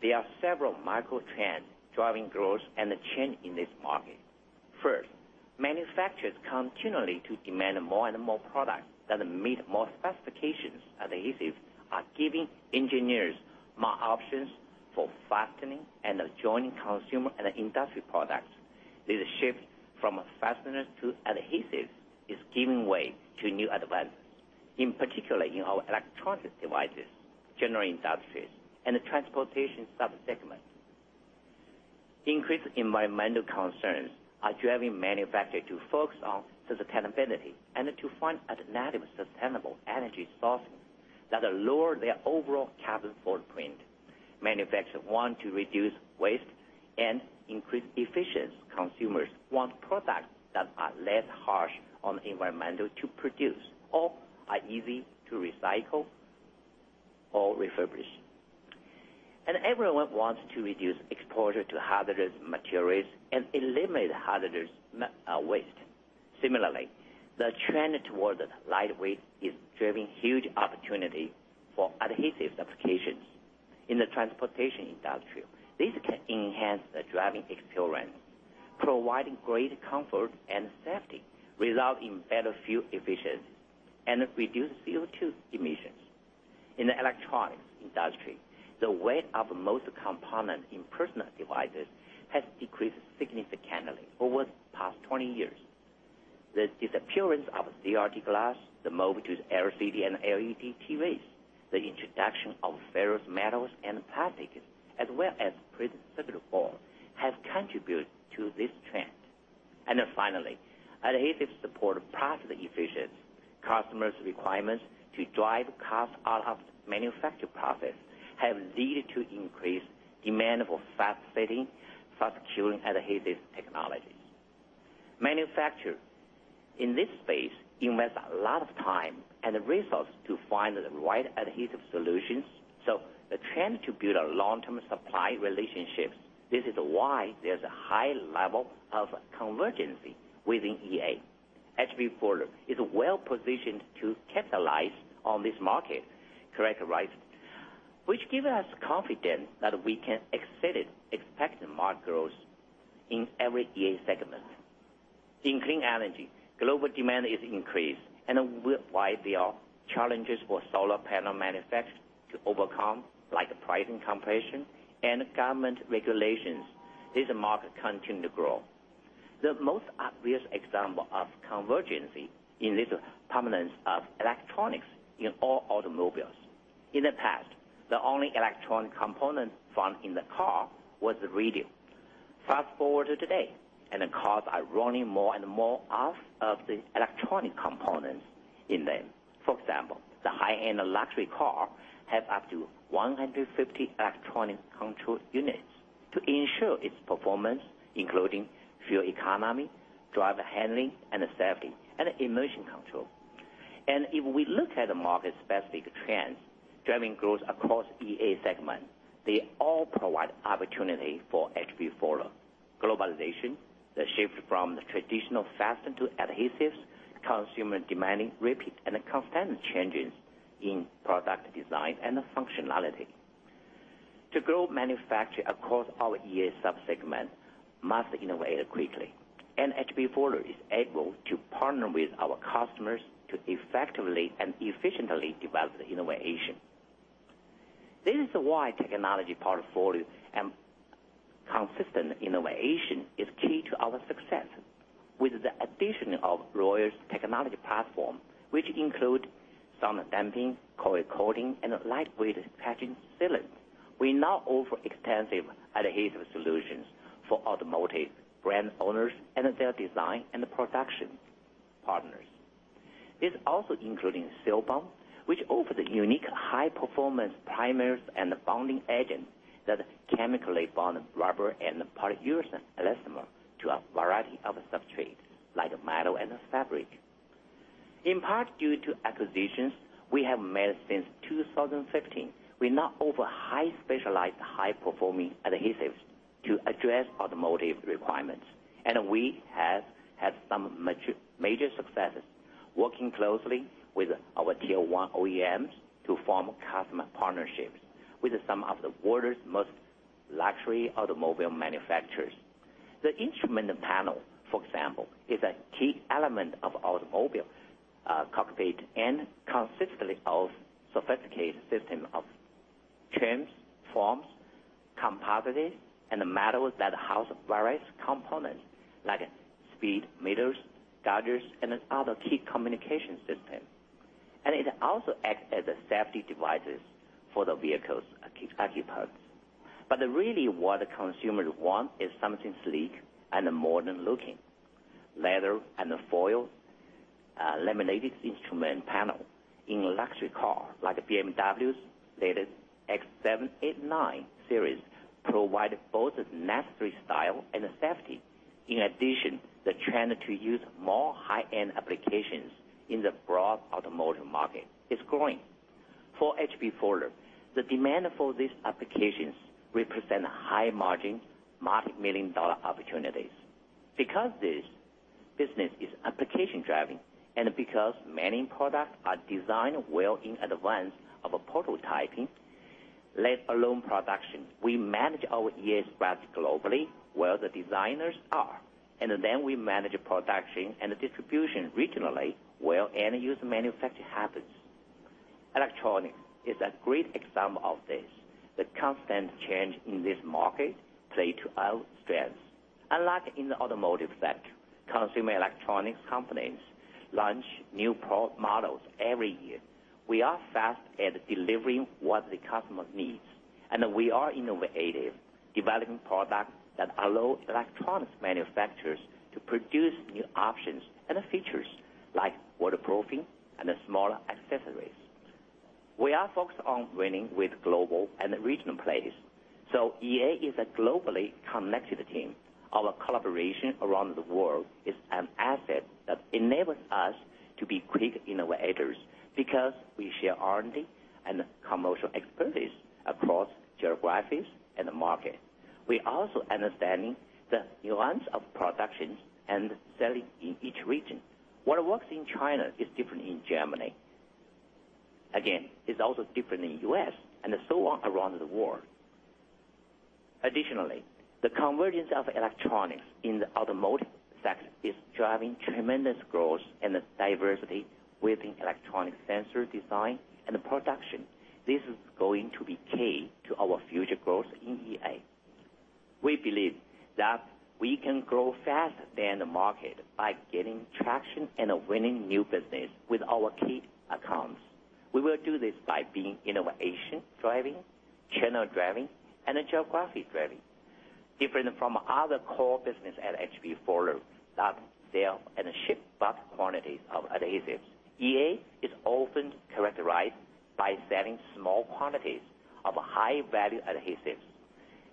there are several macrotrends driving growth and change in this market. First, manufacturers continually demand more and more products that meet more specifications, adhesives are giving engineers more options for fastening and joining consumer and industry products. This shift from fasteners to adhesives is giving way to new advancements, in particular in our Electronics devices, General Industries, and Transportation subsegments. Increased environmental concerns are driving manufacturers to focus on sustainability and to find alternative sustainable energy sources that lower their overall carbon footprint. Manufacturers want to reduce waste and increase efficiency. Consumers want products that are less harsh on the environment to produce or are easy to recycle or refurbish. Everyone wants to reduce exposure to hazardous materials and eliminate hazardous waste. Similarly, the trend towards lightweight is driving huge opportunity for adhesive applications in the Transportation industry. This can enhance the driving experience, providing greater comfort and safety, resulting in better fuel efficiency and reduced CO2 emissions. In the electronics industry, the weight of most components in personal devices has decreased significantly over the past 20 years. The disappearance of CRT glass, the move to LCD and LED TVs, the introduction of ferrous metals and plastics, as well as printed circuit boards, have contributed to this trend. Finally, adhesive support process efficiency. Customers' requirements to drive cost out of manufacturing process have led to increased demand for fast setting, fast curing adhesive technologies. Manufacturers in this space invest a lot of time and resources to find the right adhesive solutions. The trend to build long-term supply relationships, this is why there's a high level of convergence within EA. H.B. Fuller is well-positioned to capitalize on this market correct right, which gives us confidence that we can exceed expected market growth in every EA segment. While there are challenges for solar panel manufacturers to overcome, like price compression and government regulations, this market continues to grow. The most obvious example of convergency is the prominence of electronics in all automobiles. In the past, the only electronic component found in the car was the radio. Fast forward to today, cars are running more and more off of the electronic components in them. For example, the high-end luxury car has up to 150 electronic control units to ensure its performance, including fuel economy, driver handling, and safety, and emission control. If we look at the market-specific trends driving growth across EA segment, they all provide opportunity for H.B. Fuller. Globalization, the shift from the traditional fasteners to adhesives, consumer demanding repeat and constant changes in product design and functionality. To grow manufacturers across our EA sub-segments must innovate quickly, H.B. Fuller is able to partner with our customers to effectively and efficiently develop the innovation. This is why technology portfolio and consistent innovation is key to our success. With the addition of Royal's technology platform, which include sound damping, cold coating, and lightweight patching sealant. We now offer extensive adhesive solutions for automotive brand owners and their design and production partners. This also including CILBOND, which offers unique high-performance primers and bonding agents that chemically bond rubber and polyurethane elastomer to a variety of substrates like metal and fabric. In part, due to acquisitions we have made since 2015, we now offer highly specialized, high-performing adhesives to address automotive requirements. We have had some major successes working closely with our tier 1 OEMs to form customer partnerships with some of the world's most luxury automobile manufacturers. The instrument panel, for example, is a key element of automobile cockpit and consists of sophisticated system of trims, foams, composites, and metals that house various components like speed meters, gauges, and other key communication systems. It also acts as a safety device for the vehicle's occupants. Really what consumers want is something sleek and modern-looking. Leather and foil laminated instrument panel in luxury car, like BMW's latest X7, 8, 9 series, provide both necessary style and safety. In addition, the trend to use more high-end applications in the broad automotive market is growing. For H.B. Fuller, the demand for these applications represent high-margin, multi-million dollar opportunities. Because this business is application-driving and because many products are designed well in advance of prototyping, let alone production, we manage our EA spreads globally where the designers are, and then we manage production and distribution regionally where end-use manufacturing happens. Electronics is a great example of this. The constant change in this market plays to our strengths. Unlike in the automotive sector, consumer electronics companies launch new product models every year. We are fast at delivering what the customer needs, and we are innovative, developing products that allow electronics manufacturers to produce new options and features like waterproofing and smaller accessories. We are focused on winning with global and regional players, so EA is a globally connected team. Our collaboration around the world is an asset that enables us to be quick innovators because we share R&D and commercial expertise across geographies and the market. We also understanding the nuance of production and selling in each region. What works in China is different in Germany. Again, it's also different in the U.S. and so on around the world. Additionally, the convergence of electronics in the automotive sector is driving tremendous growth and diversity within electronic sensor design and production. This is going to be key to our future growth in EA. We believe that we can grow faster than the market by gaining traction and winning new business with our key accounts. We will do this by being innovation-driving, channel-driving, and geographic-driving. Different from other core business at H.B. Fuller that sell and ship bulk quantities of adhesives, EA is often characterized by selling small quantities of high-value adhesives.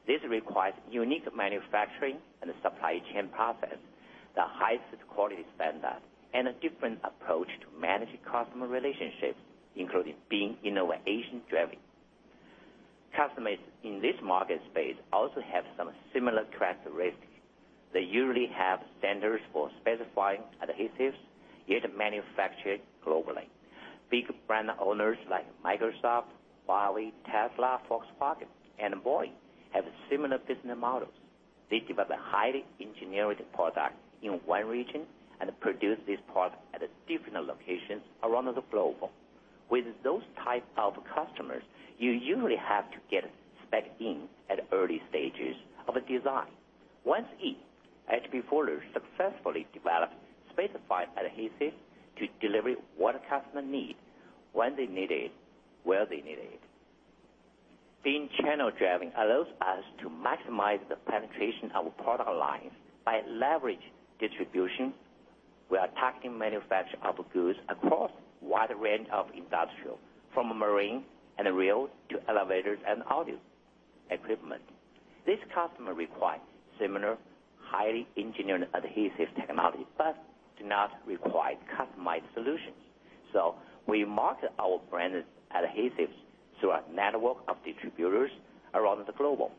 This requires unique manufacturing and supply chain process, the highest-quality standard, and a different approach to manage customer relationships, including being innovation-driving. Customers in this market space also have some similar characteristics. They usually have standards for specifying adhesives, yet manufacture globally. Big brand owners like Microsoft, [inaudible] Tesla, Volkswagen, and Boeing have similar business models. They develop a highly engineered product in one region and produce this product at different locations around the globe. With those type of customers, you usually have to get spec'd in at early stages of a design. Once in, H.B. Fuller successfully develops specified adhesives to deliver what a customer needs, when they need it, where they need it. Being channel-driving allows us to maximize the penetration of product lines by leverage distribution. We are attacking manufacture of goods across wide range of Industrial, from marine and rail to elevators and audio equipment. This customer requires similar highly-engineered adhesive technology, but do not require customized solutions. We market our branded adhesives through a network of distributors around the globe.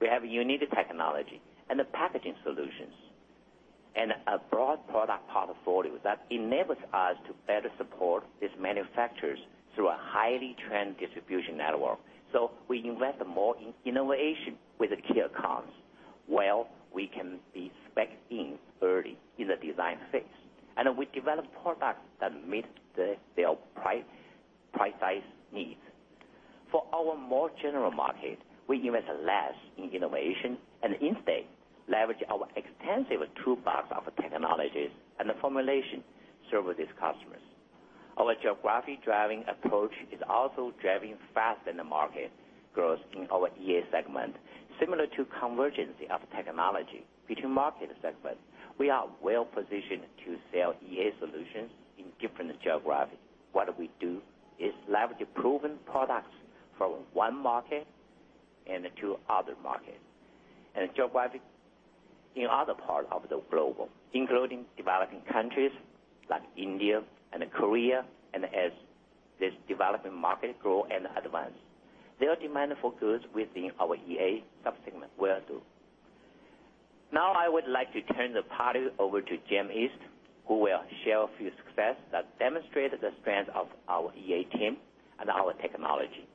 We have a unique technology and the packaging solutions, and a broad product portfolio that enables us to better support these manufacturers through a highly-trained distribution network. We invest more in innovation with the key accounts, where we can be specced in early in the design phase, and we develop products that meet their precise needs. For our more general market, we invest less in innovation, instead leverage our extensive toolbox of technologies and the formulation to serve these customers. Our geographic driving approach is also driving faster than the market growth in our EA segment. Similar to convergence of technology between market segments, we are well positioned to sell EA solutions in different geographies. What we do is leverage proven products from one market into other markets and geographies in other parts of the globe, including developing countries like India and Korea. As these developing markets grow and advance, their demand for goods within our EA subsegment will too. I would like to turn the podium over to Jim East, who will share a few success that demonstrate the strength of our EA team and our technology.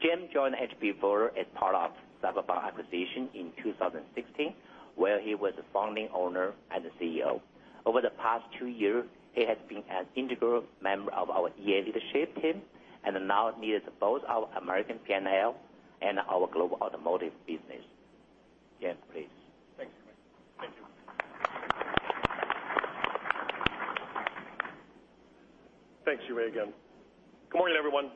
Jim joined H.B. Fuller as part of the Cyberbond acquisition in 2016, where he was the founding owner and CEO. Over the past two years, he has been an integral member of our EA leadership team and now leads both our Americas P&L and our global automotive business. Jim, please. Thanks, Zhiwei. Thank you. Thanks, Zhiwei, again. Good morning, everyone,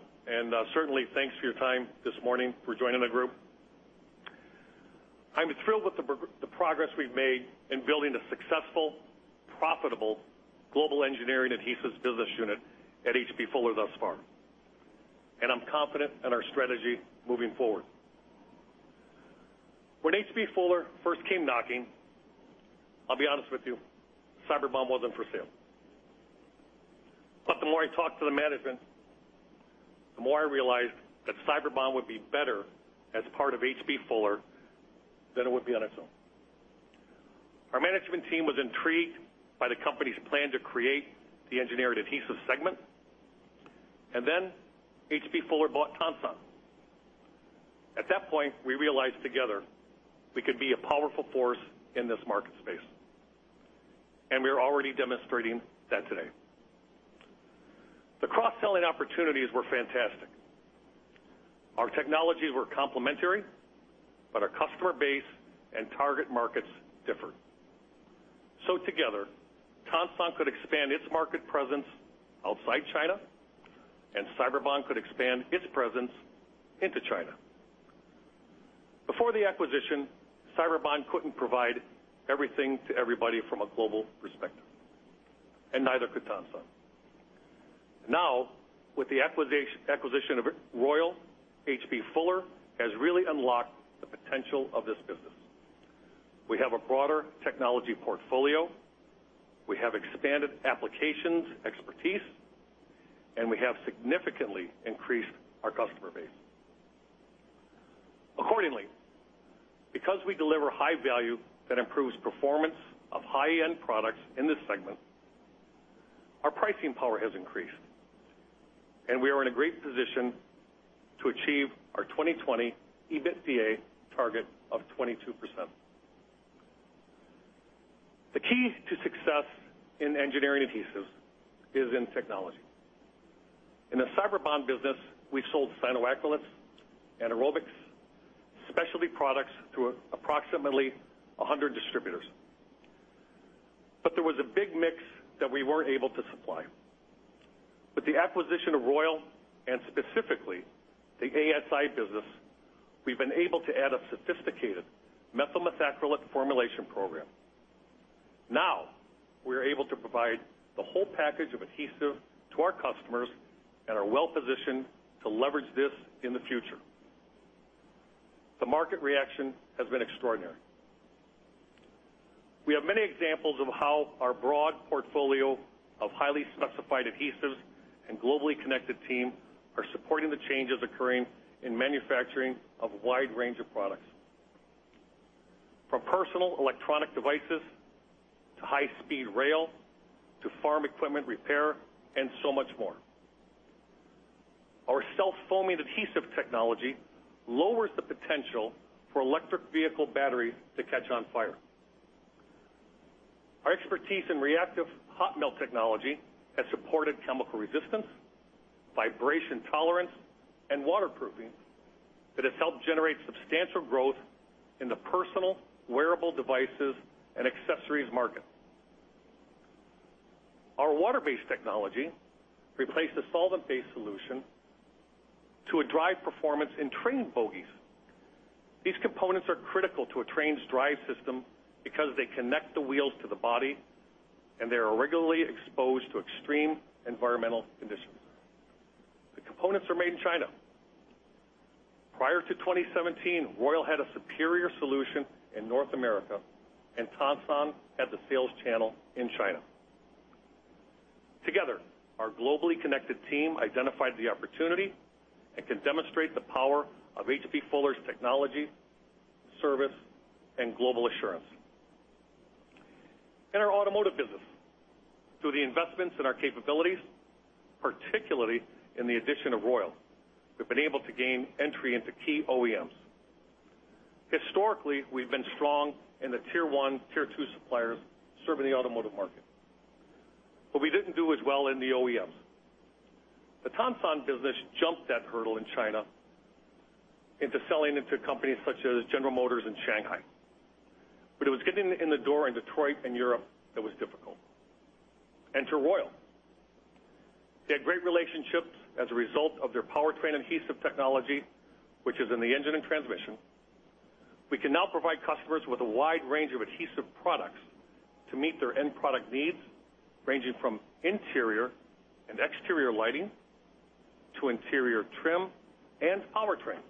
certainly thanks for your time this morning for joining the group. I'm thrilled with the progress we've made in building a successful, profitable global engineering adhesives business unit at H.B. Fuller thus far, I'm confident in our strategy moving forward. When H.B. Fuller first came knocking, I'll be honest with you, Cyberbond wasn't for sale. The more I talked to the management, the more I realized that Cyberbond would be better as part of H.B. Fuller than it would be on its own. Our management team was intrigued by the company's plan to create the engineered adhesives segment, then H.B. Fuller bought Tonsan. At that point, we realized together we could be a powerful force in this market space, we are already demonstrating that today. The cross-selling opportunities were fantastic. Our technologies were complementary, our customer base and target markets differed. Together, Tonsan could expand its market presence outside China, Cyberbond could expand its presence into China. Before the acquisition, Cyberbond couldn't provide everything to everybody from a global perspective, neither could Tonsan. With the acquisition of Royal, H.B. Fuller has really unlocked the potential of this business. We have a broader technology portfolio, we have expanded applications expertise, we have significantly increased our customer base. Accordingly, because we deliver high value that improves performance of high-end products in this segment, our pricing power has increased, we are in a great position to achieve our 2020 EBITDA target of 22%. The key to success in engineering adhesives is in technology. In the Cyberbond business, we sold cyanoacrylates, anaerobics, specialty products through approximately 100 distributors. There was a big mix that we weren't able to supply. With the acquisition of Royal, and specifically the ASI business, we've been able to add a sophisticated methyl methacrylate formulation program. Now we are able to provide the whole package of adhesive to our customers and are well positioned to leverage this in the future. The market reaction has been extraordinary. We have many examples of how our broad portfolio of highly specified adhesives and globally connected team are supporting the changes occurring in manufacturing of a wide range of products, from personal electronic devices to high-speed rail, to farm equipment repair, and so much more. Our self-foaming adhesive technology lowers the potential for electric vehicle batteries to catch on fire. Our expertise in reactive hot melt technology has supported chemical resistance, vibration tolerance, and waterproofing that has helped generate substantial growth in the personal wearable devices and accessories market. Our water-based technology replaced a solvent-based solution to drive performance in train bogies. These components are critical to a train's drive system because they connect the wheels to the body. They are regularly exposed to extreme environmental conditions. The components are made in China. Prior to 2017, Royal had a superior solution in North America, and Tonsan had the sales channel in China. Together, our globally connected team identified the opportunity and can demonstrate the power of H.B. Fuller's technology, service, and global assurance. In our automotive business, through the investments in our capabilities, particularly in the addition of Royal, we've been able to gain entry into key OEMs. Historically, we've been strong in the tier 1, tier 2 suppliers serving the automotive market. We didn't do as well in the OEMs. The Tonsan business jumped that hurdle in China into selling into companies such as General Motors in Shanghai. It was getting in the door in Detroit and Europe that was difficult. To Royal, they had great relationships as a result of their powertrain adhesive technology, which is in the engine and transmission. We can now provide customers with a wide range of adhesive products to meet their end product needs, ranging from interior and exterior lighting to interior trim and powertrain.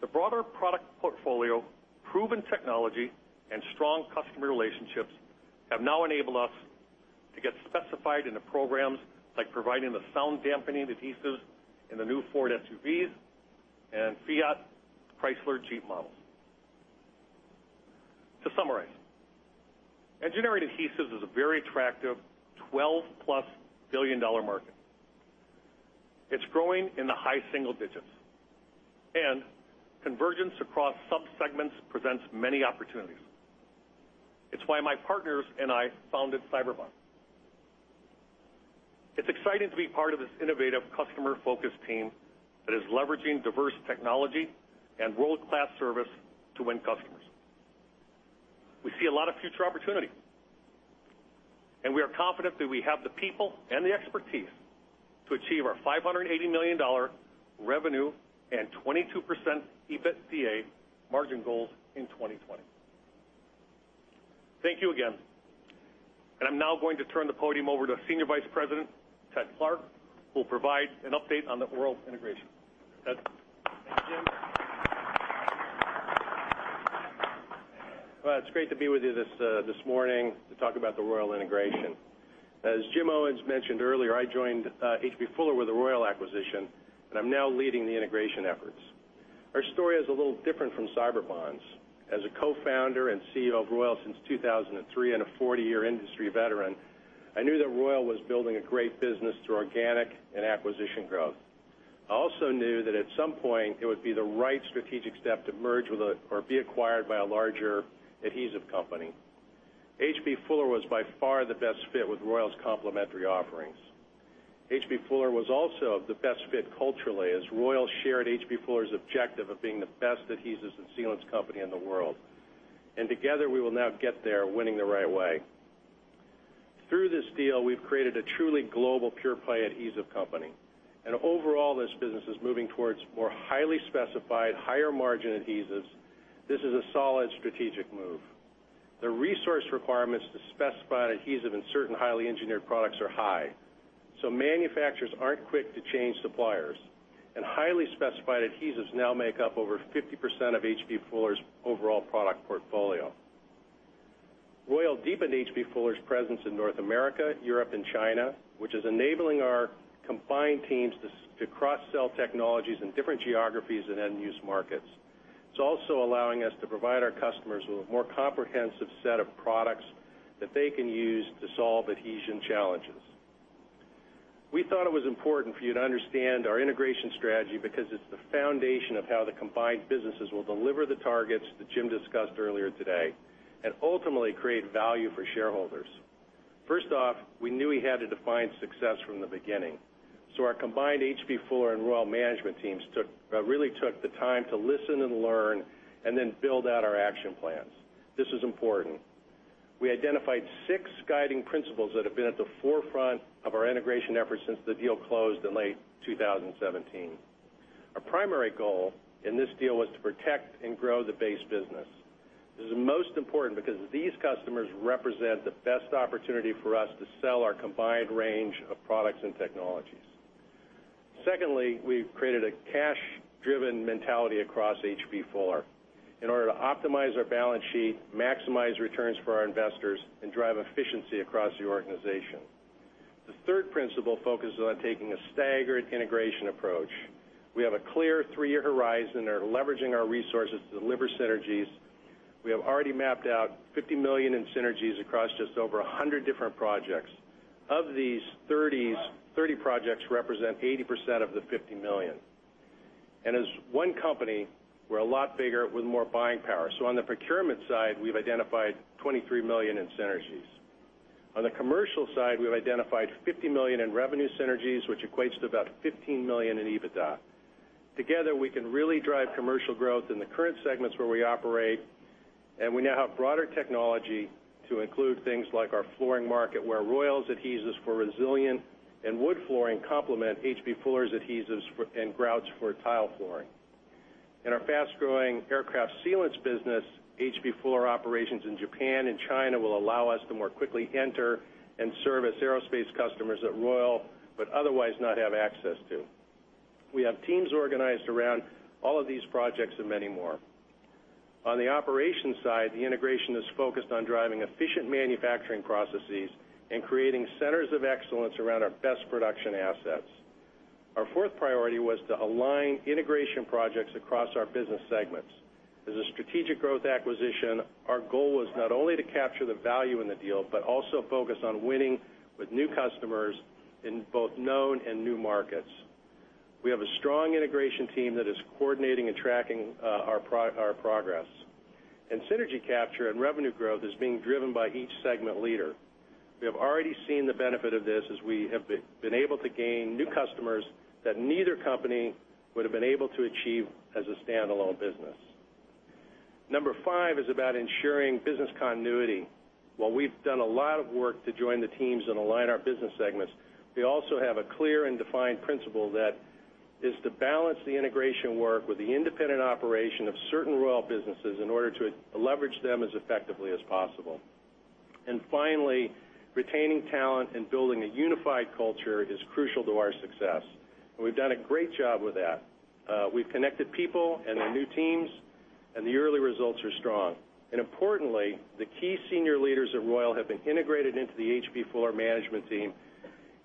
The broader product portfolio, proven technology, and strong customer relationships have now enabled us to get specified into programs like providing the sound dampening adhesives in the new Ford SUVs and Fiat Chrysler Jeep models. To summarize, engineering adhesives is a very attractive $12-plus billion market. It's growing in the high single digits, and convergence across subsegments presents many opportunities. It's why my partners and I founded Cyberbond. It's exciting to be part of this innovative, customer-focused team that is leveraging diverse technology and world-class service to win customers. We see a lot of future opportunity, and we are confident that we have the people and the expertise to achieve our $580 million revenue and 22% EBITDA margin goals in 2020. Thank you again. I'm now going to turn the podium over to Senior Vice President, Ted Clark, who will provide an update on the Royal integration. Ted. Thank you, Jim. Well, it's great to be with you this morning to talk about the Royal integration. As Jim Owens mentioned earlier, I joined H.B. Fuller with the Royal acquisition, and I'm now leading the integration efforts. Our story is a little different from Cyberbond's. As a co-founder and CEO of Royal since 2003 and a 40-year industry veteran, I knew that Royal was building a great business through organic and acquisition growth. I also knew that at some point it would be the right strategic step to merge with or be acquired by a larger adhesive company. H.B. Fuller was by far the best fit with Royal's complementary offerings. H.B. Fuller was also the best fit culturally, as Royal shared H.B. Fuller's objective of being the best adhesives and sealants company in the world. Together, we will now get there winning the right way. Through this deal, we've created a truly global pure-play adhesive company, and overall, this business is moving towards more highly specified, higher margin adhesives. This is a solid strategic move. The resource requirements to specify an adhesive in certain highly engineered products are high, so manufacturers aren't quick to change suppliers. Highly specified adhesives now make up over 50% of H.B. Fuller's overall product portfolio. Royal deepened H.B. Fuller's presence in North America, Europe, and China, which is enabling our combined teams to cross-sell technologies in different geographies and end-use markets. It's also allowing us to provide our customers with a more comprehensive set of products that they can use to solve adhesion challenges. We thought it was important for you to understand our integration strategy because it's the foundation of how the combined businesses will deliver the targets that Jim discussed earlier today and ultimately create value for shareholders. First off, we knew we had to define success from the beginning, so our combined H.B. Fuller and Royal management teams really took the time to listen and learn and then build out our action plans. This is important. We identified six guiding principles that have been at the forefront of our integration efforts since the deal closed in late 2017. Our primary goal in this deal was to protect and grow the base business. This is most important because these customers represent the best opportunity for us to sell our combined range of products and technologies. Secondly, we've created a cash-driven mentality across H.B. Fuller in order to optimize our balance sheet, maximize returns for our investors, and drive efficiency across the organization. The third principle focuses on taking a staggered integration approach. We have a clear three-year horizon and are leveraging our resources to deliver synergies. We have already mapped out $50 million in synergies across just over 100 different projects. Of these, 30 projects represent 80% of the $50 million. As one company, we're a lot bigger with more buying power. On the procurement side, we've identified $23 million in synergies. On the commercial side, we've identified $50 million in revenue synergies, which equates to about $15 million in EBITDA. Together, we can really drive commercial growth in the current segments where we operate, and we now have broader technology to include things like our flooring market, where Royal's adhesives for resilient and wood flooring complement H.B. Fuller's adhesives and grouts for tile flooring. In our fast-growing aircraft sealants business, H.B. Fuller operations in Japan and China will allow us to more quickly enter and service aerospace customers that Royal would otherwise not have access to. We have teams organized around all of these projects and many more. On the operations side, the integration is focused on driving efficient manufacturing processes and creating centers of excellence around our best production assets. Our fourth priority was to align integration projects across our business segments. As a strategic growth acquisition, our goal was not only to capture the value in the deal, but also focus on winning with new customers in both known and new markets. We have a strong integration team that is coordinating and tracking our progress. Synergy capture and revenue growth is being driven by each segment leader. We have already seen the benefit of this as we have been able to gain new customers that neither company would've been able to achieve as a standalone business. Number five is about ensuring business continuity. While we've done a lot of work to join the teams and align our business segments, we also have a clear and defined principle that is to balance the integration work with the independent operation of certain Royal businesses in order to leverage them as effectively as possible. Finally, retaining talent and building a unified culture is crucial to our success. We've done a great job with that. We've connected people and their new teams, and the early results are strong. Importantly, the key senior leaders at Royal have been integrated into the H.B. Fuller management team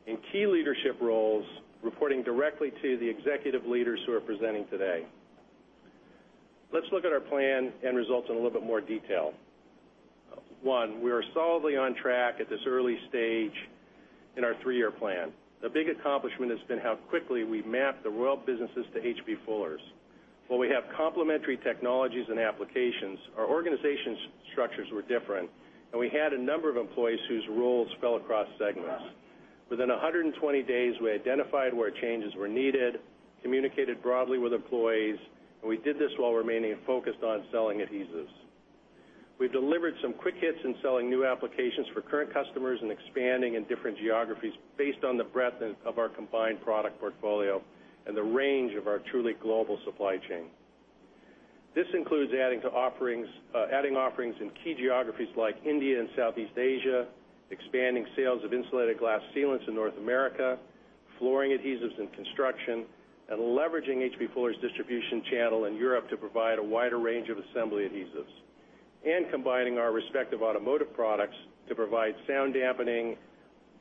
in key leadership roles, reporting directly to the executive leaders who are presenting today. Let's look at our plan and results in a little bit more detail. One, we are solidly on track at this early stage in our three-year plan. The big accomplishment has been how quickly we've mapped the Royal businesses to H.B. Fuller's. While we have complementary technologies and applications, our organization structures were different, and we had a number of employees whose roles fell across segments. Within 120 days, we identified where changes were needed, communicated broadly with employees. We did this while remaining focused on selling adhesives. We've delivered some quick hits in selling new applications for current customers and expanding in different geographies based on the breadth of our combined product portfolio and the range of our truly global supply chain. This includes adding offerings in key geographies like India and Southeast Asia, expanding sales of insulating glass sealants in North America, flooring adhesives in construction. Leveraging H.B. Fuller's distribution channel in Europe to provide a wider range of assembly adhesives, combining our respective automotive products to provide sound dampening,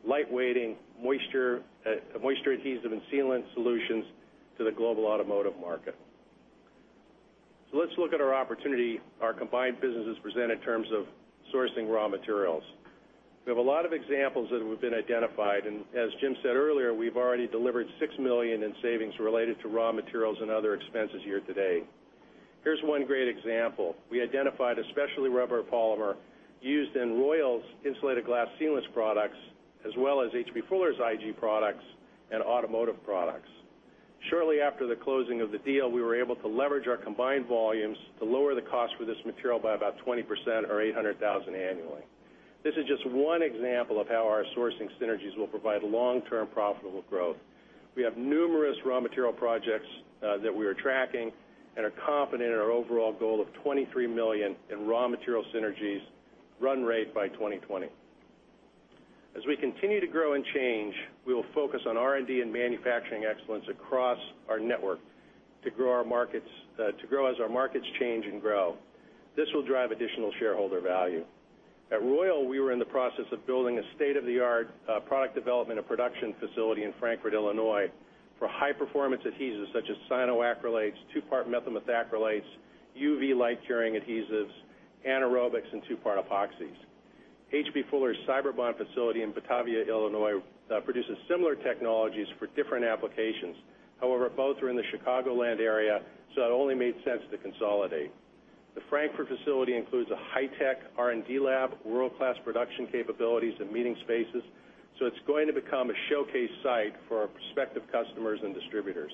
light weighting, moisture adhesive and sealant solutions to the global automotive market. Let's look at our opportunity our combined businesses present in terms of sourcing raw materials. We have a lot of examples that have been identified. As Jim said earlier, we've already delivered $6 million in savings related to raw materials and other expenses year to date. Here's one great example. We identified a specialty rubber polymer used in Royal's insulating glass sealants products, as well as H.B. Fuller's IG products and automotive products. Shortly after the closing of the deal, we were able to leverage our combined volumes to lower the cost for this material by about 20%, or $800,000 annually. This is just one example of how our sourcing synergies will provide long-term profitable growth. We have numerous raw material projects that we are tracking and are confident in our overall goal of $23 million in raw material synergies run rate by 2020. As we continue to grow and change, we will focus on R&D and manufacturing excellence across our network to grow as our markets change and grow. This will drive additional shareholder value. At Royal, we were in the process of building a state-of-the-art product development and production facility in Frankfort, Illinois, for high performance adhesives such as cyanoacrylates, two-part methacrylates, UV light curing adhesives, anaerobics, and two-part epoxies. H.B. Fuller's Cyberbond facility in Batavia, Illinois, produces similar technologies for different applications. Both are in the Chicagoland area, so it only made sense to consolidate. The Frankfort facility includes a high tech R&D lab, world class production capabilities, and meeting spaces, so it's going to become a showcase site for our prospective customers and distributors.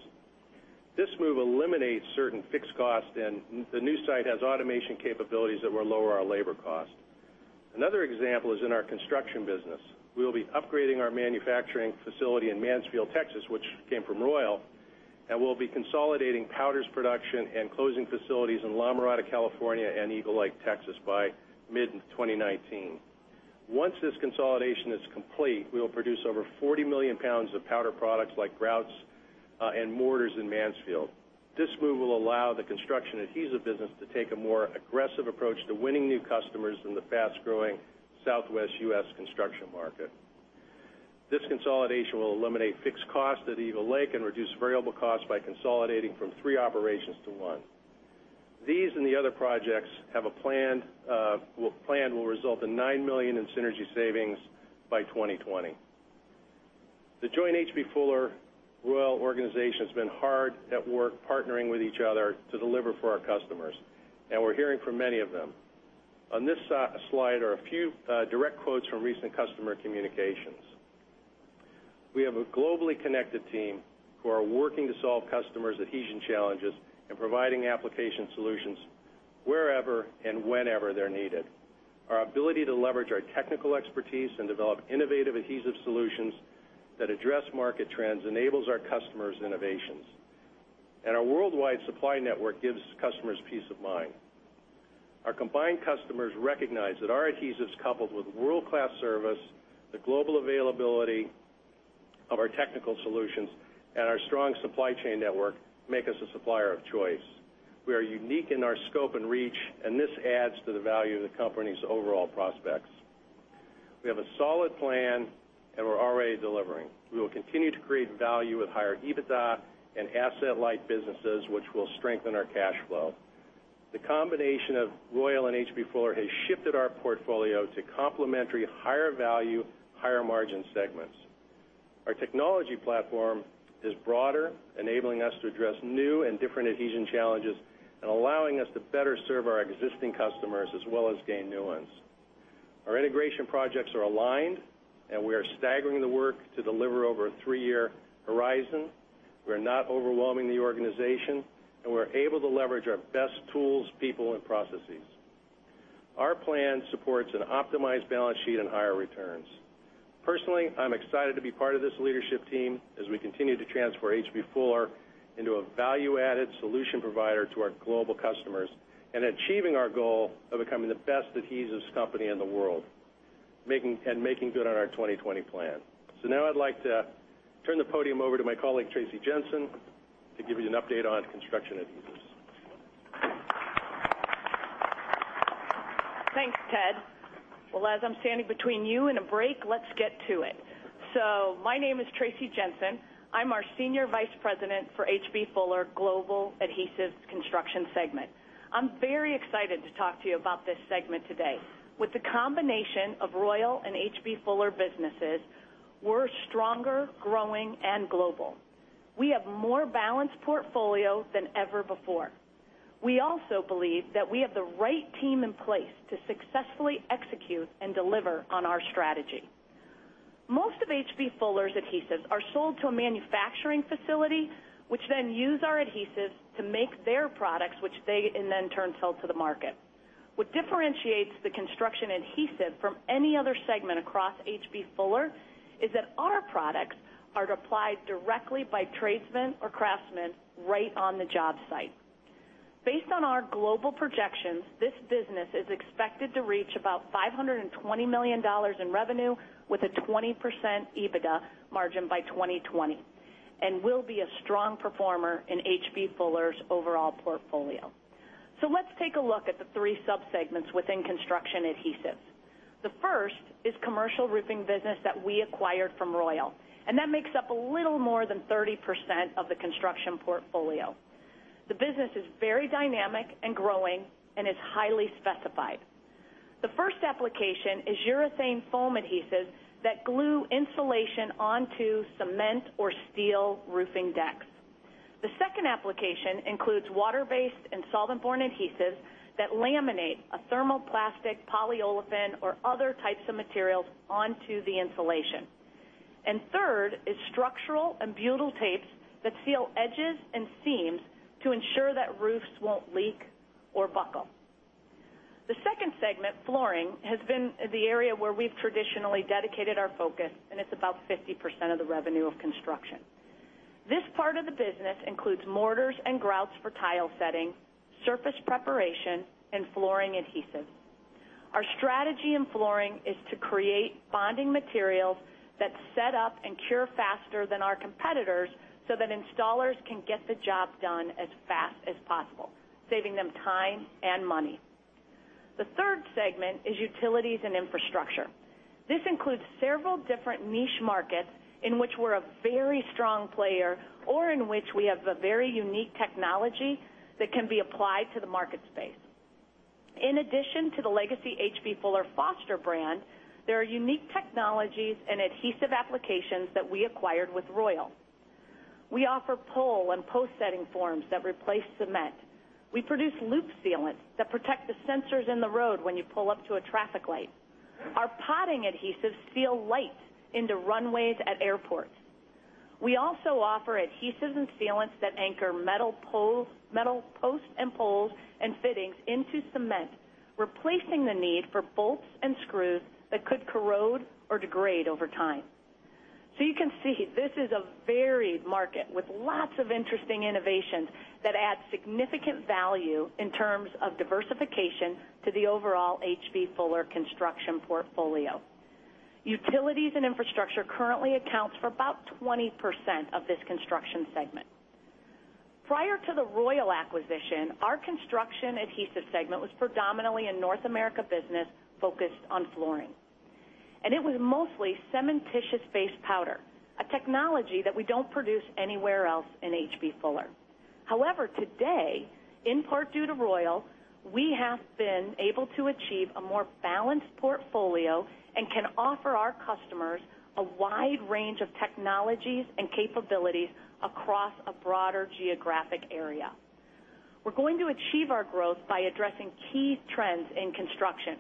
This move eliminates certain fixed costs, and the new site has automation capabilities that will lower our labor cost. Another example is in our construction business. We will be upgrading our manufacturing facility in Mansfield, Texas, which came from Royal, and we'll be consolidating powders production and closing facilities in La Mirada, California and Eagle Lake, Texas by mid-2019. Once this consolidation is complete, we will produce over 40 million pounds of powder products like grouts and mortars in Mansfield. This move will allow the construction adhesive business to take a more aggressive approach to winning new customers in the fast-growing southwest U.S. construction market. This consolidation will eliminate fixed costs at Eagle Lake and reduce variable costs by consolidating from three operations to one. These and the other projects we have planned will result in $9 million in synergy savings by 2020. The joint H.B. Fuller, Royal organization's been hard at work partnering with each other to deliver for our customers, and we're hearing from many of them. On this slide are a few direct quotes from recent customer communications. We have a globally connected team who are working to solve customers' adhesion challenges and providing application solutions wherever and whenever they're needed. Our ability to leverage our technical expertise and develop innovative adhesive solutions that address market trends enables our customers' innovations, and our worldwide supply network gives customers peace of mind. Our combined customers recognize that our adhesives, coupled with world-class service, the global availability of our technical solutions, and our strong supply chain network, make us a supplier of choice. We are unique in our scope and reach, and this adds to the value of the company's overall prospects. We have a solid plan, and we're already delivering. We will continue to create value with higher EBITDA and asset-light businesses, which will strengthen our cash flow. The combination of Royal and H.B. Fuller has shifted our portfolio to complementary higher value, higher margin segments. Our technology platform is broader, enabling us to address new and different adhesion challenges and allowing us to better serve our existing customers as well as gain new ones. Our integration projects are aligned, and we are staggering the work to deliver over a three-year horizon. We are not overwhelming the organization, and we're able to leverage our best tools, people, and processes. Our plan supports an optimized balance sheet and higher returns. Personally, I'm excited to be part of this leadership team as we continue to transfer H.B. Fuller into a value-added solution provider to our global customers and achieving our goal of becoming the best adhesives company in the world, and making good on our 2020 plan. Now I'd like to turn the podium over to my colleague, Traci Jensen, to give you an update on construction adhesives. Thanks, Ted. Well, as I'm standing between you and a break, let's get to it. My name is Traci Jensen. I'm our Senior Vice President for H.B. Fuller Global Adhesives Construction segment. I'm very excited to talk to you about this segment today. With the combination of Royal and H.B. Fuller businesses, we're stronger, growing, and global. We have a more balanced portfolio than ever before. We also believe that we have the right team in place to successfully execute and deliver on our strategy. Most of H.B. Fuller's adhesives are sold to a manufacturing facility, which then use our adhesives to make their products, which they, in then turn, sell to the market. What differentiates the construction adhesive from any other segment across H.B. Fuller is that our products are applied directly by tradesmen or craftsmen right on the job site. Based on our global projections, this business is expected to reach about $520 million in revenue with a 20% EBITDA margin by 2020 and will be a strong performer in H.B. Fuller's overall portfolio. Let's take a look at the three subsegments within construction adhesives. The first is commercial roofing business that we acquired from Royal, and that makes up a little more than 30% of the construction portfolio. The business is very dynamic and growing and is highly specified. The first application is urethane foam adhesives that glue insulation onto cement or steel roofing decks. The second application includes water-based and solvent-borne adhesives that laminate a thermoplastic, polyolefin, or other types of materials onto the insulation. Third is structural and butyl tapes that seal edges and seams to ensure that roofs won't leak or buckle. The second segment, flooring, has been the area where we've traditionally dedicated our focus, and it's about 50% of the revenue of construction. This part of the business includes mortars and grouts for tile setting, surface preparation, and flooring adhesives. Our strategy in flooring is to create bonding materials that set up and cure faster than our competitors, so that installers can get the job done as fast as possible, saving them time and money. The third segment is utilities and infrastructure. This includes several different niche markets in which we're a very strong player or in which we have a very unique technology that can be applied to the market space. In addition to the legacy H.B. Fuller Foster brand, there are unique technologies and adhesive applications that we acquired with Royal. We offer pole and post setting forms that replace cement. We produce loop sealant that protect the sensors in the road when you pull up to a traffic light. Our potting adhesives seal light into runways at airports. We also offer adhesives and sealants that anchor metal posts and poles and fittings into cement, replacing the need for bolts and screws that could corrode or degrade over time. You can see this is a varied market with lots of interesting innovations that add significant value in terms of diversification to the overall H.B. Fuller construction portfolio. Utilities and infrastructure currently accounts for about 20% of this construction segment. Prior to the Royal acquisition, our construction adhesive segment was predominantly a North America business focused on flooring. It was mostly cementitious-based powder, a technology that we don't produce anywhere else in H.B. Fuller. However, today, in part due to Royal, we have been able to achieve a more balanced portfolio and can offer our customers a wide range of technologies and capabilities across a broader geographic area. We're going to achieve our growth by addressing key trends in construction.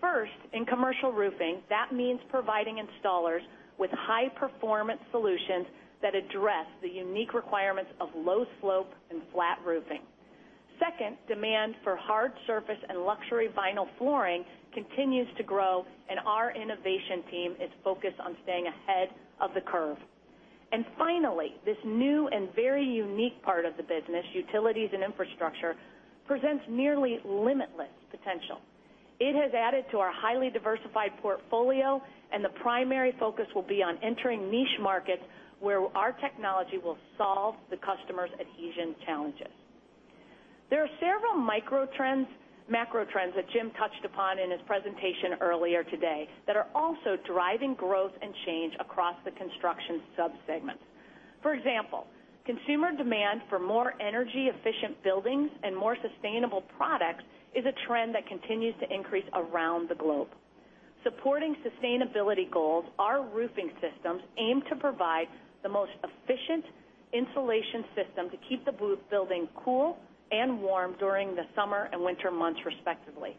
First, in commercial roofing, that means providing installers with high performance solutions that address the unique requirements of low slope and flat roofing. Second, demand for hard surface and luxury vinyl flooring continues to grow, and our innovation team is focused on staying ahead of the curve. Finally, this new and very unique part of the business, utilities and infrastructure, presents nearly limitless potential. It has added to our highly diversified portfolio, and the primary focus will be on entering niche markets, where our technology will solve the customers' adhesion challenges. There are several macro trends that Jim touched upon in his presentation earlier today that are also driving growth and change across the construction sub-segments. For example, consumer demand for more energy efficient buildings and more sustainable products is a trend that continues to increase around the globe. Supporting sustainability goals, our roofing systems aim to provide the most efficient insulation system to keep the building cool and warm during the summer and winter months, respectively.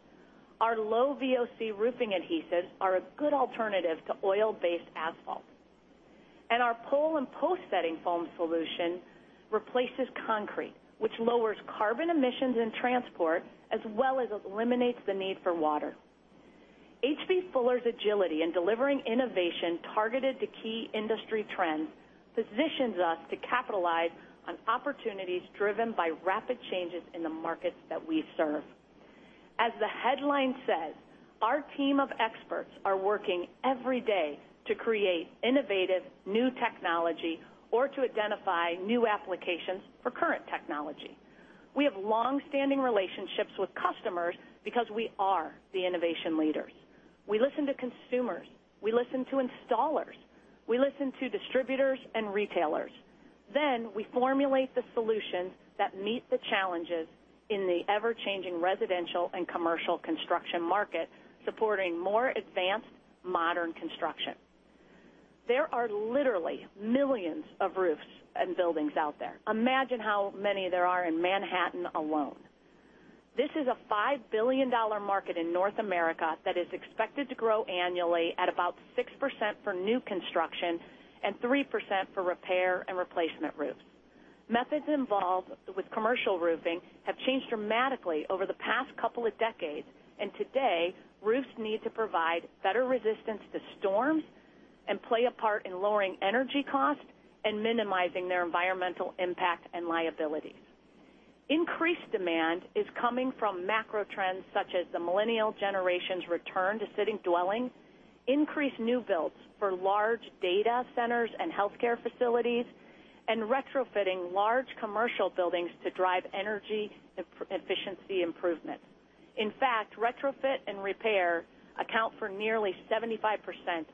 Our low VOC roofing adhesives are a good alternative to oil-based asphalt. Our pole and post setting foam solution replaces concrete, which lowers carbon emissions in transport, as well as eliminates the need for water. H.B. Fuller's agility in delivering innovation targeted to key industry trends positions us to capitalize on opportunities driven by rapid changes in the markets that we serve. As the headline says, our team of experts are working every day to create innovative new technology or to identify new applications for current technology. We have longstanding relationships with customers because we are the innovation leaders. We listen to consumers. We listen to installers. We listen to distributors and retailers. We formulate the solutions that meet the challenges in the ever-changing residential and commercial construction market, supporting more advanced modern construction. There are literally millions of roofs and buildings out there. Imagine how many there are in Manhattan alone. This is a $5 billion market in North America that is expected to grow annually at about 6% for new construction and 3% for repair and replacement roofs. Methods involved with commercial roofing have changed dramatically over the past couple of decades. Today, roofs need to provide better resistance to storms and play a part in lowering energy costs and minimizing their environmental impact and liabilities. Increased demand is coming from macro trends such as the millennial generation's return to city dwelling, increased new builds for large data centers and healthcare facilities, and retrofitting large commercial buildings to drive energy efficiency improvement. In fact, retrofit and repair account for nearly 75%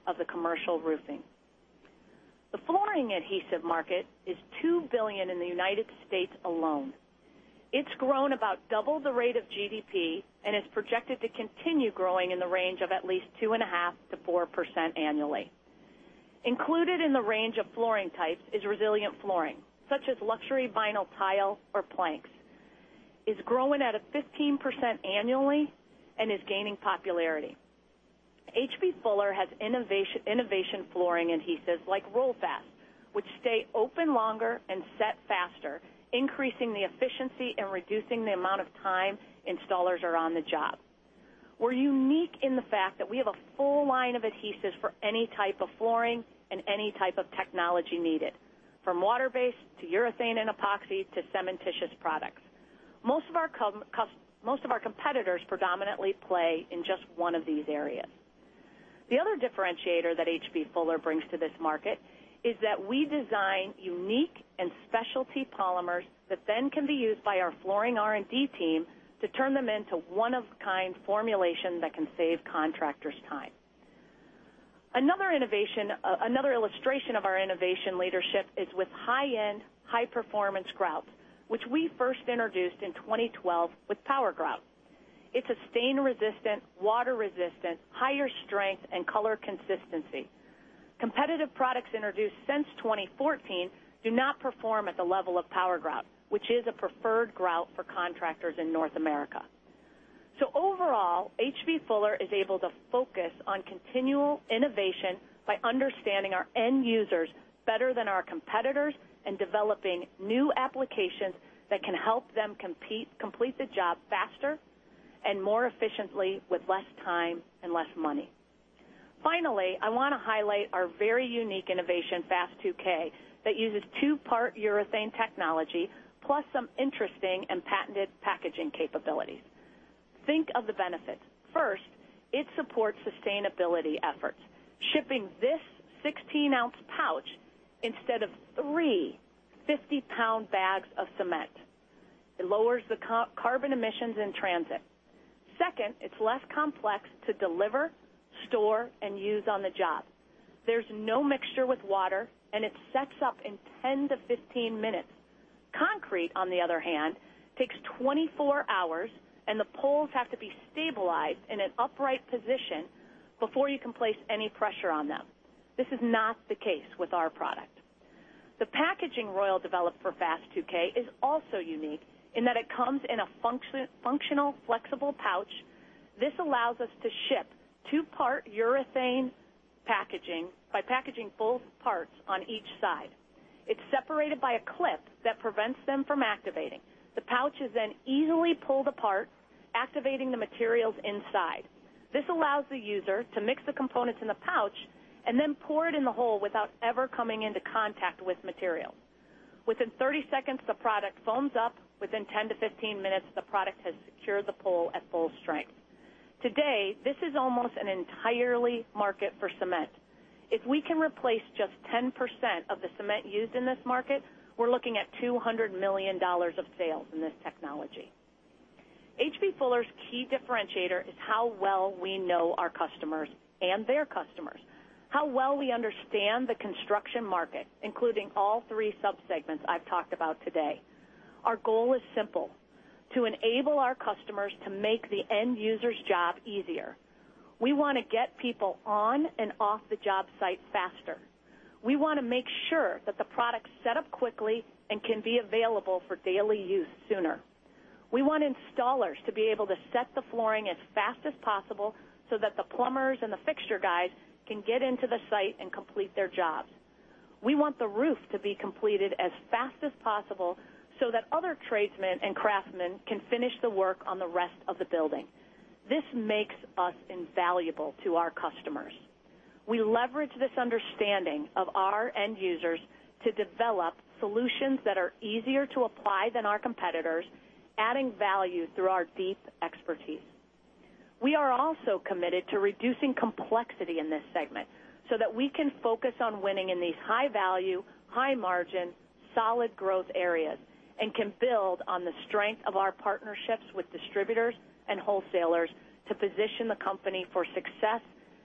of the commercial roofing. The flooring adhesive market is $2 billion in the United States alone. It's grown about double the rate of GDP and is projected to continue growing in the range of at least 2.5%-4% annually. Included in the range of flooring types is resilient flooring, such as luxury vinyl tile or planks. It's growing at a 15% annually and is gaining popularity. H.B. Fuller has innovation flooring adhesives like Roll-Fast, which stay open longer and set faster, increasing the efficiency and reducing the amount of time installers are on the job. We're unique in the fact that we have a full line of adhesives for any type of flooring and any type of technology needed, from water-based to urethane and epoxy to cementitious products. Most of our competitors predominantly play in just one of these areas. The other differentiator that H.B. Fuller brings to this market is that we design unique and specialty polymers that then can be used by our flooring R&D team to turn them into one-of-a-kind formulation that can save contractors time. Another illustration of our innovation leadership is with high-end, high performance grout, which we first introduced in 2012 with Power Grout. It's a stain-resistant, water-resistant, higher strength, and color consistency. Competitive products introduced since 2014 do not perform at the level of Power Grout, which is a preferred grout for contractors in North America. Overall, H.B. Fuller is able to focus on continual innovation by understanding our end users better than our competitors and developing new applications that can help them complete the job faster and more efficiently with less time and less money. Finally, I want to highlight our very unique innovation, Fast 2K, that uses two-part urethane technology, plus some interesting and patented packaging capabilities. Think of the benefits. First, it supports sustainability efforts. Shipping this 16-ounce pouch instead of three 50-pound bags of cement. It lowers the carbon emissions in transit. Second, it's less complex to deliver, store, and use on the job. There's no mixture with water, and it sets up in 10-15 minutes. Concrete, on the other hand, takes 24 hours, and the poles have to be stabilized in an upright position before you can place any pressure on them. This is not the case with our product. The packaging Royal developed for Fast 2K is also unique in that it comes in a functional, flexible pouch. This allows us to ship two-part urethane packaging by packaging both parts on each side. It's separated by a clip that prevents them from activating. The pouch is then easily pulled apart, activating the materials inside. This allows the user to mix the components in the pouch and then pour it in the hole without ever coming into contact with material. Within 30 seconds, the product foams up. Within 10-15 minutes, the product has secured the pole at full strength. Today, this is almost an entire market for cement. If we can replace just 10% of the cement used in this market, we're looking at $200 million of sales in this technology. H.B. Fuller's key differentiator is how well we know our customers and their customers, how well we understand the construction market, including all three subsegments I've talked about today. Our goal is simple: to enable our customers to make the end user's job easier. We want to get people on and off the job site faster. We want to make sure that the product's set up quickly and can be available for daily use sooner. We want installers to be able to set the flooring as fast as possible so that the plumbers and the fixture guys can get into the site and complete their jobs. We want the roof to be completed as fast as possible so that other tradesmen and craftsmen can finish the work on the rest of the building. This makes us invaluable to our customers. We leverage this understanding of our end users to develop solutions that are easier to apply than our competitors, adding value through our deep expertise. We are also committed to reducing complexity in this segment so that we can focus on winning in these high-value, high-margin, solid growth areas, and can build on the strength of our partnerships with distributors and wholesalers to position the company for success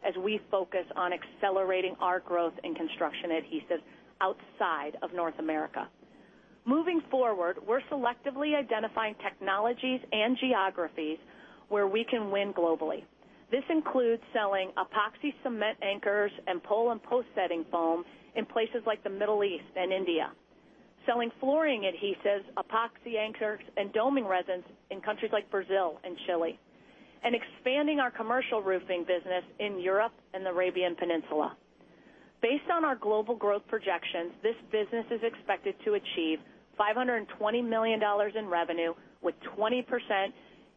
as we focus on accelerating our growth in construction adhesives outside of North America. Moving forward, we're selectively identifying technologies and geographies where we can win globally. This includes selling epoxy cement anchors and pole and post setting foam in places like the Middle East and India, selling flooring adhesives, epoxy anchors, and doming resins in countries like Brazil and Chile, and expanding our commercial roofing business in Europe and the Arabian Peninsula. Based on our global growth projections, this business is expected to achieve $520 million in revenue with 20%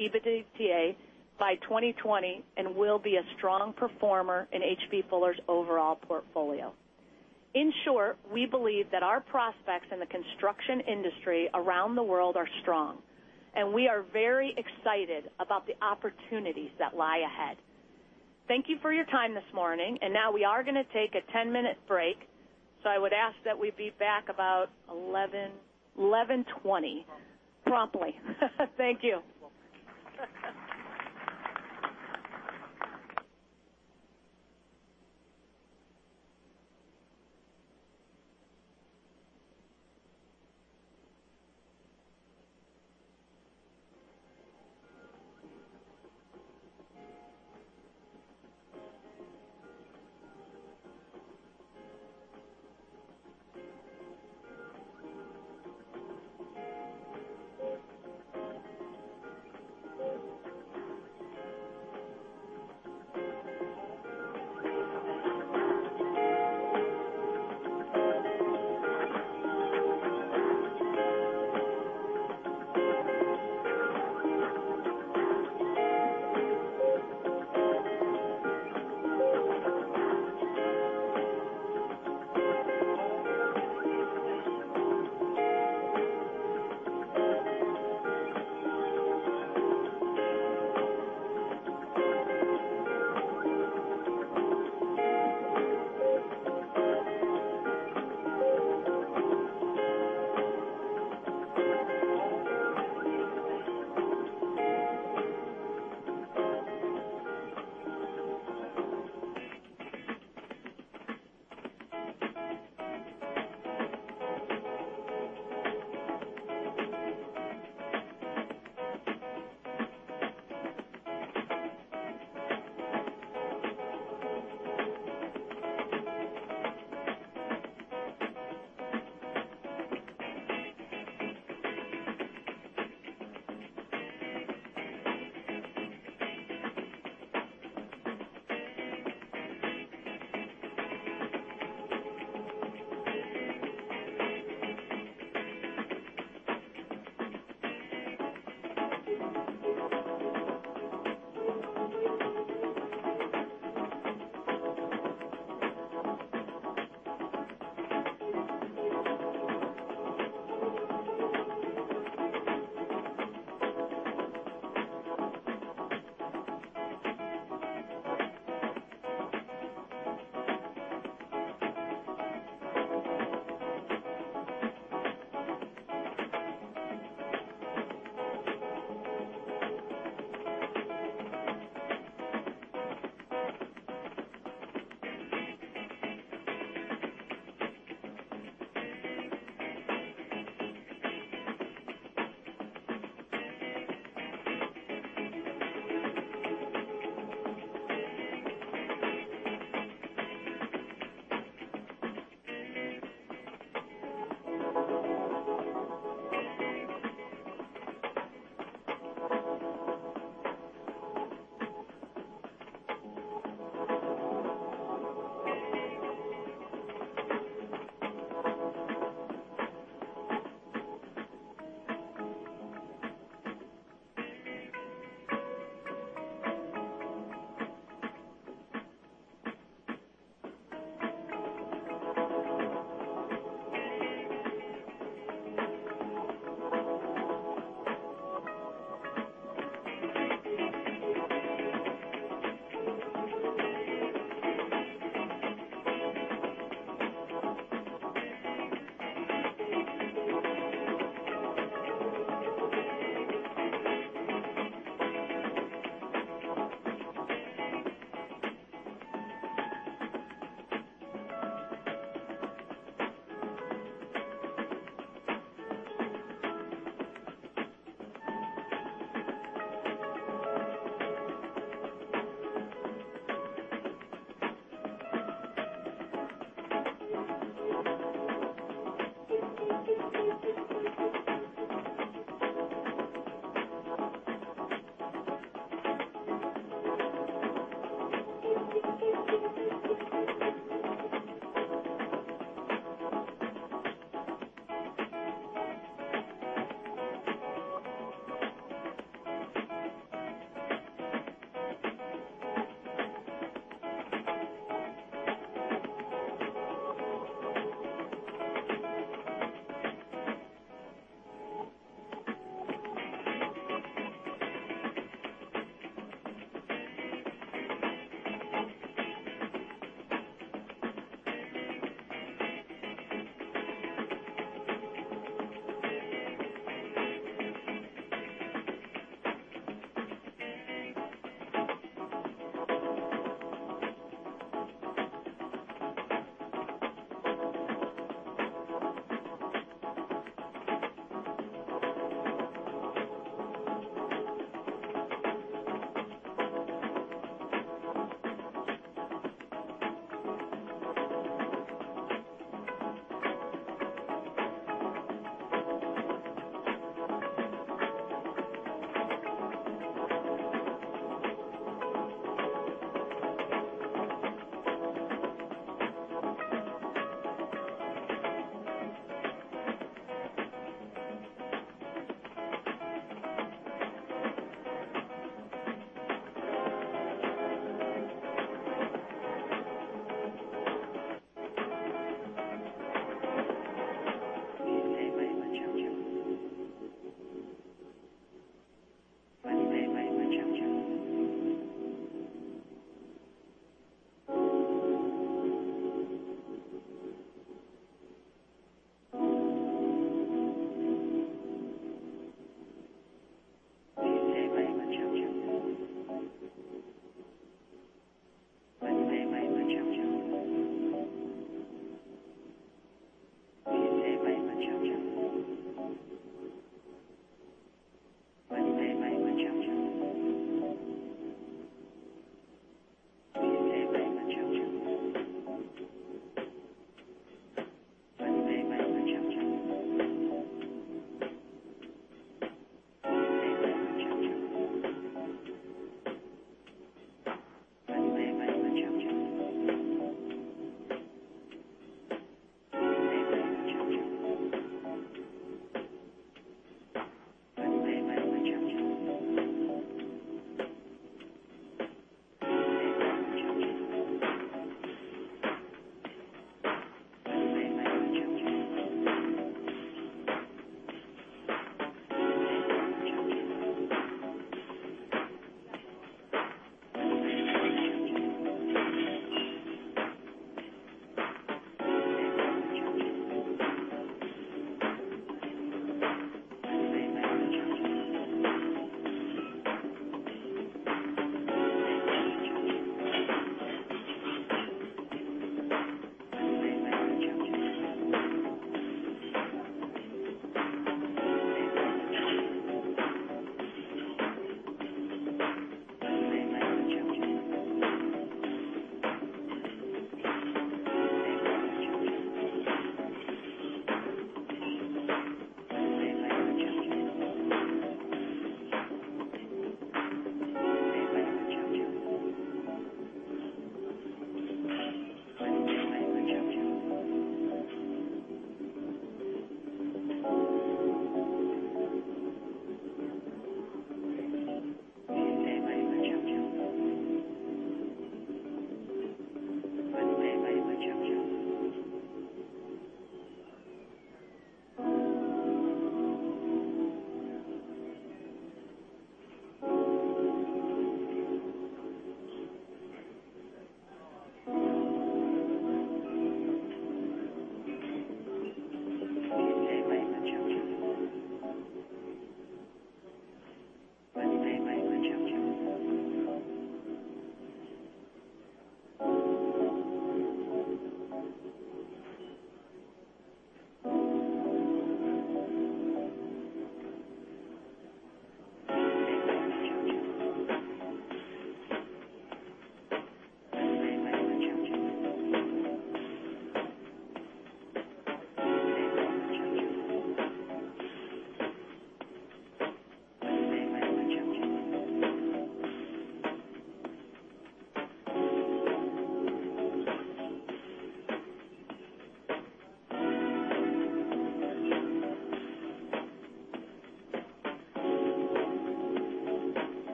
EBITDA by 2020 and will be a strong performer in H.B. Fuller's overall portfolio. In short, we believe that our prospects in the construction industry around the world are strong. We are very excited about the opportunities that lie ahead. Thank you for your time this morning. Now we are going to take a 10-minute break. I would ask that we be back about 11:20 promptly. Thank you.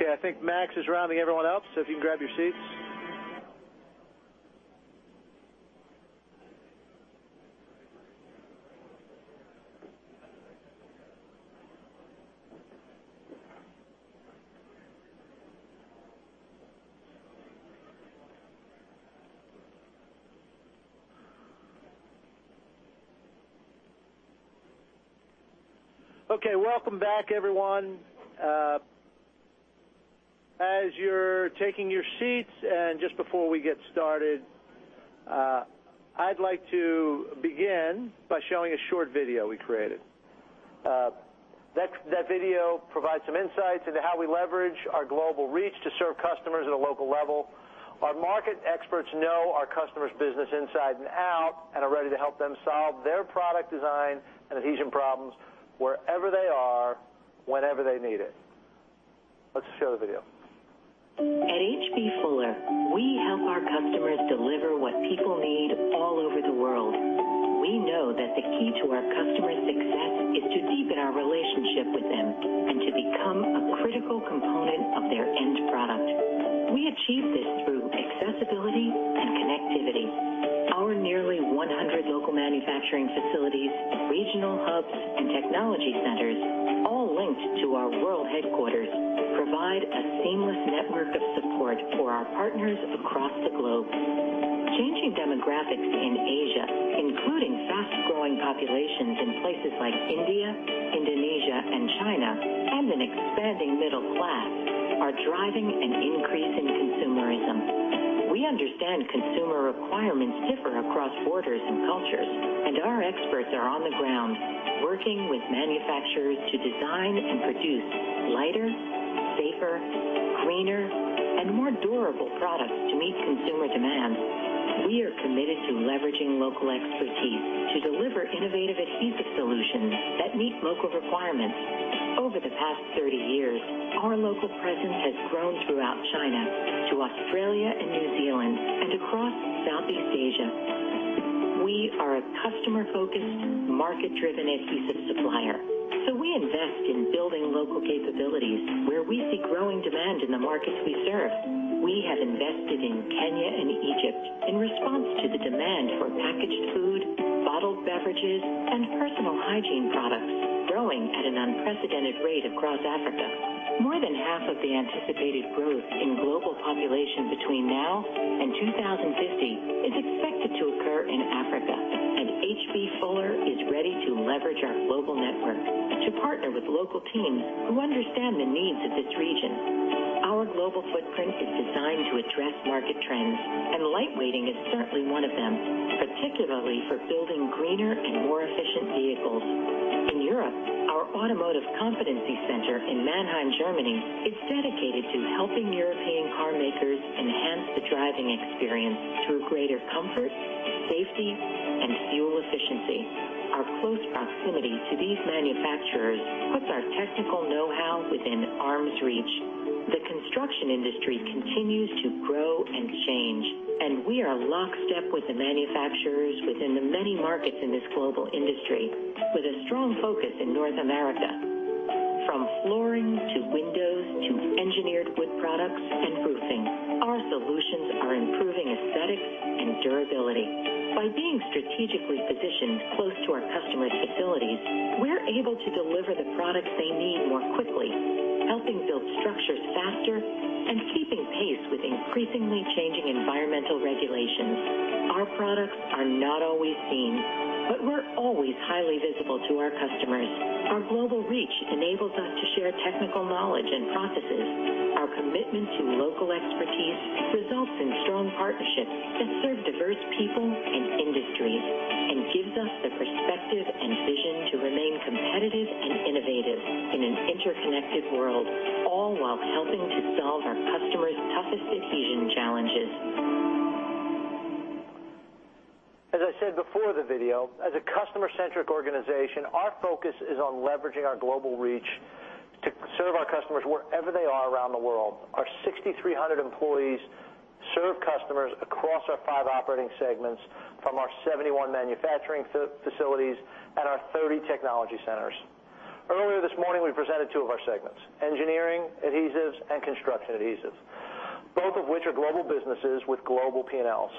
Okay, where's Max? Okay, I think Max is rounding everyone up. If you can grab your seats. Okay, welcome back, everyone. As you're taking your seats, and just before we get started, I'd like to begin by showing a short video we created. That video provides some insights into how we leverage our global reach to serve customers at a local level. Our market experts know our customers' business inside and out and are ready to help them solve their product design and adhesion problems wherever they are, whenever they need it. Let's show the video. At H.B. Fuller, we help our customers deliver what people need all over the world. We know that the key to our customers' success is to deepen our relationship with them and to become a critical component of their end product. We achieve this through accessibility and connectivity. Our nearly 100 local manufacturing facilities, regional hubs, and technology centers, all linked to our world headquarters, provide a seamless network of support for our partners across the globe. Changing demographics in Asia, including fast-growing populations in places like India, Indonesia, and China, and an expanding middle class, are driving an increase in consumerism. We understand consumer requirements differ across borders and cultures, and our experts are on the ground working with manufacturers to design and produce lighter, safer, cleaner, and more durable products to meet consumer demand. We are committed to leveraging local expertise to deliver innovative adhesive solutions that meet local requirements. Over the past 30 years, our local presence has grown throughout China to Australia and New Zealand and across Southeast Asia. We are a customer-focused, market-driven adhesive supplier. We invest in building local capabilities where we see growing demand in the markets we serve. We have invested in Kenya and Egypt in response to the demand for packaged food, bottled beverages, and personal hygiene products growing at an unprecedented rate across Africa. More than half of the anticipated growth in global population between now and 2050 is expected to occur in Africa, and H.B. Fuller is ready to leverage our global network to partner with local teams who understand the needs of this region. Our global footprint is designed to address market trends. Lightweighting is certainly one of them, particularly for building greener and more efficient vehicles. In Europe, our automotive competency center in Mannheim, Germany, is dedicated to helping European car makers enhance the driving experience through greater comfort, safety, and fuel efficiency. Our close proximity to these manufacturers puts our technical know-how within arm's reach. The construction industry continues to grow and change. We are lockstep with the manufacturers within the many markets in this global industry, with a strong focus in North America. From flooring to windows to engineered wood products and roofing, our solutions are improving aesthetics and durability. By being strategically positioned close to our customers' facilities, we're able to deliver the products they need more quickly, helping build structures faster and keeping pace with increasingly changing environmental regulations. Our products are not always seen. We're always highly visible to our customers. Our global reach enables us to share technical knowledge and processes. Our commitment to local expertise results in strong partnerships that serve diverse people and industries and gives us the perspective and vision to remain competitive and innovative in an interconnected world, all while helping to solve our customers' toughest adhesion challenges. As I said before the video, as a customer-centric organization, our focus is on leveraging our global reach to serve our customers wherever they are around the world. Our 6,300 employees serve customers across our five operating segments from our 71 manufacturing facilities and our 30 technology centers. Earlier this morning, we presented two of our segments, Engineering Adhesives and Construction Adhesives, both of which are global businesses with global P&Ls.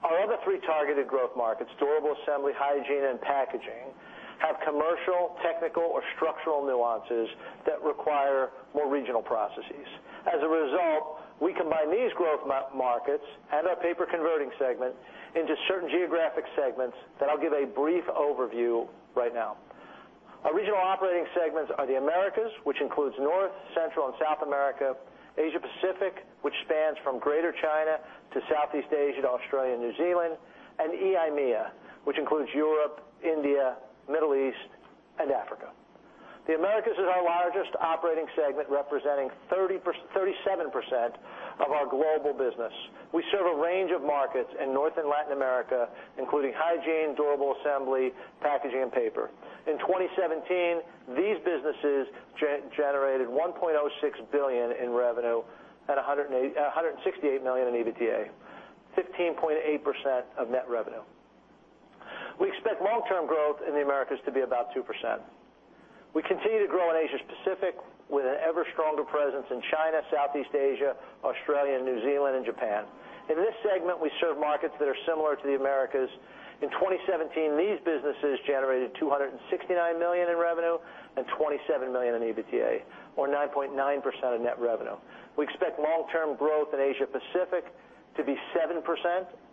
Our other three targeted growth markets, Durable Assembly, Hygiene, and Packaging, have commercial, technical, or structural nuances that require more regional processes. As a result, we combine these growth markets and our paper converting segment into certain geographic segments that I'll give a brief overview right now. Our regional operating segments are the Americas, which includes North, Central, and South America, Asia Pacific, which spans from Greater China to Southeast Asia to Australia and New Zealand, and EIMEA, which includes Europe, India, Middle East, and Africa. The Americas is our largest operating segment, representing 37% of our global business. We serve a range of markets in North and Latin America, including Hygiene, Durable Assembly, Packaging, and paper. In 2017, these businesses generated $1.06 billion in revenue and $168 million in EBITDA, 15.8% of net revenue. We expect long-term growth in the Americas to be about 2%. We continue to grow in Asia Pacific with an ever-stronger presence in China, Southeast Asia, Australia, New Zealand, and Japan. In this segment, we serve markets that are similar to the Americas. In 2017, these businesses generated $269 million in revenue and $27 million in EBITDA, or 9.9% of net revenue. We expect long-term growth in Asia Pacific to be 7%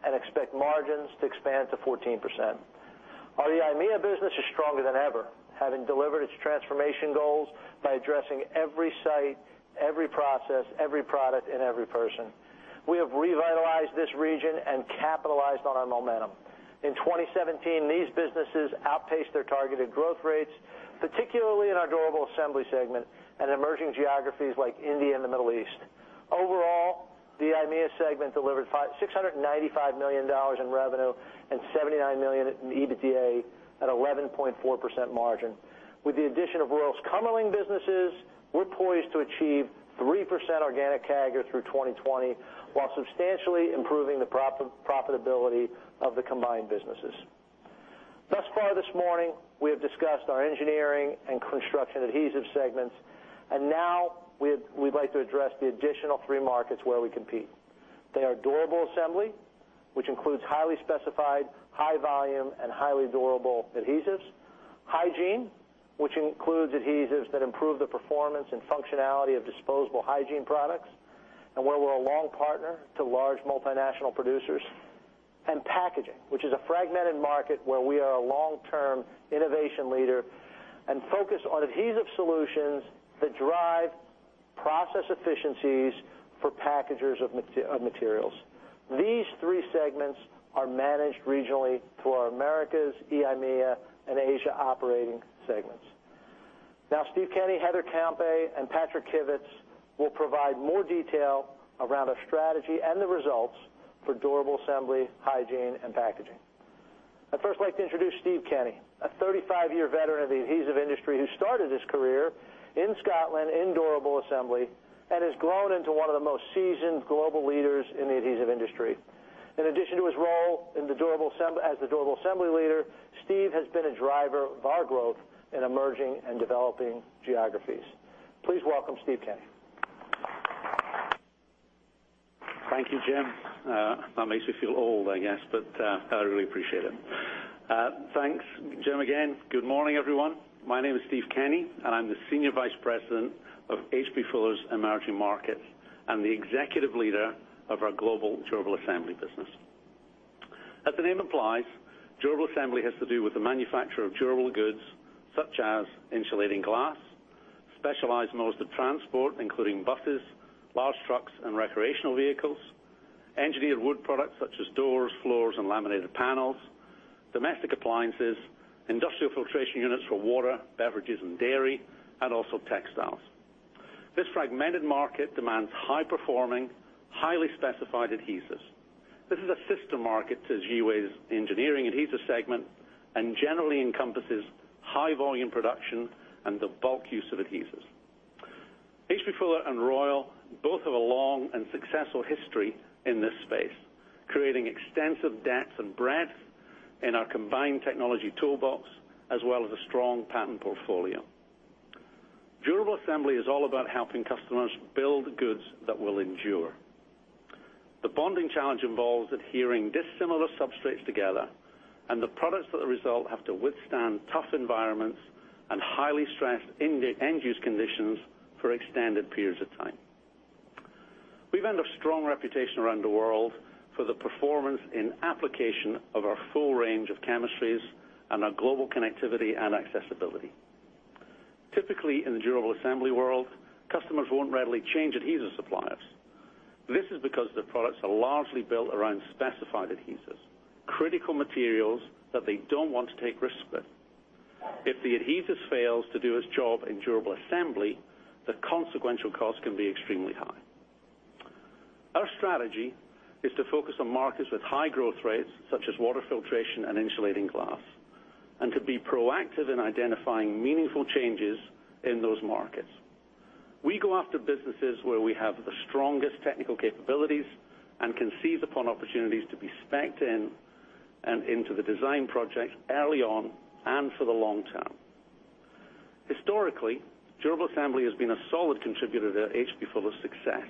and expect margins to expand to 14%. Our EIMEA business is stronger than ever, having delivered its transformation goals by addressing every site, every process, every product, and every person. We have revitalized this region and capitalized on our momentum. In 2017, these businesses outpaced their targeted growth rates, particularly in our Durable Assembly segment and emerging geographies like India and the Middle East. Overall, the EIMEA segment delivered $695 million in revenue and $79 million in EBITDA at 11.4% margin. With the addition of Royal's Kömmerling businesses, we're poised to achieve 3% organic CAGR through 2020 while substantially improving the profitability of the combined businesses. Thus far this morning, we have discussed our Engineering Adhesives and Construction Adhesives segments, now we'd like to address the additional three markets where we compete. They are Durable Assembly, which includes highly specified, high volume, and highly durable adhesives. Hygiene, which includes adhesives that improve the performance and functionality of disposable hygiene products and where we're a long partner to large multinational producers. Packaging, which is a fragmented market where we are a long-term innovation leader and focused on adhesive solutions that drive process efficiencies for packagers of materials. These three segments are managed regionally through our Americas, EIMEA, and Asia operating segments. Now, Steven Kenny, Heather Campe, and Patrick Kivits will provide more detail around our strategy and the results for Durable Assembly, Hygiene, and Packaging. I'd first like to introduce Steven Kenny, a 35-year veteran of the adhesive industry who started his career in Scotland in Durable Assembly and has grown into one of the most seasoned global leaders in the adhesive industry. In addition to his role as the durable assembly leader, Steve has been a driver of our growth in emerging and developing geographies. Please welcome Steve Kenny. Thank you, Jim. That makes me feel old, I guess, but I really appreciate it. Thanks, Jim, again, good morning, everyone. My name is Steve Kenny, and I'm the Senior Vice President of H.B. Fuller's emerging markets and the executive leader of our global durable assembly business. As the name implies, durable assembly has to do with the manufacture of durable goods such as insulating glass, specialized modes of transport, including buses, large trucks, and recreational vehicles, engineered wood products such as doors, floors, and laminated panels, domestic appliances, industrial filtration units for water, beverages, and dairy, and also textiles. This fragmented market demands high performing, highly specified adhesives. This is a system market to EA's engineering adhesive segment and generally encompasses high volume production and the bulk use of adhesives. H.B. Fuller and Royal both have a long and successful history in this space, creating extensive depth and breadth in our combined technology toolbox as well as a strong patent portfolio. Durable assembly is all about helping customers build goods that will endure. The bonding challenge involves adhering dissimilar substrates together, and the products that result have to withstand tough environments and highly stressed end-use conditions for extended periods of time. We've earned a strong reputation around the world for the performance in application of our full range of chemistries and our global connectivity and accessibility. Typically, in the durable assembly world, customers won't readily change adhesive suppliers. This is because the products are largely built around specified adhesives, critical materials that they don't want to take risks with. If the adhesives fails to do its job in durable assembly, the consequential cost can be extremely high. Our strategy is to focus on markets with high growth rates, such as water filtration and insulating glass, and to be proactive in identifying meaningful changes in those markets. We go after businesses where we have the strongest technical capabilities and can seize upon opportunities to be specced in and into the design project early on and for the long term. Historically, durable assembly has been a solid contributor to H.B. Fuller's success.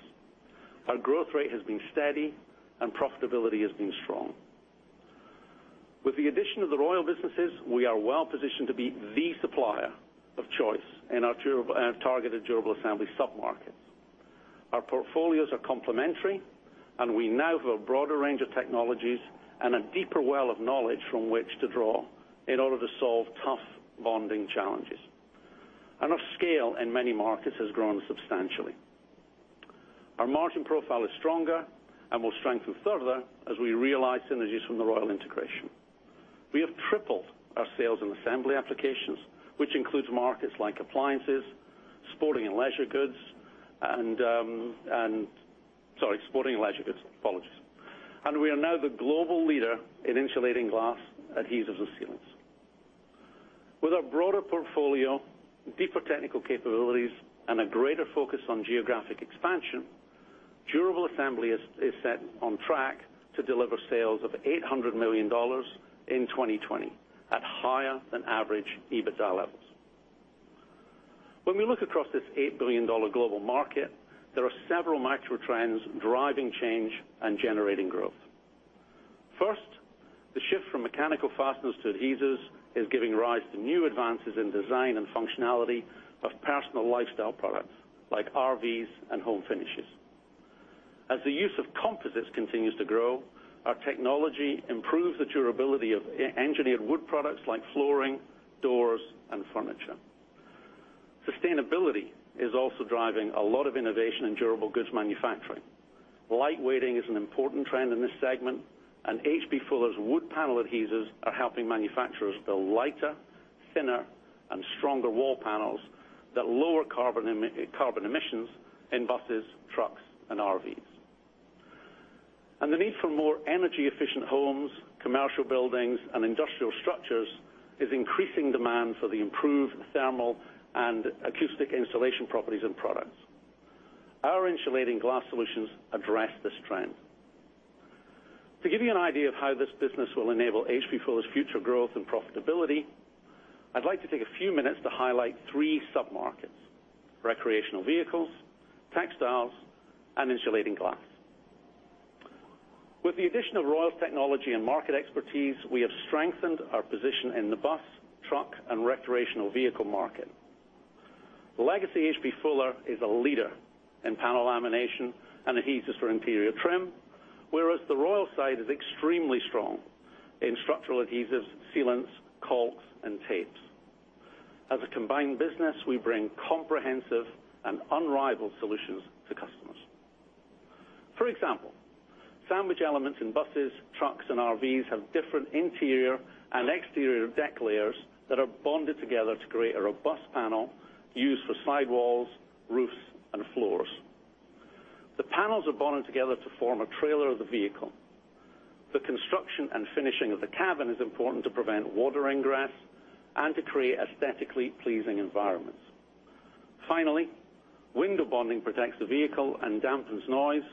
Our growth rate has been steady and profitability has been strong. With the addition of the Royal businesses, we are well positioned to be the supplier of choice in our targeted durable assembly submarkets. Our portfolios are complementary, and we now have a broader range of technologies and a deeper well of knowledge from which to draw in order to solve tough bonding challenges. Our scale in many markets has grown substantially. Our margin profile is stronger and will strengthen further as we realize synergies from the Royal integration. We have tripled our sales and assembly applications, which includes markets like appliances, sporting and leisure goods, sporting and leisure goods. Apologies. We are now the global leader in insulating glass adhesives and sealants. With our broader portfolio, deeper technical capabilities, and a greater focus on geographic expansion, durable assembly is set on track to deliver sales of $800 million in 2020 at higher than average EBITDA levels. When we look across this $8 billion global market, there are several macro trends driving change and generating growth. First, the shift from mechanical fasteners to adhesives is giving rise to new advances in design and functionality of personal lifestyle products, like RVs and home finishes. As the use of composites continues to grow, our technology improves the durability of engineered wood products like flooring, doors, and furniture. Sustainability is also driving a lot of innovation in durable goods manufacturing. Lightweighting is an important trend in this segment, H.B. Fuller's wood panel adhesives are helping manufacturers build lighter, thinner, and stronger wall panels that lower carbon emissions in buses, trucks, and RVs. The need for more energy efficient homes, commercial buildings, and industrial structures is increasing demand for the improved thermal and acoustic insulation properties and products. Our insulating glass solutions address this trend. To give you an idea of how this business will enable H.B. Fuller's future growth and profitability, I'd like to take a few minutes to highlight three submarkets, recreational vehicles, textiles, and insulating glass. With the addition of Royal's technology and market expertise, we have strengthened our position in the bus, truck, and recreational vehicle market. The legacy H.B. Fuller is a leader in panel lamination and adhesives for interior trim, whereas the Royal side is extremely strong in structural adhesives, sealants, caulks, and tapes. As a combined business, we bring comprehensive and unrivaled solutions to customers. For example, sandwich elements in buses, trucks, and RVs have different interior and exterior deck layers that are bonded together to create a robust panel used for sidewalls, roofs, and floors. The panels are bonded together to form a trailer of the vehicle. The construction and finishing of the cabin is important to prevent water ingress and to create aesthetically pleasing environments. Finally, window bonding protects the vehicle and dampens noise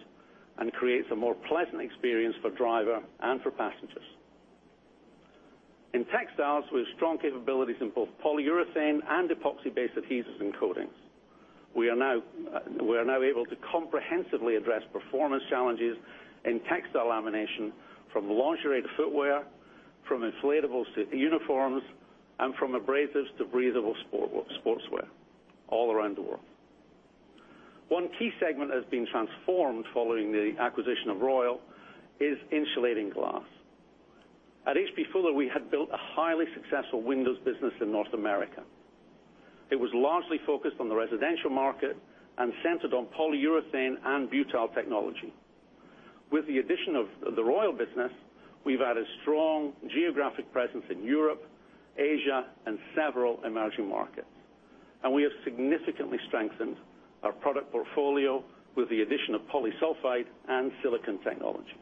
and creates a more pleasant experience for driver and for passengers. In textiles, we have strong capabilities in both polyurethane and epoxy-based adhesives and coatings. We are now able to comprehensively address performance challenges in textile lamination, from lingerie to footwear, from inflatables to uniforms, and from abrasives to breathable sportswear all around the world. One key segment that has been transformed following the acquisition of Royal is insulating glass. At H.B. Fuller, we had built a highly successful windows business in North America. It was largely focused on the residential market and centered on polyurethane and butyl technology. With the addition of the Royal business, we've added strong geographic presence in Europe, Asia, and several emerging markets. We have significantly strengthened our product portfolio with the addition of polysulfide and silicon technology.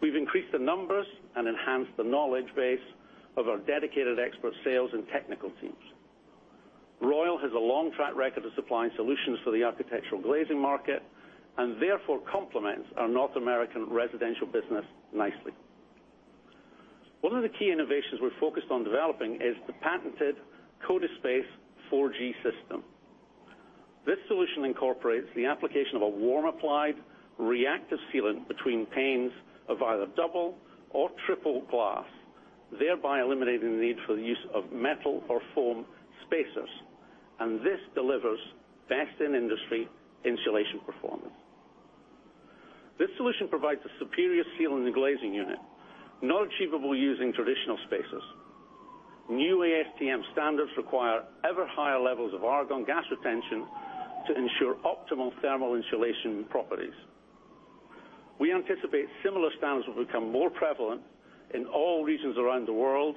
We've increased the numbers and enhanced the knowledge base of our dedicated expert sales and technical teams. Royal has a long track record of supplying solutions to the architectural glazing market and therefore complements our North American residential business nicely. One of the key innovations we're focused on developing is the patented Ködispace 4SG system. This solution incorporates the application of a warm-applied reactive sealant between panes of either double or triple glass, thereby eliminating the need for the use of metal or foam spacers, and this delivers best-in-industry insulation performance. This solution provides a superior seal in the glazing unit, not achievable using traditional spacers. New ASTM standards require ever higher levels of argon gas retention to ensure optimal thermal insulation properties. We anticipate similar standards will become more prevalent in all regions around the world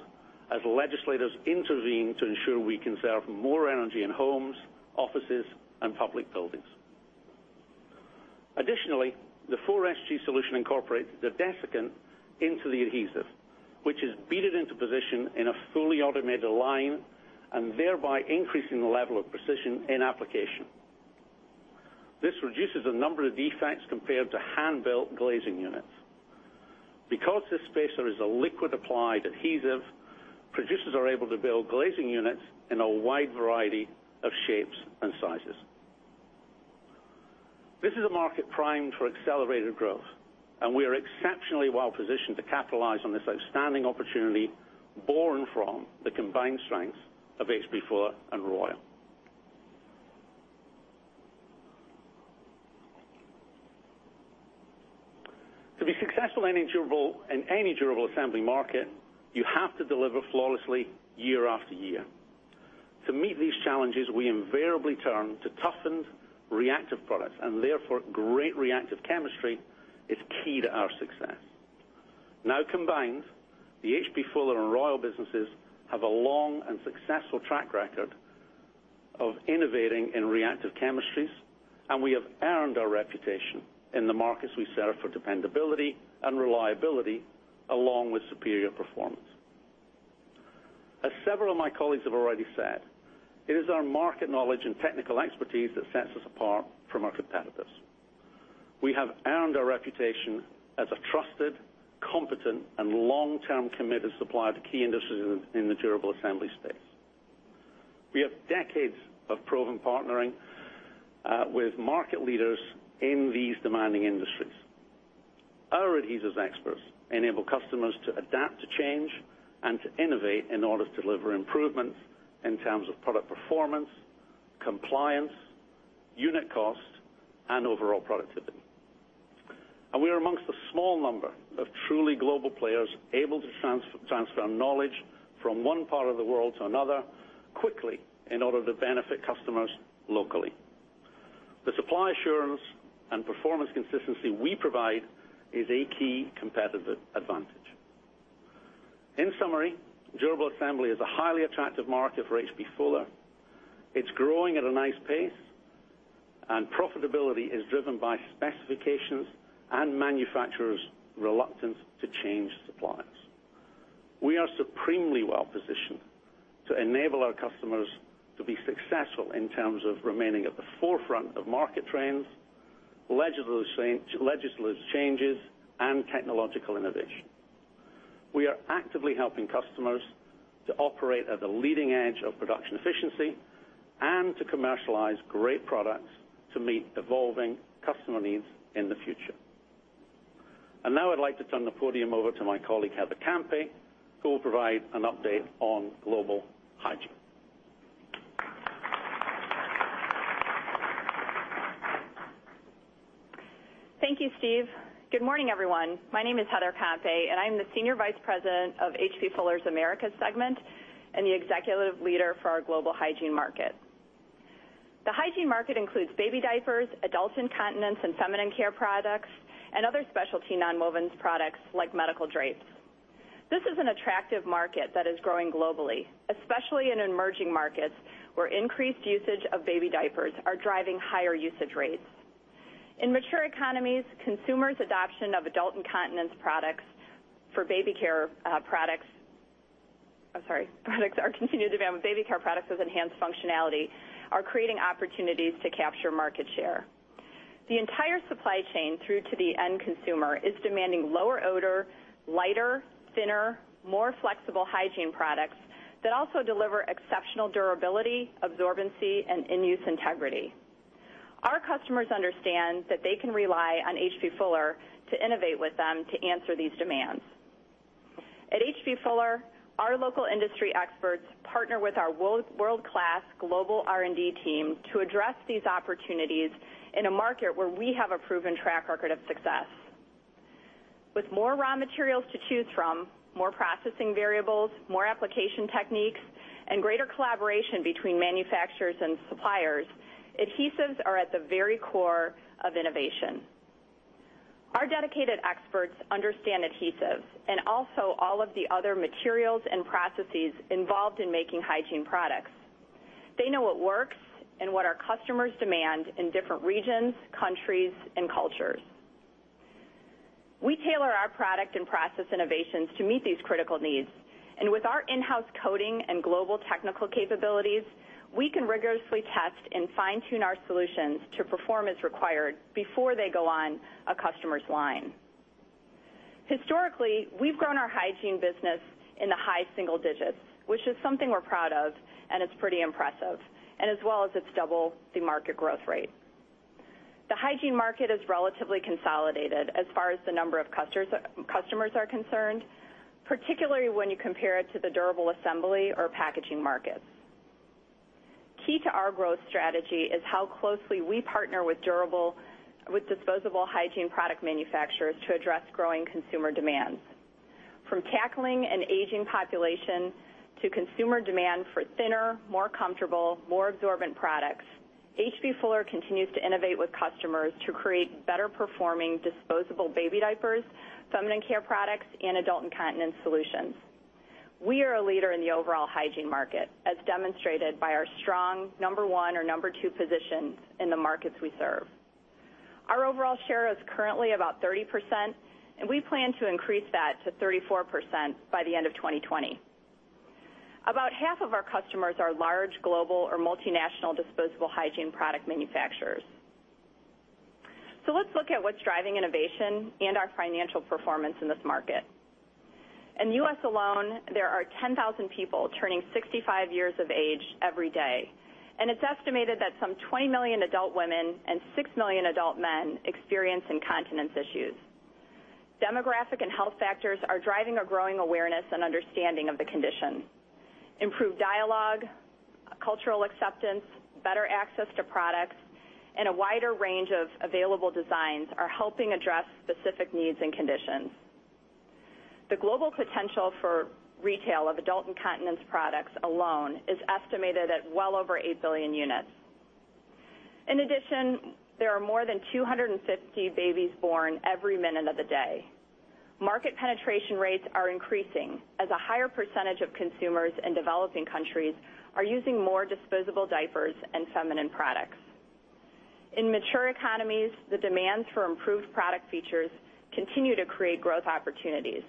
as legislators intervene to ensure we conserve more energy in homes, offices, and public buildings. Additionally, the 4SG solution incorporates the desiccant into the adhesive, which is beaded into position in a fully automated line, and thereby increasing the level of precision in application. This reduces the number of defects compared to hand-built glazing units. Because this spacer is a liquid-applied adhesive, producers are able to build glazing units in a wide variety of shapes and sizes. This is a market primed for accelerated growth, and we are exceptionally well positioned to capitalize on this outstanding opportunity born from the combined strengths of H.B. Fuller and Royal. To be successful in any durable assembly market, you have to deliver flawlessly year after year. To meet these challenges, we invariably turn to toughened reactive products, and therefore, great reactive chemistry is key to our success. Now combined, the H.B. H.B. Fuller and Royal businesses have a long and successful track record of innovating in reactive chemistries, and we have earned our reputation in the markets we serve for dependability and reliability, along with superior performance. As several of my colleagues have already said, it is our market knowledge and technical expertise that sets us apart from our competitors. We have earned our reputation as a trusted, competent, and long-term committed supplier to key industries in the durable assembly space. We have decades of proven partnering with market leaders in these demanding industries. Our adhesives experts enable customers to adapt to change and to innovate in order to deliver improvements in terms of product performance, compliance, unit cost, and overall productivity. We are amongst a small number of truly global players able to transfer knowledge from one part of the world to another quickly in order to benefit customers locally. The supply assurance and performance consistency we provide is a key competitive advantage. In summary, durable assembly is a highly attractive market for H.B. Fuller. It's growing at a nice pace, and profitability is driven by specifications and manufacturers' reluctance to change suppliers. We are supremely well positioned to enable our customers to be successful in terms of remaining at the forefront of market trends, legislative changes, and technological innovation. We are actively helping customers to operate at the leading edge of production efficiency and to commercialize great products to meet evolving customer needs in the future. Now I'd like to turn the podium over to my colleague, Heather Campe, who will provide an update on global hygiene. Thank you, Steve. Good morning, everyone. My name is Heather Campe, and I'm the Senior Vice President of H.B. Fuller's Americas Segment and the executive leader for our global hygiene market. The hygiene market includes baby diapers, adult incontinence, and feminine care products, and other specialty nonwovens products like medical drapes. This is an attractive market that is growing globally, especially in emerging markets where increased usage of baby diapers are driving higher usage rates. In mature economies, consumers' adoption of adult incontinence products are continuing to drive baby care products with enhanced functionality are creating opportunities to capture market share. The entire supply chain through to the end consumer is demanding lower odor, lighter, thinner, more flexible hygiene products that also deliver exceptional durability, absorbency, and in-use integrity. Our customers understand that they can rely on H.B. Fuller to innovate with them to answer these demands. At H.B. Fuller, our local industry experts partner with our world-class global R&D team to address these opportunities in a market where we have a proven track record of success. With more raw materials to choose from, more processing variables, more application techniques, and greater collaboration between manufacturers and suppliers, adhesives are at the very core of innovation. Our dedicated experts understand adhesives and also all of the other materials and processes involved in making hygiene products. They know what works and what our customers demand in different regions, countries, and cultures. We tailor our product and process innovations to meet these critical needs, and with our in-house coding and global technical capabilities, we can rigorously test and fine-tune our solutions to perform as required before they go on a customer's line. Historically, we've grown our hygiene business in the high single digits, which is something we're proud of, and it's pretty impressive. As well as it's double the market growth rate. The hygiene market is relatively consolidated as far as the number of customers are concerned, particularly when you compare it to the durable assembly or packaging markets. Key to our growth strategy is how closely we partner with disposable hygiene product manufacturers to address growing consumer demands. From tackling an aging population to consumer demand for thinner, more comfortable, more absorbent products, H.B. Fuller continues to innovate with customers to create better performing disposable baby diapers, feminine care products, and adult incontinence solutions. We are a leader in the overall hygiene market, as demonstrated by our strong number 1 or number 2 positions in the markets we serve. Our overall share is currently about 30%, and we plan to increase that to 34% by the end of 2020. About half of our customers are large, global, or multinational disposable hygiene product manufacturers. Let's look at what's driving innovation and our financial performance in this market. In the U.S. alone, there are 10,000 people turning 65 years of age every day, and it's estimated that some 20 million adult women and 6 million adult men experience incontinence issues. Demographic and health factors are driving a growing awareness and understanding of the condition. Improved dialogue, cultural acceptance, better access to products, and a wider range of available designs are helping address specific needs and conditions. The global potential for retail of adult incontinence products alone is estimated at well over 8 billion units. In addition, there are more than 250 babies born every minute of the day. Market penetration rates are increasing as a higher percentage of consumers in developing countries are using more disposable diapers and feminine products. In mature economies, the demands for improved product features continue to create growth opportunities.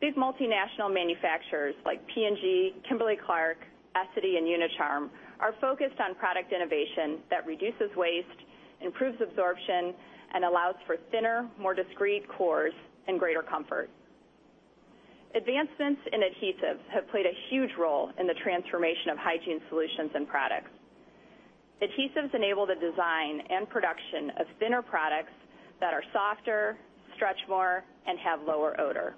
These multinational manufacturers like P&G, Kimberly-Clark, Essity, and Unicharm are focused on product innovation that reduces waste, improves absorption, and allows for thinner, more discreet cores and greater comfort. Advancements in adhesives have played a huge role in the transformation of hygiene solutions and products. Adhesives enable the design and production of thinner products that are softer, stretch more, and have lower odor.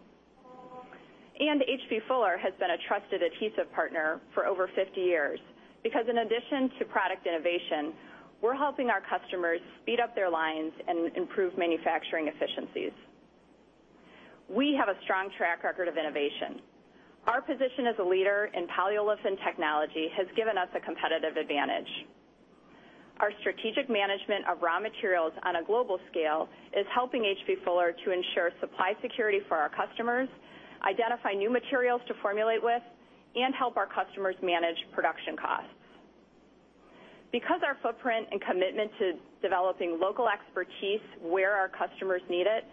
H.B. Fuller has been a trusted adhesive partner for over 50 years because in addition to product innovation, we're helping our customers speed up their lines and improve manufacturing efficiencies. We have a strong track record of innovation. Our position as a leader in polyolefin technology has given us a competitive advantage. Our strategic management of raw materials on a global scale is helping H.B. Fuller to ensure supply security for our customers, identify new materials to formulate with, and help our customers manage production costs. Because our footprint and commitment to developing local expertise where our customers need it,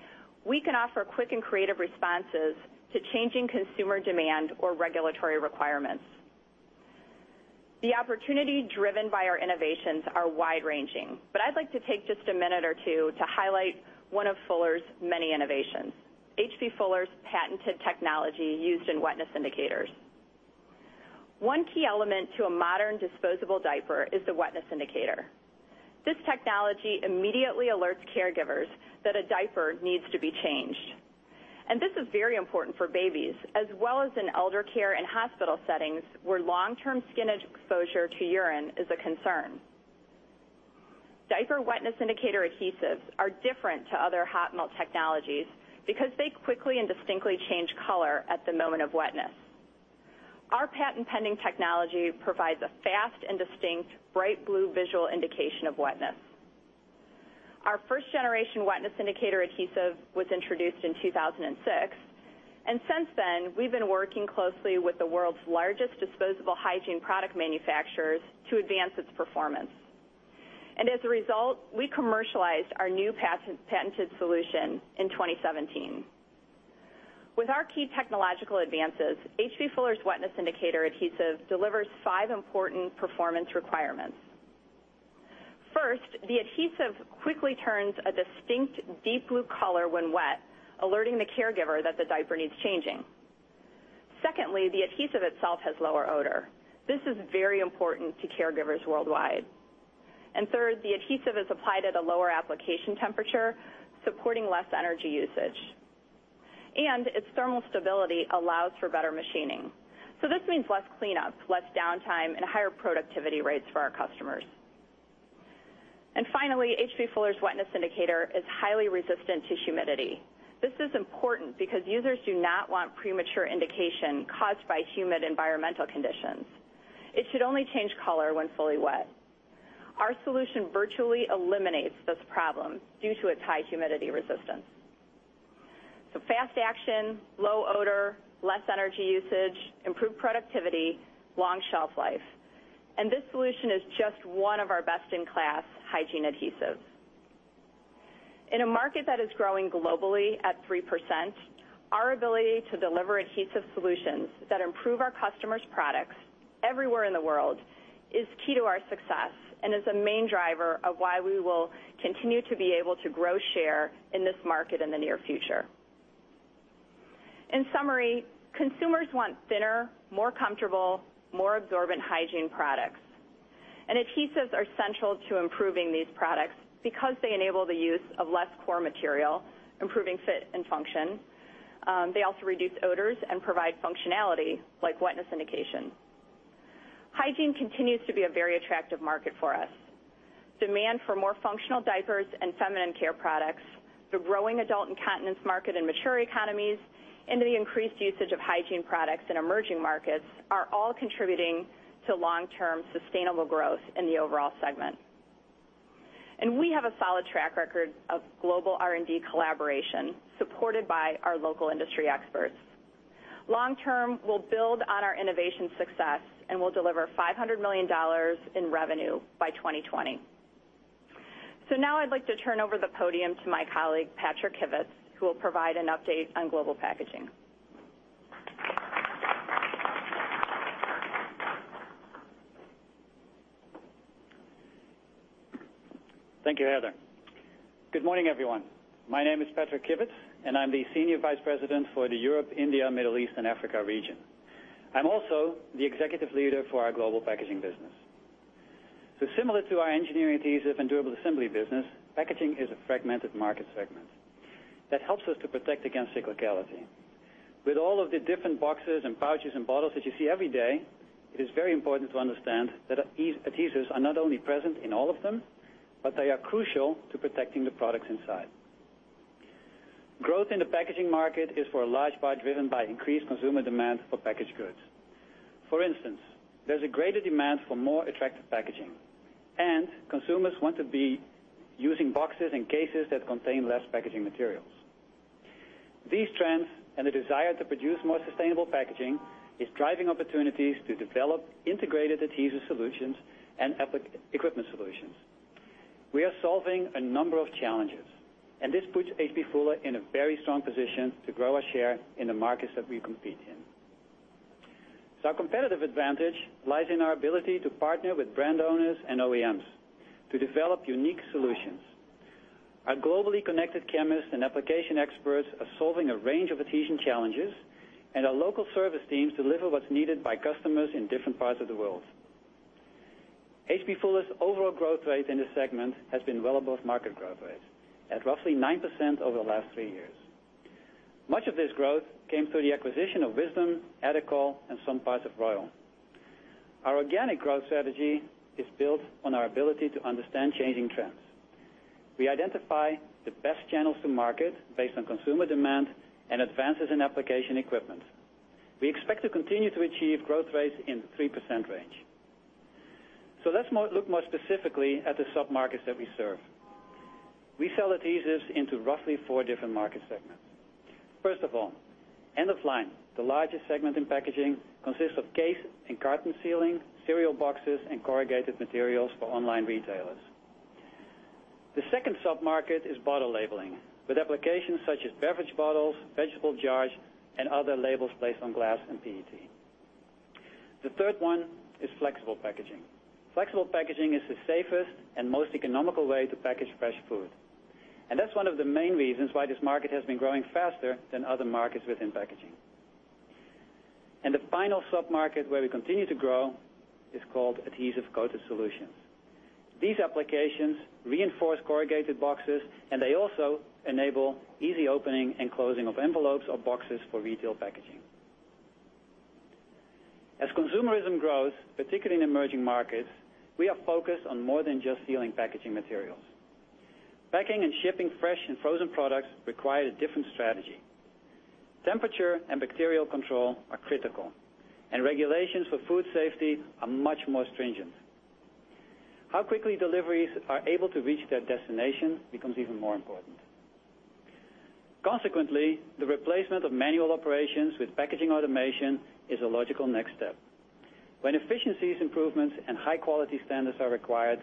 we can offer quick and creative responses to changing consumer demand or regulatory requirements. The opportunity driven by our innovations are wide ranging, but I'd like to take just a minute or two to highlight one of Fuller's many innovations, H.B. Fuller's patented technology used in wetness indicators. One key element to a modern disposable diaper is the wetness indicator. This technology immediately alerts caregivers that a diaper needs to be changed, and this is very important for babies, as well as in elder care and hospital settings, where long-term skin exposure to urine is a concern. Diaper wetness indicator adhesives are different to other hot melt technologies because they quickly and distinctly change color at the moment of wetness. Our patent-pending technology provides a fast and distinct bright blue visual indication of wetness. Our first generation wetness indicator adhesive was introduced in 2006. Since then, we've been working closely with the world's largest disposable hygiene product manufacturers to advance its performance. As a result, we commercialized our new patented solution in 2017. With our key technological advances, H.B. Fuller's wetness indicator adhesive delivers five important performance requirements. First, the adhesive quickly turns a distinct deep blue color when wet, alerting the caregiver that the diaper needs changing. Secondly, the adhesive itself has lower odor. This is very important to caregivers worldwide. Third, the adhesive is applied at a lower application temperature, supporting less energy usage. Its thermal stability allows for better machining. This means less cleanup, less downtime, and higher productivity rates for our customers. Finally, H.B. Fuller's wetness indicator is highly resistant to humidity. This is important because users do not want premature indication caused by humid environmental conditions. It should only change color when fully wet. Our solution virtually eliminates this problem due to its high humidity resistance. Fast action, low odor, less energy usage, improved productivity, long shelf life. This solution is just one of our best-in-class hygiene adhesives. In a market that is growing globally at 3%, our ability to deliver adhesive solutions that improve our customers' products everywhere in the world is key to our success and is a main driver of why we will continue to be able to grow share in this market in the near future. In summary, consumers want thinner, more comfortable, more absorbent hygiene products, and adhesives are central to improving these products because they enable the use of less core material, improving fit and function. They also reduce odors and provide functionality like wetness indication. Hygiene continues to be a very attractive market for us. Demand for more functional diapers and feminine care products, the growing adult incontinence market in mature economies, and the increased usage of hygiene products in emerging markets are all contributing to long-term sustainable growth in the overall segment. We have a solid track record of global R&D collaboration supported by our local industry experts. Long term, we'll build on our innovation success, and we'll deliver $500 million in revenue by 2020. Now I'd like to turn over the podium to my colleague, Patrick Kivits, who will provide an update on global packaging. Thank you, Heather. Good morning, everyone. My name is Patrick Kivits, and I'm the Senior Vice President for the Europe, India, Middle East, and Africa region. I'm also the executive leader for our global packaging business. Similar to our engineering adhesive and durable assembly business, packaging is a fragmented market segment that helps us to protect against cyclicality. With all of the different boxes and pouches and bottles that you see every day, it is very important to understand that adhesives are not only present in all of them, but they are crucial to protecting the products inside. Growth in the packaging market is for a large part driven by increased consumer demand for packaged goods. For instance, there's a greater demand for more attractive packaging, and consumers want to be using boxes and cases that contain less packaging materials. These trends and the desire to produce more sustainable packaging is driving opportunities to develop integrated adhesive solutions and equipment solutions. We are solving a number of challenges, and this puts H.B. Fuller in a very strong position to grow our share in the markets that we compete in. Our competitive advantage lies in our ability to partner with brand owners and OEMs to develop unique solutions. Our globally connected chemists and application experts are solving a range of adhesion challenges, and our local service teams deliver what's needed by customers in different parts of the world. H.B. Fuller's overall growth rate in this segment has been well above market growth rates, at roughly 9% over the last three years. Much of this growth came through the acquisition of Wisdom, Adecol, and some parts of Royal. Our organic growth strategy is built on our ability to understand changing trends. We identify the best channels to market based on consumer demand and advances in application equipment. We expect to continue to achieve growth rates in the 3% range. Let's look more specifically at the submarkets that we serve. We sell adhesives into roughly four different market segments. First of all, end of line, the largest segment in packaging, consists of case and carton sealing, cereal boxes, and corrugated materials for online retailers. The second submarket is bottle labeling, with applications such as beverage bottles, vegetable jars, and other labels placed on glass and PET. The third one is flexible packaging. Flexible packaging is the safest and most economical way to package fresh food. That's one of the main reasons why this market has been growing faster than other markets within packaging. The final sub-market where we continue to grow is called adhesive coated solutions. These applications reinforce corrugated boxes, and they also enable easy opening and closing of envelopes or boxes for retail packaging. As consumerism grows, particularly in emerging markets, we are focused on more than just sealing packaging materials. Packing and shipping fresh and frozen products require a different strategy. Temperature and bacterial control are critical, and regulations for food safety are much more stringent. How quickly deliveries are able to reach their destination becomes even more important. Consequently, the replacement of manual operations with packaging automation is a logical next step. When efficiencies improvements and high-quality standards are required,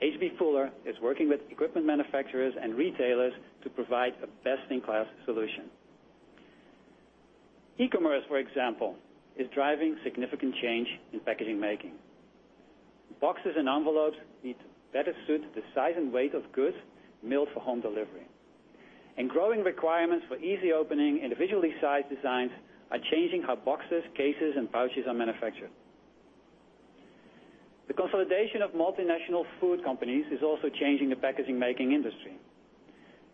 H.B. Fuller Company is working with equipment manufacturers and retailers to provide a best-in-class solution. E-commerce, for example, is driving significant change in packaging making. Boxes and envelopes need to better suit the size and weight of goods mailed for home delivery. Growing requirements for easy opening and visually sized designs are changing how boxes, cases, and pouches are manufactured. The consolidation of multinational food companies is also changing the packaging making industry.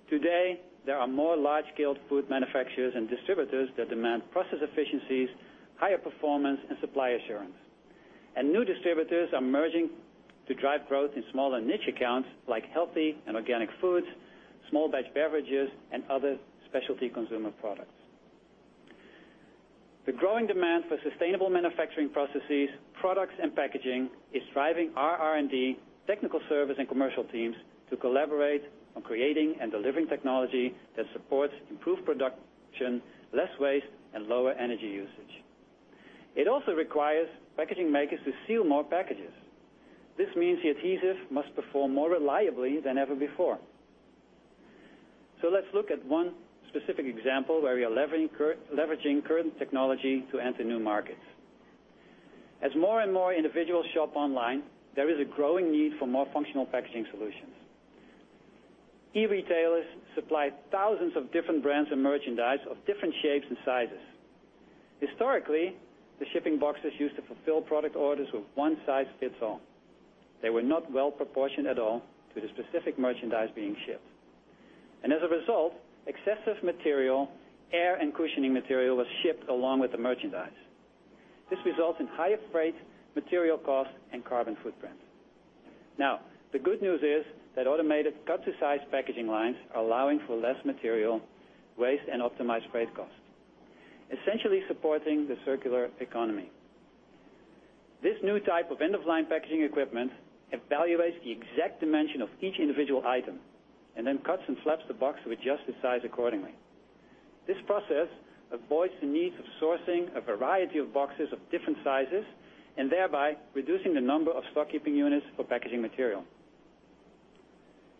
Today, there are more large-scale food manufacturers and distributors that demand process efficiencies, higher performance, and supply assurance. New distributors are merging to drive growth in smaller niche accounts, like healthy and organic foods, small batch beverages, and other specialty consumer products. The growing demand for sustainable manufacturing processes, products, and packaging is driving our R&D, technical service, and commercial teams to collaborate on creating and delivering technology that supports improved production, less waste, and lower energy usage. It also requires packaging makers to seal more packages. This means the adhesive must perform more reliably than ever before. Let's look at one specific example where we are leveraging current technology to enter new markets. As more and more individuals shop online, there is a growing need for more functional packaging solutions. E-retailers supply thousands of different brands and merchandise of different shapes and sizes. Historically, the shipping boxes used to fulfill product orders were one size fits all. They were not well proportioned at all to the specific merchandise being shipped. As a result, excessive material, air, and cushioning material was shipped along with the merchandise. This results in higher freight, material costs, and carbon footprints. The good news is that automated cut-to-size packaging lines are allowing for less material waste and optimized freight costs, essentially supporting the circular economy. This new type of end-of-line packaging equipment evaluates the exact dimension of each individual item and then cuts and flaps the box to adjust the size accordingly. This process avoids the need of sourcing a variety of boxes of different sizes, and thereby reducing the number of stock keeping units for packaging material.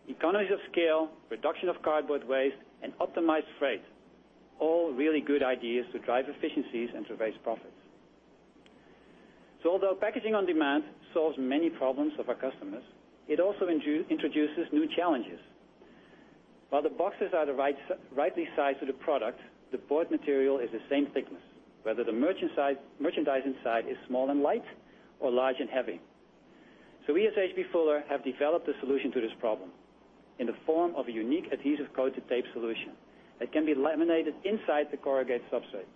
Economies of scale, reduction of cardboard waste, and optimized freight, all really good ideas to drive efficiencies and to raise profits. Although packaging on demand solves many problems of our customers, it also introduces new challenges. While the boxes are the rightly sized for the product, the board material is the same thickness, whether the merchandise inside is small and light or large and heavy. We as H.B. Fuller have developed a solution to this problem in the form of a unique adhesive coated tape solution that can be laminated inside the corrugated substrate.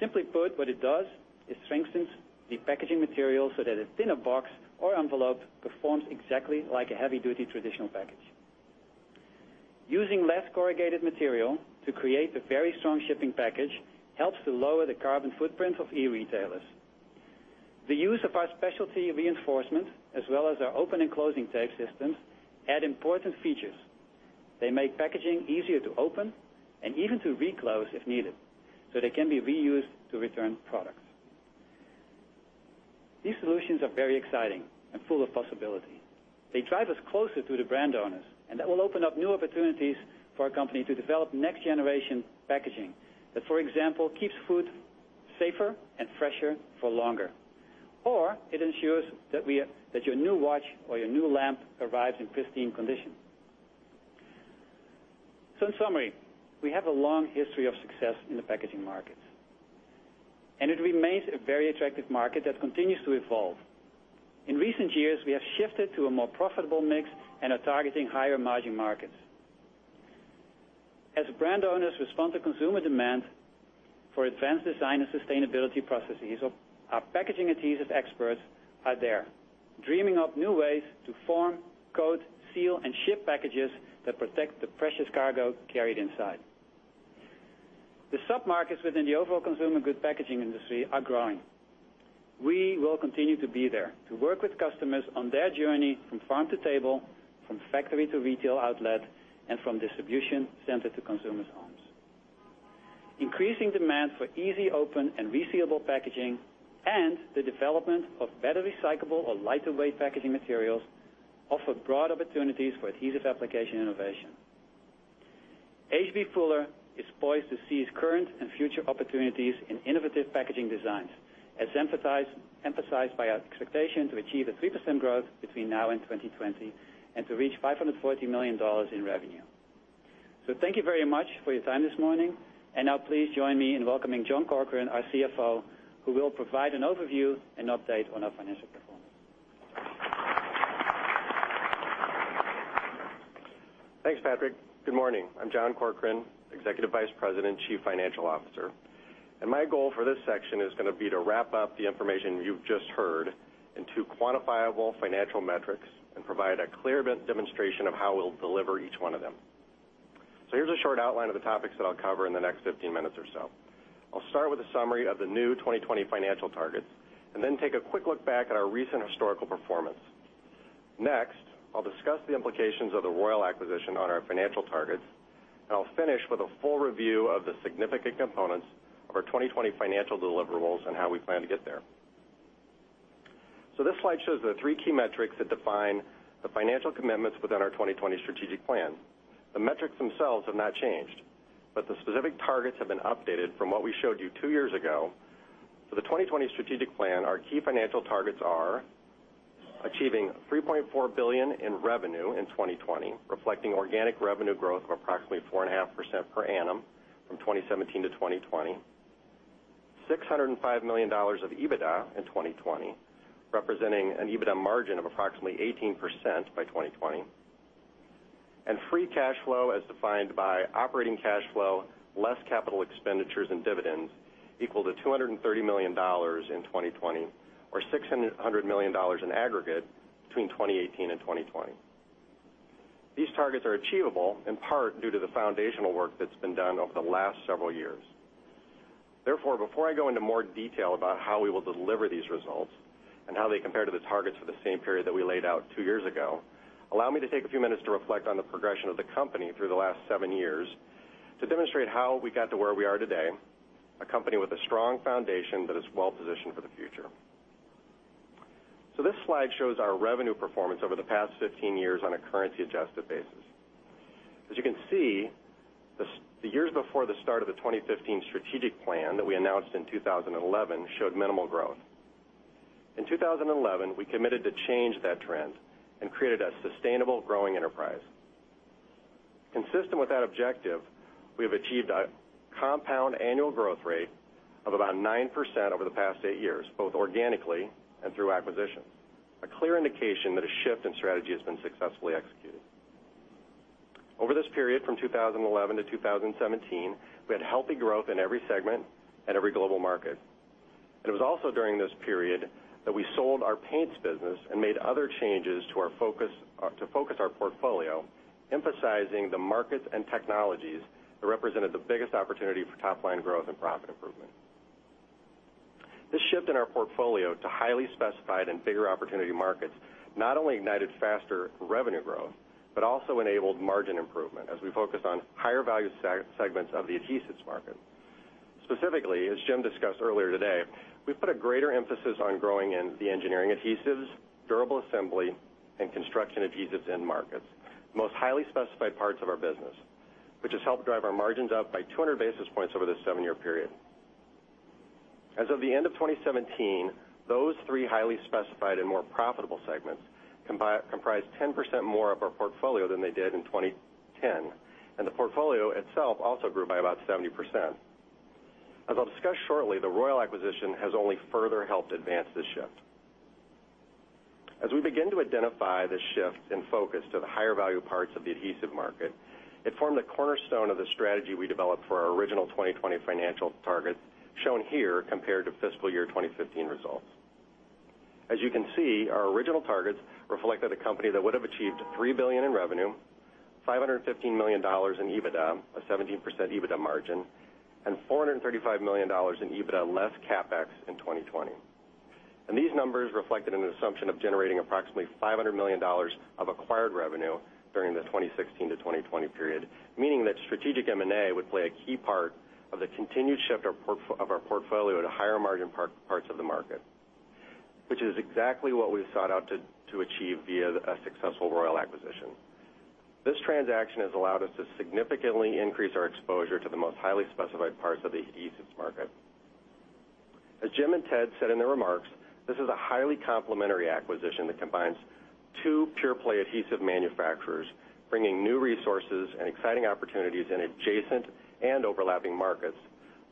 Simply put, what it does is strengthens the packaging material so that a thinner box or envelope performs exactly like a heavy-duty traditional package. Using less corrugated material to create a very strong shipping package helps to lower the carbon footprint of e-retailers. The use of our specialty reinforcement, as well as our open and closing tape systems, add important features. They make packaging easier to open and even to reclose if needed, so they can be reused to return products. These solutions are very exciting and full of possibility. They drive us closer to the brand owners, and that will open up new opportunities for our company to develop next generation packaging that, for example, keeps food safer and fresher for longer. It ensures that your new watch or your new lamp arrives in pristine condition. In summary, we have a long history of success in the packaging markets, and it remains a very attractive market that continues to evolve. In recent years, we have shifted to a more profitable mix and are targeting higher margin markets. As brand owners respond to consumer demand for advanced design and sustainability processes, our packaging adhesives experts are there, dreaming up new ways to form, coat, seal, and ship packages that protect the precious cargo carried inside. The sub-markets within the overall consumer goods packaging industry are growing. We will continue to be there to work with customers on their journey from farm to table, from factory to retail outlet, and from distribution center to consumers' homes. Increasing demand for easy open and resealable packaging and the development of better recyclable or lighter weight packaging materials offer broad opportunities for adhesive application innovation. H.B. Fuller is poised to seize current and future opportunities in innovative packaging designs, as emphasized by our expectation to achieve a 3% growth between now and 2020 and to reach $540 million in revenue. Thank you very much for your time this morning, and now please join me in welcoming John Corkrean, our CFO, who will provide an overview and update on our financial performance. Thanks, Patrick. Good morning. I'm John Corkrean, Executive Vice President, Chief Financial Officer. My goal for this section is going to be to wrap up the information you've just heard into quantifiable financial metrics and provide a clear demonstration of how we'll deliver each one of them. Here's a short outline of the topics that I'll cover in the next 15 minutes or so. I'll start with a summary of the new 2020 financial targets, then take a quick look back at our recent historical performance. Next, I'll discuss the implications of the Royal acquisition on our financial targets, I'll finish with a full review of the significant components of our 2020 financial deliverables and how we plan to get there. This slide shows the three key metrics that define the financial commitments within our 2020 strategic plan. The metrics themselves have not changed, the specific targets have been updated from what we showed you two years ago. For the 2020 strategic plan, our key financial targets are achieving $3.4 billion in revenue in 2020, reflecting organic revenue growth of approximately 4.5% per annum from 2017 to 2020. $605 million of EBITDA in 2020, representing an EBITDA margin of approximately 18% by 2020. Free cash flow as defined by operating cash flow, less capital expenditures and dividends equal to $230 million in 2020 or $600 million in aggregate between 2018 and 2020. These targets are achievable in part due to the foundational work that's been done over the last several years. Therefore, before I go into more detail about how we will deliver these results and how they compare to the targets for the same period that we laid out two years ago, allow me to take a few minutes to reflect on the progression of the company through the last seven years to demonstrate how we got to where we are today, a company with a strong foundation that is well-positioned for the future. This slide shows our revenue performance over the past 15 years on a currency-adjusted basis. As you can see, the years before the start of the 2015 strategic plan that we announced in 2011 showed minimal growth. In 2011, we committed to change that trend and created a sustainable growing enterprise. Consistent with that objective, we have achieved a compound annual growth rate of about 9% over the past eight years, both organically and through acquisitions. A clear indication that a shift in strategy has been successfully executed. Over this period from 2011 to 2017, we had healthy growth in every segment and every global market. It was also during this period that we sold our paints business and made other changes to focus our portfolio, emphasizing the markets and technologies that represented the biggest opportunity for top-line growth and profit improvement. This shift in our portfolio to highly specified and bigger opportunity markets not only ignited faster revenue growth, also enabled margin improvement as we focused on higher value segments of the adhesives market. Specifically, as Jim discussed earlier today, we put a greater emphasis on growing in the Engineering Adhesives, Durable Assembly, and Construction Adhesives end markets, the most highly specified parts of our business, which has helped drive our margins up by 200 basis points over this seven-year period. As of the end of 2017, those three highly specified and more profitable segments comprise 10% more of our portfolio than they did in 2010, and the portfolio itself also grew by about 70%. As I'll discuss shortly, the Royal acquisition has only further helped advance this shift. As we begin to identify the shift in focus to the higher value parts of the adhesive market, it formed a cornerstone of the strategy we developed for our original 2020 financial target, shown here, compared to fiscal year 2015 results. As you can see, our original targets reflected a company that would have achieved $3 billion in revenue, $515 million in EBITDA, a 17% EBITDA margin, and $435 million in EBITDA, less CapEx in 2020. These numbers reflected an assumption of generating approximately $500 million of acquired revenue during the 2016-2020 period, meaning that strategic M&A would play a key part of the continued shift of our portfolio to higher margin parts of the market, which is exactly what we sought out to achieve via a successful Royal acquisition. This transaction has allowed us to significantly increase our exposure to the most highly specified parts of the adhesives market. As Jim and Ted said in their remarks, this is a highly complementary acquisition that combines two pure-play adhesive manufacturers, bringing new resources and exciting opportunities in adjacent and overlapping markets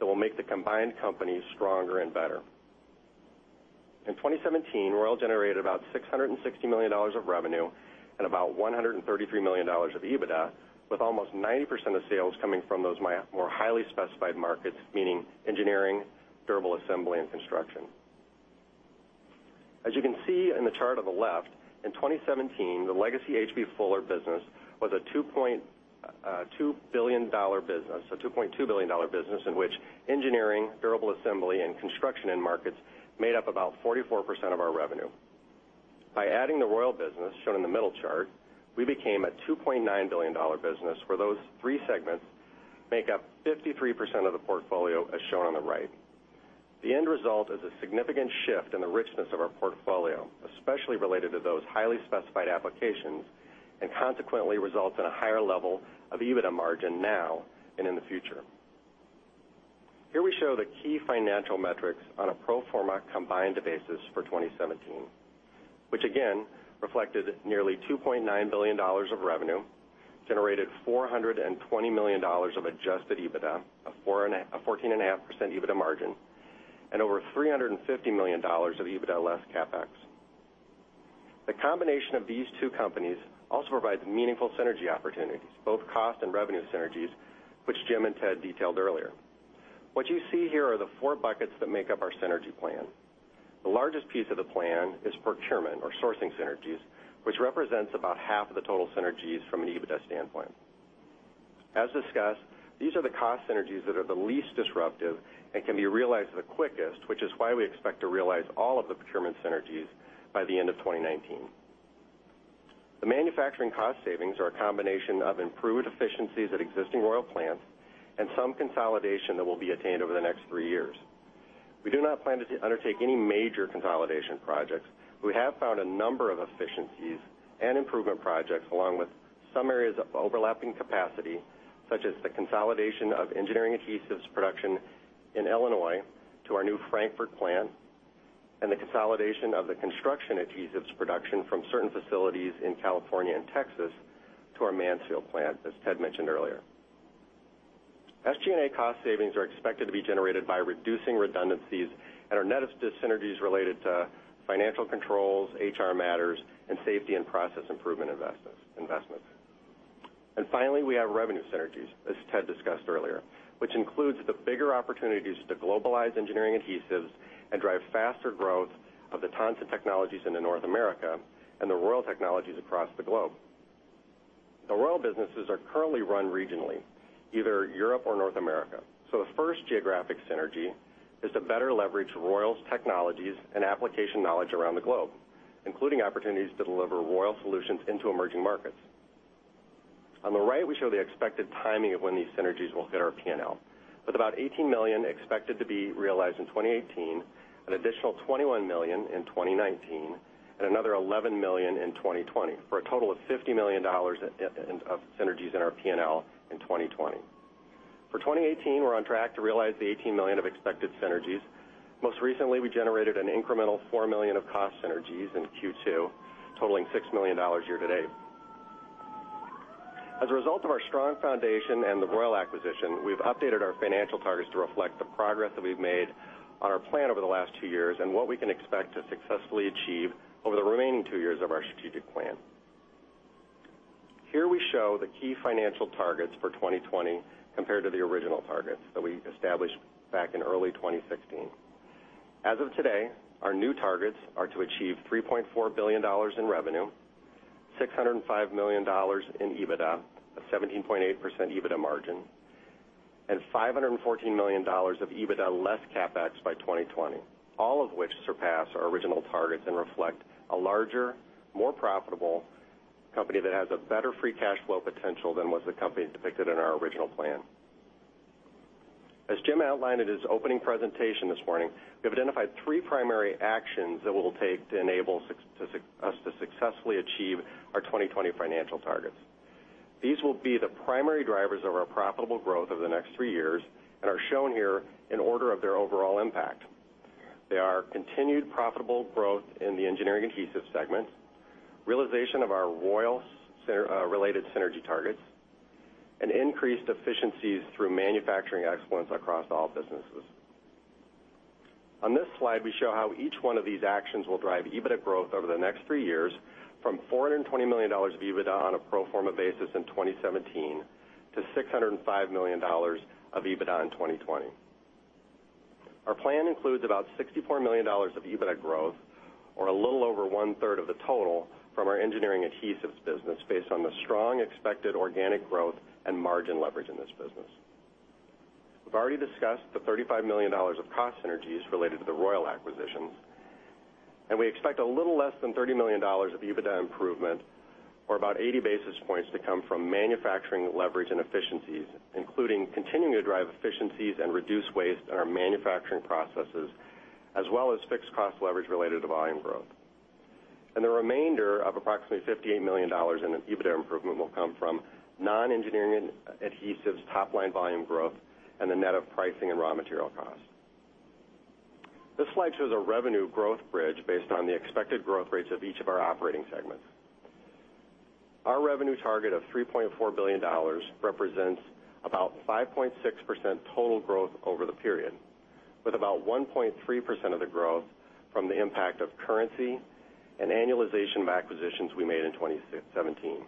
that will make the combined company stronger and better. In 2017, Royal generated about $660 million of revenue and about $133 million of EBITDA, with almost 90% of sales coming from those more highly specified markets, meaning Engineering, Durable Assembly, and Construction. As you can see in the chart on the left, in 2017, the legacy H.B. Fuller business was a $2.2 billion business in which Engineering, Durable Assembly, and Construction end markets made up about 44% of our revenue. By adding the Royal business, shown in the middle chart, we became a $2.9 billion business where those three segments make up 53% of the portfolio, as shown on the right. The end result is a significant shift in the richness of our portfolio, especially related to those highly specified applications, and consequently results in a higher level of EBITDA margin now and in the future. Here we show the key financial metrics on a pro forma combined basis for 2017, which again reflected nearly $2.9 billion of revenue, generated $420 million of adjusted EBITDA, a 14.5% EBITDA margin, and over $350 million of EBITDA less CapEx. The combination of these two companies also provides meaningful synergy opportunities, both cost and revenue synergies, which Jim and Ted detailed earlier. What you see here are the four buckets that make up our synergy plan. The largest piece of the plan is procurement or sourcing synergies, which represents about half of the total synergies from an EBITDA standpoint. As discussed, these are the cost synergies that are the least disruptive and can be realized the quickest, which is why we expect to realize all of the procurement synergies by the end of 2019. The manufacturing cost savings are a combination of improved efficiencies at existing Royal plants and some consolidation that will be attained over the next three years. We do not plan to undertake any major consolidation projects. We have found a number of efficiencies and improvement projects, along with some areas of overlapping capacity, such as the consolidation of engineering adhesives production in Illinois to our new Frankfort plant, and the consolidation of the construction adhesives production from certain facilities in California and Texas to our Mansfield plant, as Ted mentioned earlier. Finally, we have revenue synergies, as Ted discussed earlier, which includes the bigger opportunities to globalize engineering adhesives and drive faster growth of the Tonsan technologies into North America and the Royal technologies across the globe. The Royal businesses are currently run regionally, either Europe or North America. The first geographic synergy is to better leverage Royal's technologies and application knowledge around the globe, including opportunities to deliver Royal solutions into emerging markets. On the right, we show the expected timing of when these synergies will hit our P&L, with about $18 million expected to be realized in 2018, an additional $21 million in 2019, and another $11 million in 2020. For a total of $50 million of synergies in our P&L in 2020. For 2018, we're on track to realize the $18 million of expected synergies. Most recently, we generated an incremental $4 million of cost synergies in Q2, totaling $6 million year to date. As a result of our strong foundation and the Royal acquisition, we've updated our financial targets to reflect the progress that we've made on our plan over the last two years and what we can expect to successfully achieve over the remaining two years of our strategic plan. Here we show the key financial targets for 2020 compared to the original targets that we established back in early 2016. As of today, our new targets are to achieve $3.4 billion in revenue, $605 million in EBITDA, a 17.8% EBITDA margin, and $514 million of EBITDA less CapEx by 2020. All of which surpass our original targets and reflect a larger, more profitable company that has a better free cash flow potential than was the company depicted in our original plan. As Jim outlined in his opening presentation this morning, we have identified three primary actions that we'll take to enable us to successfully achieve our 2020 financial targets. These will be the primary drivers of our profitable growth over the next three years and are shown here in order of their overall impact. They are continued profitable growth in the engineering adhesive segment, realization of our Royal related synergy targets, and increased efficiencies through manufacturing excellence across all businesses. On this slide, we show how each one of these actions will drive EBITDA growth over the next three years, from $420 million of EBITDA on a pro forma basis in 2017 to $605 million of EBITDA in 2020. Our plan includes about $64 million of EBITDA growth, or a little over one-third of the total from our Engineering Adhesives business, based on the strong expected organic growth and margin leverage in this business. We've already discussed the $35 million of cost synergies related to the Royal acquisition, and we expect a little less than $30 million of EBITDA improvement, or about 80 basis points to come from manufacturing leverage and efficiencies, including continuing to drive efficiencies and reduce waste in our manufacturing processes, as well as fixed cost leverage related to volume growth. The remainder of approximately $58 million in EBITDA improvement will come from non-Engineering Adhesives top-line volume growth and the net of pricing and raw material costs. This slide shows a revenue growth bridge based on the expected growth rates of each of our operating segments. Our revenue target of $3.4 billion represents about 5.6% total growth over the period, with about 1.3% of the growth from the impact of currency and annualization of acquisitions we made in 2017,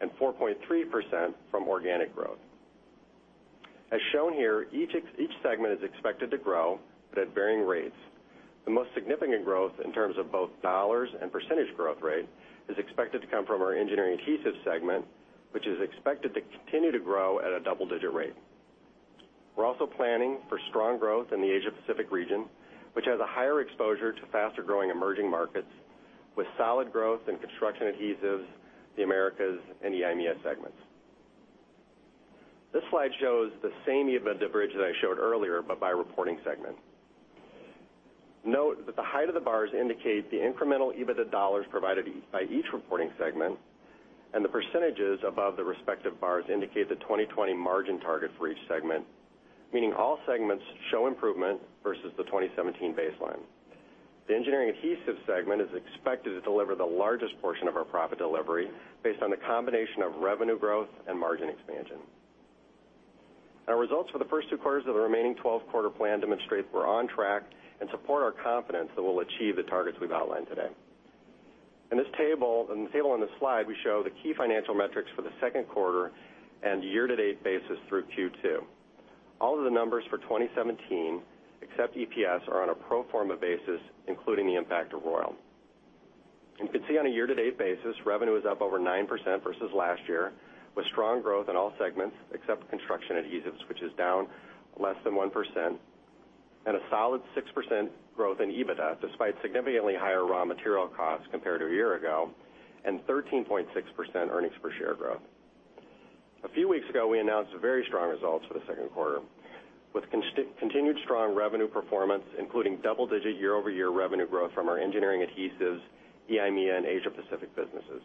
and 4.3% from organic growth. As shown here, each segment is expected to grow, but at varying rates. The most significant growth in terms of both dollars and percentage growth rate is expected to come from our Engineering Adhesives segment, which is expected to continue to grow at a double-digit rate. We're also planning for strong growth in the Asia Pacific region, which has a higher exposure to faster growing emerging markets, with solid growth in Construction Adhesives, the Americas, and the EIMEA segments. This slide shows the same EBITDA bridge that I showed earlier, but by reporting segment. Note that the height of the bars indicate the incremental EBITDA dollars provided by each reporting segment, and the percentages above the respective bars indicate the 2020 margin target for each segment, meaning all segments show improvement versus the 2017 baseline. The Engineering Adhesives segment is expected to deliver the largest portion of our profit delivery based on the combination of revenue growth and margin expansion. Our results for the first two quarters of the remaining 12-quarter plan demonstrate we're on track and support our confidence that we'll achieve the targets we've outlined today. In the table on this slide, we show the key financial metrics for the second quarter and year-to-date basis through Q2. All of the numbers for 2017, except EPS, are on a pro forma basis, including the impact of Royal. You can see on a year-to-date basis, revenue is up over 9% versus last year, with strong growth in all segments except Construction Adhesives, which is down less than 1%, and a solid 6% growth in EBITDA, despite significantly higher raw material costs compared to a year ago, and 13.6% earnings per share growth. A few weeks ago, we announced very strong results for the second quarter, with continued strong revenue performance, including double-digit year-over-year revenue growth from our Engineering Adhesives, EIMEA, and Asia Pacific businesses.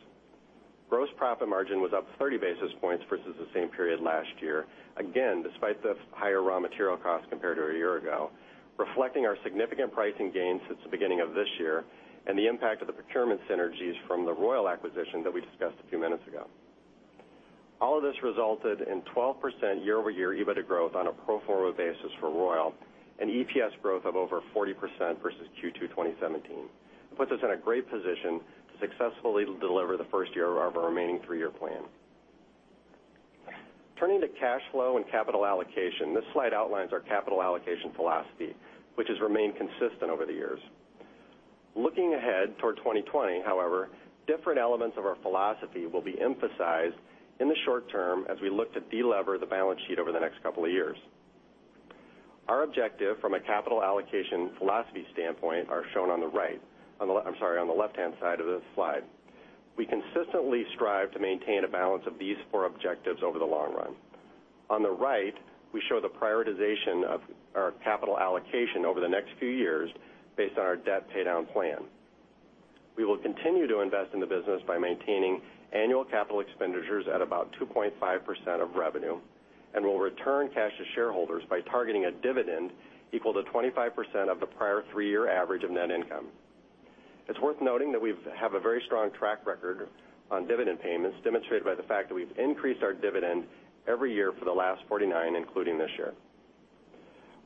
Gross profit margin was up 30 basis points versus the same period last year, again, despite the higher raw material costs compared to a year ago, reflecting our significant pricing gains since the beginning of this year and the impact of the procurement synergies from the Royal acquisition that we discussed a few minutes ago. All of this resulted in 12% year-over-year EBITDA growth on a pro forma basis for Royal and EPS growth of over 40% versus Q2 2017. It puts us in a great position to successfully deliver the first year of our remaining three-year plan. Turning to cash flow and capital allocation, this slide outlines our capital allocation philosophy, which has remained consistent over the years. Looking ahead toward 2020, however, different elements of our philosophy will be emphasized in the short term as we look to delever the balance sheet over the next couple of years. Our objective from a capital allocation philosophy standpoint are shown on the right, I'm sorry, on the left-hand side of this slide. We consistently strive to maintain a balance of these four objectives over the long run. On the right, we show the prioritization of our capital allocation over the next few years based on our debt paydown plan. We will continue to invest in the business by maintaining annual capital expenditures at about 2.5% of revenue and will return cash to shareholders by targeting a dividend equal to 25% of the prior three-year average of net income. It's worth noting that we have a very strong track record on dividend payments, demonstrated by the fact that we've increased our dividend every year for the last 49, including this year.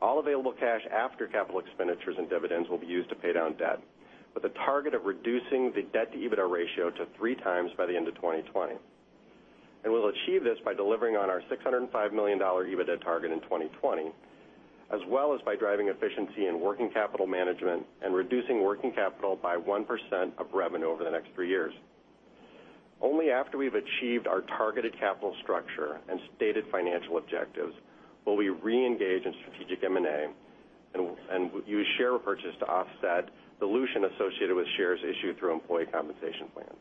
All available cash after capital expenditures and dividends will be used to pay down debt, with a target of reducing the debt to EBITDA ratio to three times by the end of 2020. We'll achieve this by delivering on our $605 million EBITDA target in 2020, as well as by driving efficiency in working capital management and reducing working capital by 1% of revenue over the next three years. Only after we've achieved our targeted capital structure and stated financial objectives will we reengage in strategic M&A and use share purchase to offset dilution associated with shares issued through employee compensation plans.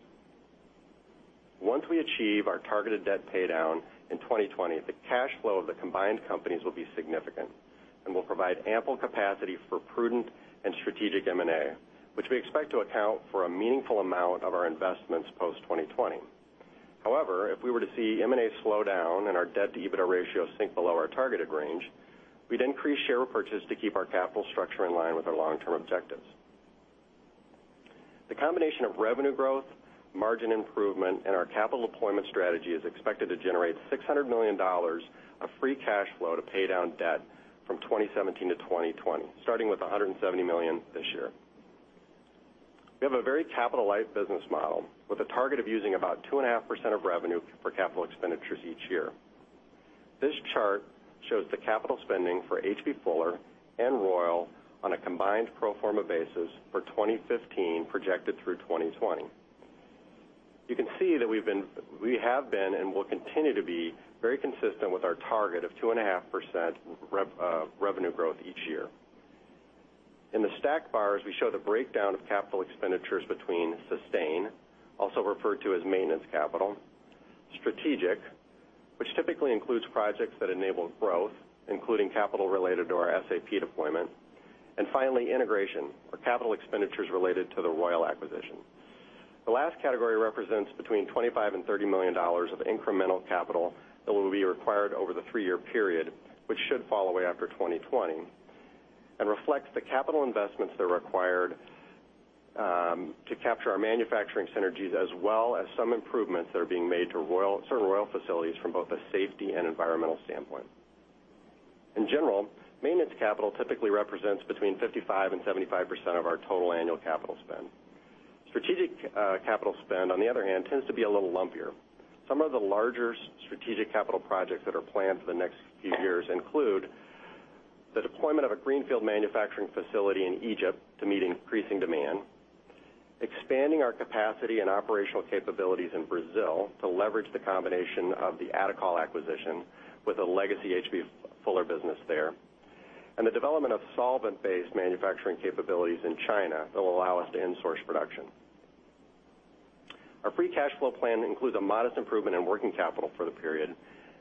Once we achieve our targeted debt paydown in 2020, the cash flow of the combined companies will be significant and will provide ample capacity for prudent and strategic M&A, which we expect to account for a meaningful amount of our investments post-2020. However, if we were to see M&A slow down and our debt-to-EBITDA ratio sink below our targeted range, we'd increase share repurchase to keep our capital structure in line with our long-term objectives. The combination of revenue growth, margin improvement, and our capital deployment strategy is expected to generate $600 million of free cash flow to pay down debt from 2017 to 2020, starting with $170 million this year. We have a very capital-light business model with a target of using about 2.5% of revenue for capital expenditures each year. This chart shows the capital spending for H.B. Fuller and Royal on a combined pro forma basis for 2015, projected through 2020. You can see that we have been and will continue to be very consistent with our target of 2.5% revenue growth each year. In the stacked bars, we show the breakdown of capital expenditures between sustain, also referred to as maintenance capital, strategic, which typically includes projects that enable growth, including capital related to our SAP deployment, and finally, integration or capital expenditures related to the Royal acquisition. The last category represents between $25 million and $30 million of incremental capital that will be required over the three-year period, which should fall away after 2020 and reflects the capital investments that are required to capture our manufacturing synergies, as well as some improvements that are being made to certain Royal facilities from both a safety and environmental standpoint. In general, maintenance capital typically represents between 55% and 75% of our total annual capital spend. Strategic capital spend, on the other hand, tends to be a little lumpier. Some of the larger strategic capital projects that are planned for the next few years include the deployment of a greenfield manufacturing facility in Egypt to meet increasing demand, expanding our capacity and operational capabilities in Brazil to leverage the combination of the Adecol acquisition with the legacy H.B. Fuller business there, the development of solvent-based manufacturing capabilities in China that will allow us to insource production. Our free cash flow plan includes a modest improvement in working capital for the period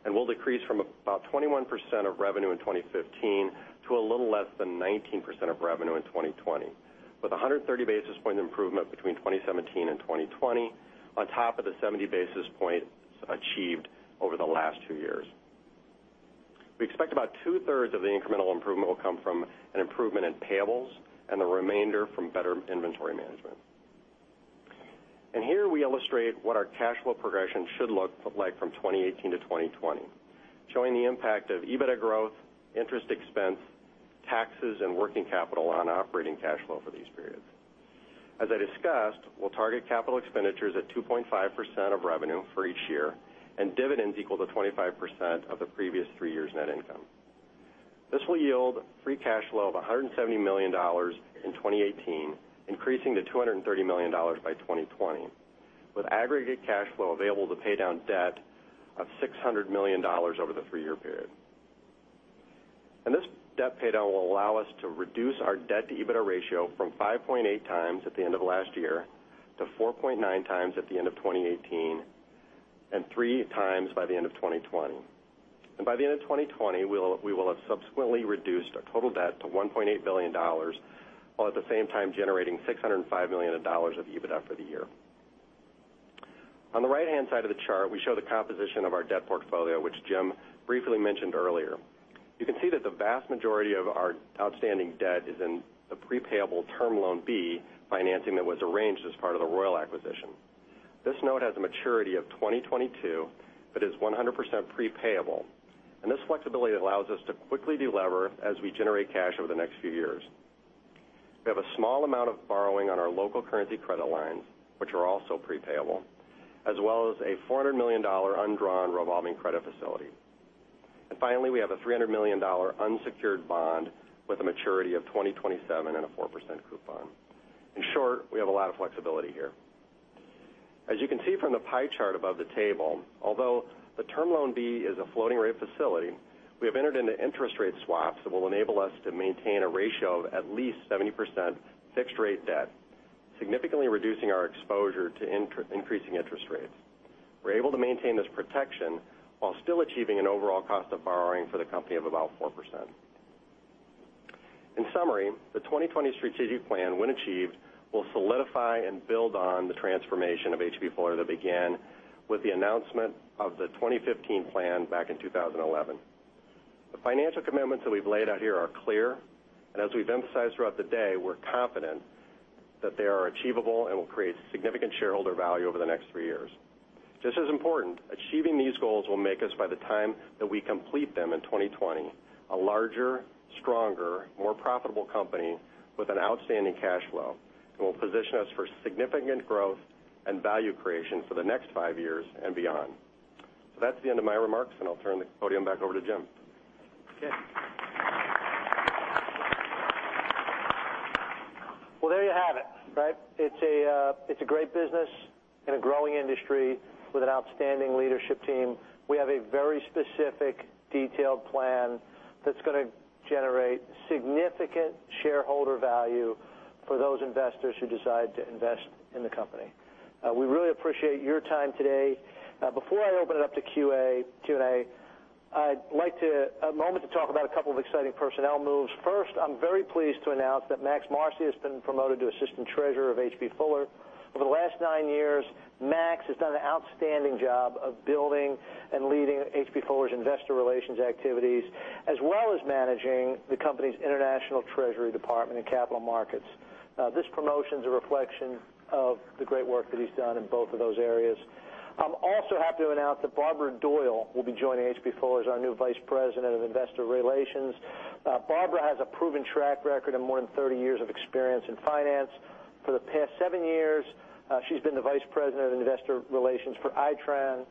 and will decrease from about 21% of revenue in 2015 to a little less than 19% of revenue in 2020, with 130 basis point improvement between 2017 and 2020 on top of the 70 basis points achieved over the last two years. We expect about two-thirds of the incremental improvement will come from an improvement in payables and the remainder from better inventory management. Here we illustrate what our cash flow progression should look like from 2018 to 2020, showing the impact of EBITDA growth, interest expense, taxes, and working capital on operating cash flow for these periods. As I discussed, we'll target capital expenditures at 2.5% of revenue for each year and dividends equal to 25% of the previous three years' net income. This will yield free cash flow of $170 million in 2018, increasing to $230 million by 2020, with aggregate cash flow available to pay down debt of $600 million over the three-year period. This debt paydown will allow us to reduce our debt-to-EBITDA ratio from 5.8 times at the end of last year to 4.9 times at the end of 2018 and three times by the end of 2020. By the end of 2020, we will have subsequently reduced our total debt to $1.8 billion, while at the same time generating $605 million of EBITDA for the year. On the right-hand side of the chart, we show the composition of our debt portfolio, which Jim briefly mentioned earlier. You can see that the vast majority of our outstanding debt is in the pre-payable Term Loan B financing that was arranged as part of the Royal acquisition. This note has a maturity of 2022 but is 100% pre-payable, and this flexibility allows us to quickly delever as we generate cash over the next few years. We have a small amount of borrowing on our local currency credit lines, which are also pre-payable, as well as a $400 million undrawn revolving credit facility. Finally, we have a $300 million unsecured bond with a maturity of 2027 and a 4% coupon. In short, we have a lot of flexibility here. As you can see from the pie chart above the table, although the Term Loan B is a floating rate facility, we have entered into interest rate swaps that will enable us to maintain a ratio of at least 70% fixed-rate debt, significantly reducing our exposure to increasing interest rates. We're able to maintain this protection while still achieving an overall cost of borrowing for the company of about 4%. In summary, the 2020 strategic plan, when achieved, will solidify and build on the transformation of H.B. Fuller that began with the announcement of the 2015 plan back in 2011. The financial commitments that we've laid out here are clear, and as we've emphasized throughout the day, we're confident that they are achievable and will create significant shareholder value over the next three years. Just as important, achieving these goals will make us, by the time that we complete them in 2020, a larger, stronger, more profitable company with an outstanding cash flow that will position us for significant growth and value creation for the next five years and beyond. That's the end of my remarks, and I'll turn the podium back over to Jim. Okay. Well, there you have it, right? It's a great business in a growing industry with an outstanding leadership team. We have a very specific, detailed plan that's gonna generate significant shareholder value for those investors who decide to invest in the company. We really appreciate your time today. Before I open it up to Q&A, I'd like a moment to talk about a couple of exciting personnel moves. First, I'm very pleased to announce that Max Marcy has been promoted to Assistant Treasurer of H.B. Fuller. Over the last nine years, Max has done an outstanding job of building and leading H.B. Fuller's investor relations activities, as well as managing the company's international treasury department and capital markets. This promotion's a reflection of the great work that he's done in both of those areas. I'm also happy to announce that Barbara Doyle will be joining H.B. Fuller as our new Vice President of Investor Relations. Barbara has a proven track record and more than 30 years of experience in finance. For the past seven years, she's been the Vice President of Investor Relations for Itron,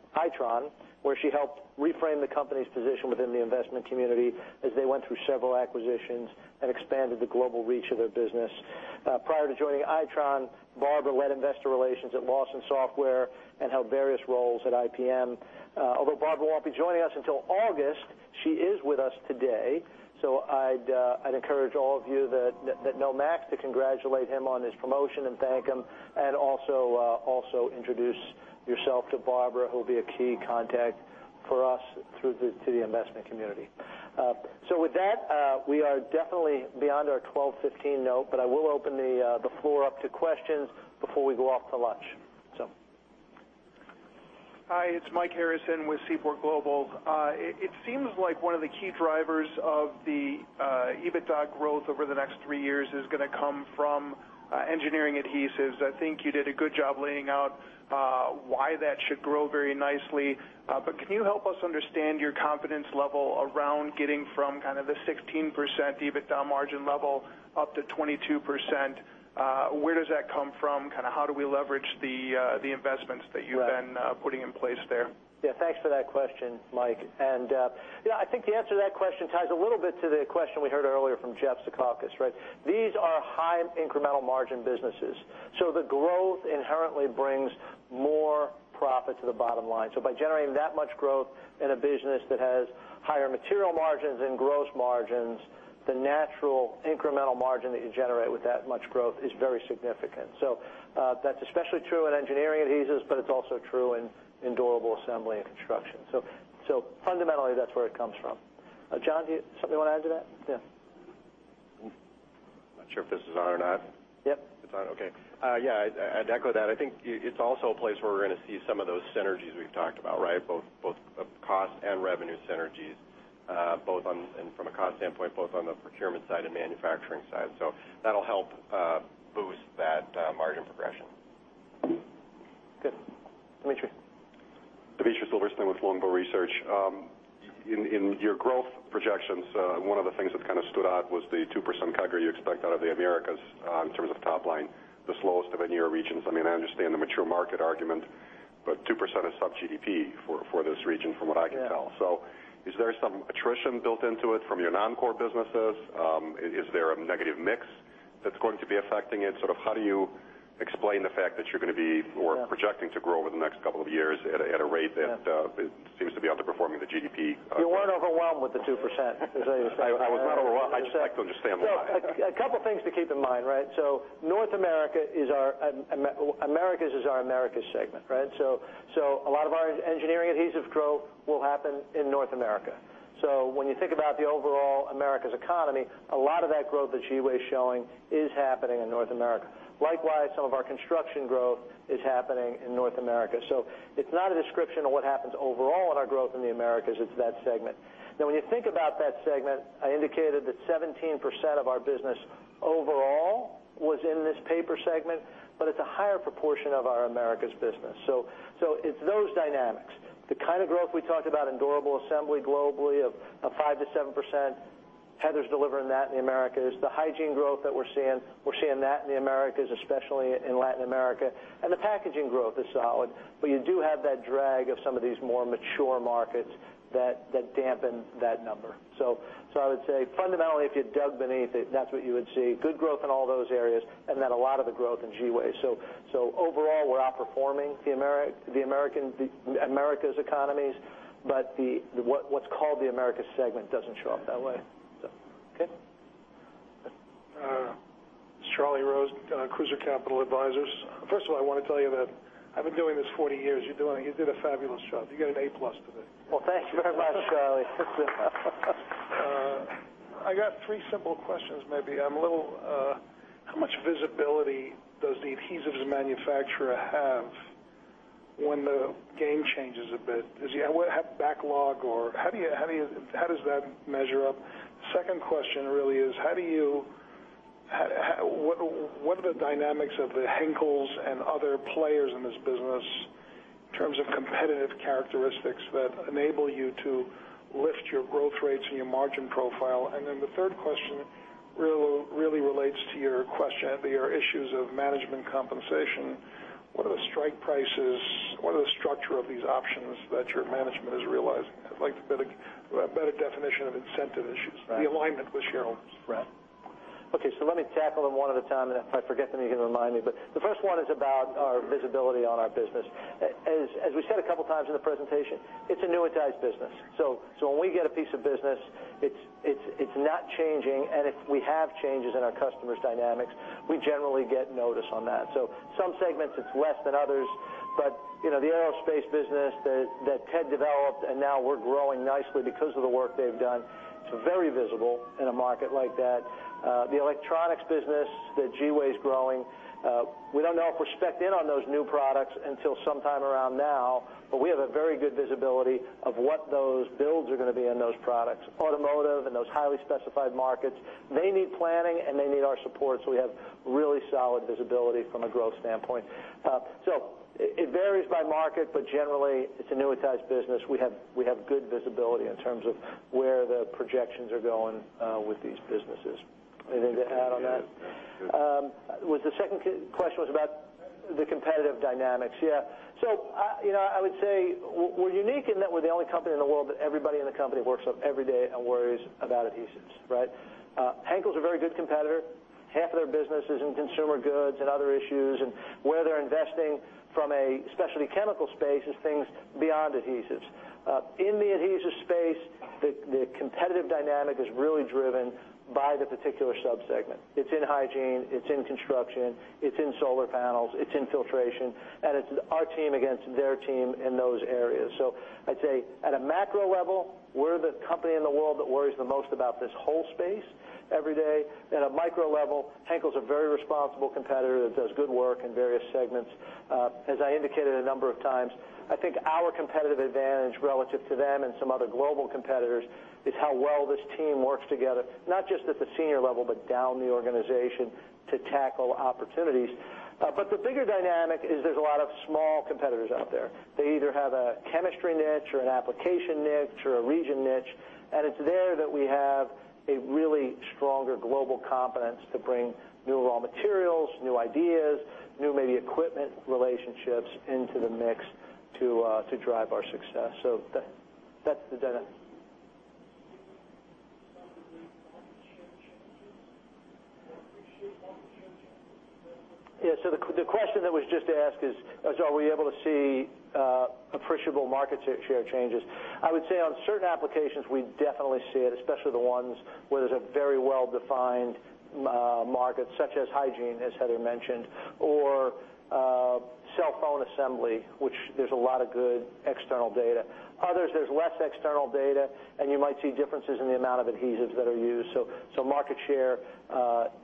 where she helped reframe the company's position within the investment community as they went through several acquisitions and expanded the global reach of their business. Prior to joining Itron, Barbara led investor relations at Lawson Software and held various roles at IBM. Although Barbara won't be joining us until August, she is with us today, so I'd encourage all of you that know Max to congratulate him on his promotion and thank him, and also introduce yourself to Barbara, who will be a key contact for us to the investment community. With that, we are definitely beyond our 12:15 note. I will open the floor up to questions before we go off to lunch. Hi, it's Mike Harrison with Seaport Global. It seems like one of the key drivers of the EBITDA growth over the next 3 years is going to come from Engineering Adhesives. I think you did a good job laying out why that should grow very nicely. Can you help us understand your confidence level around getting from kind of the 16% EBITDA margin level up to 22%? Where does that come from? Kind of how do we leverage the investments that you've been putting in place there? Thanks for that question, Mike. I think the answer to that question ties a little bit to the question we heard earlier from Jeff Zekauskas, right? These are high incremental margin businesses. The growth inherently brings more profit to the bottom line. By generating that much growth in a business that has higher material margins and gross margins, the natural incremental margin that you generate with that much growth is very significant. That's especially true in Engineering Adhesives, but it's also true in Durable Assembly and Construction. Fundamentally, that's where it comes from. John, do you something you want to add to that? I'm not sure if this is on or not. Yep. It's on? Okay. Yeah, I'd echo that. I think it's also a place where we're going to see some of those synergies we've talked about, both of cost and revenue synergies, both on, and from a cost standpoint, both on the procurement side and manufacturing side. That'll help boost that margin progression. Good. Dmitry. Dmitry Silverstein with Longbow Research. In your growth projections, one of the things that kind of stood out was the 2% CAGR you expect out of the Americas in terms of top line, the slowest of any of the regions. I understand the mature market argument, but 2% is sub-GDP for this region, from what I can tell. Yeah. Is there some attrition built into it from your non-core businesses? Is there a negative mix that's going to be affecting it? Sort of, how do you explain the fact that you're going to be, or projecting to grow over the next couple of years at a rate that seems to be underperforming the GDP? You weren't overwhelmed with the 2%, is what you're saying. I was not overwhelmed. I'd just like to understand why. A couple things to keep in mind. Americas is our Americas segment. A lot of our engineering adhesives growth will happen in North America. When you think about the overall Americas economy, a lot of that growth that Zhiwei is showing is happening in North America. Likewise, some of our construction growth is happening in North America. It's not a description of what happens overall in our growth in the Americas. It's that segment. When you think about that segment, I indicated that 17% of our business overall was in this paper segment, it's a higher proportion of our Americas business. It's those dynamics. The kind of growth we talked about in durable assembly globally of 5%-7%, Heather's delivering that in the Americas. The hygiene growth that we're seeing, we're seeing that in the Americas, especially in Latin America. The packaging growth is solid, you do have that drag of some of these more mature markets that dampen that number. I would say fundamentally, if you dug beneath it, that's what you would see. Good growth in all those areas, a lot of the growth in Zhiwei. Overall, we're outperforming the Americas economies, what's called the Americas segment doesn't show up that way. Okay. Charlie Rose, Cruiser Capital Advisors. First of all, I want to tell you that I've been doing this 40 years. You did a fabulous job. You get an A+ today. Well, thank you very much, Charlie. I got three simple questions, maybe. How much visibility does the adhesives manufacturer have when the game changes a bit? Does he have backlog, or how does that measure up? Second question really is, what are the dynamics of the Henkel's and other players in this business in terms of competitive characteristics that enable you to lift your growth rates and your margin profile? The third question really relates to your question, your issues of management compensation. What are the strike prices? What are the structure of these options that your management is realizing? I'd like a better definition of incentive issues. Right. The alignment with shareholders. Right. Okay, let me tackle them one at a time, and if I forget them, you can remind me. The first one is about our visibility on our business. As we said a couple times in the presentation, it's annuitized business. When we get a piece of business, it's not changing, and if we have changes in our customers' dynamics, we generally get notice on that. Some segments, it's less than others. The aerospace business that Ted developed, and now we're growing nicely because of the work they've done, it's very visible in a market like that. The Electronics business that Zhiwei is growing, we don't know if we're specced in on those new products until sometime around now, but we have a very good visibility of what those builds are going to be in those products. Automotive and those highly specified markets, they need planning and they need our support. We have really solid visibility from a growth standpoint. It varies by market, but generally, it's annuitized business. We have good visibility in terms of where the projections are going with these businesses. Anything to add on that? No. The second question was about the competitive dynamics. Yeah. I would say we're unique in that we're the only company in the world that everybody in the company works up every day and worries about adhesives. Henkel's a very good competitor. Half of their business is in consumer goods and other issues, and where they're investing from a specialty chemical space is things beyond adhesives. In the adhesives space, the competitive dynamic is really driven by the particular sub-segment. It's in hygiene, it's in construction, it's in solar panels, it's in filtration, and it's our team against their team in those areas. I'd say at a macro level, we're the company in the world that worries the most about this whole space every day. At a micro level, Henkel's a very responsible competitor that does good work in various segments. As I indicated a number of times, I think our competitive advantage relative to them and some other global competitors is how well this team works together, not just at the senior level, but down the organization to tackle opportunities. The bigger dynamic is there's a lot of small competitors out there. They either have a chemistry niche or an application niche or a region niche, and it's there that we have a really stronger global competence to bring new raw materials, new ideas, new maybe equipment relationships into the mix to drive our success. That's the dynamic. Yeah. The question that was just asked is, are we able to see appreciable market share changes? I would say on certain applications, we definitely see it, especially the ones where there's a very well-defined market, such as hygiene, as Heather mentioned, or cell phone assembly, which there's a lot of good external data. Others, there's less external data, and you might see differences in the amount of adhesives that are used. Market share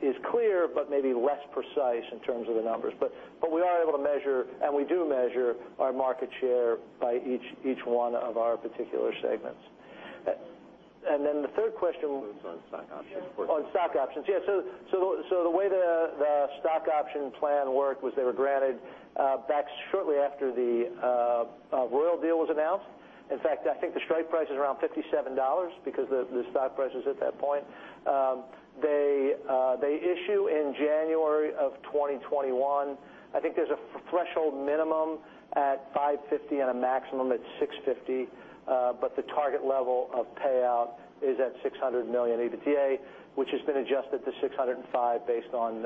is clear, but maybe less precise in terms of the numbers. We are able to measure, and we do measure our market share by each one of our particular segments. The third question It was on stock options. Oh, on stock options. Yeah. The way the stock option plan worked was they were granted back shortly after the Royal deal was announced. In fact, I think the strike price is around $57 because the stock price was at that point. They issue in January of 2021. I think there's a threshold minimum at $550 and a maximum at $650. The target level of payout is at $600 million EBITDA, which has been adjusted to $605 million based on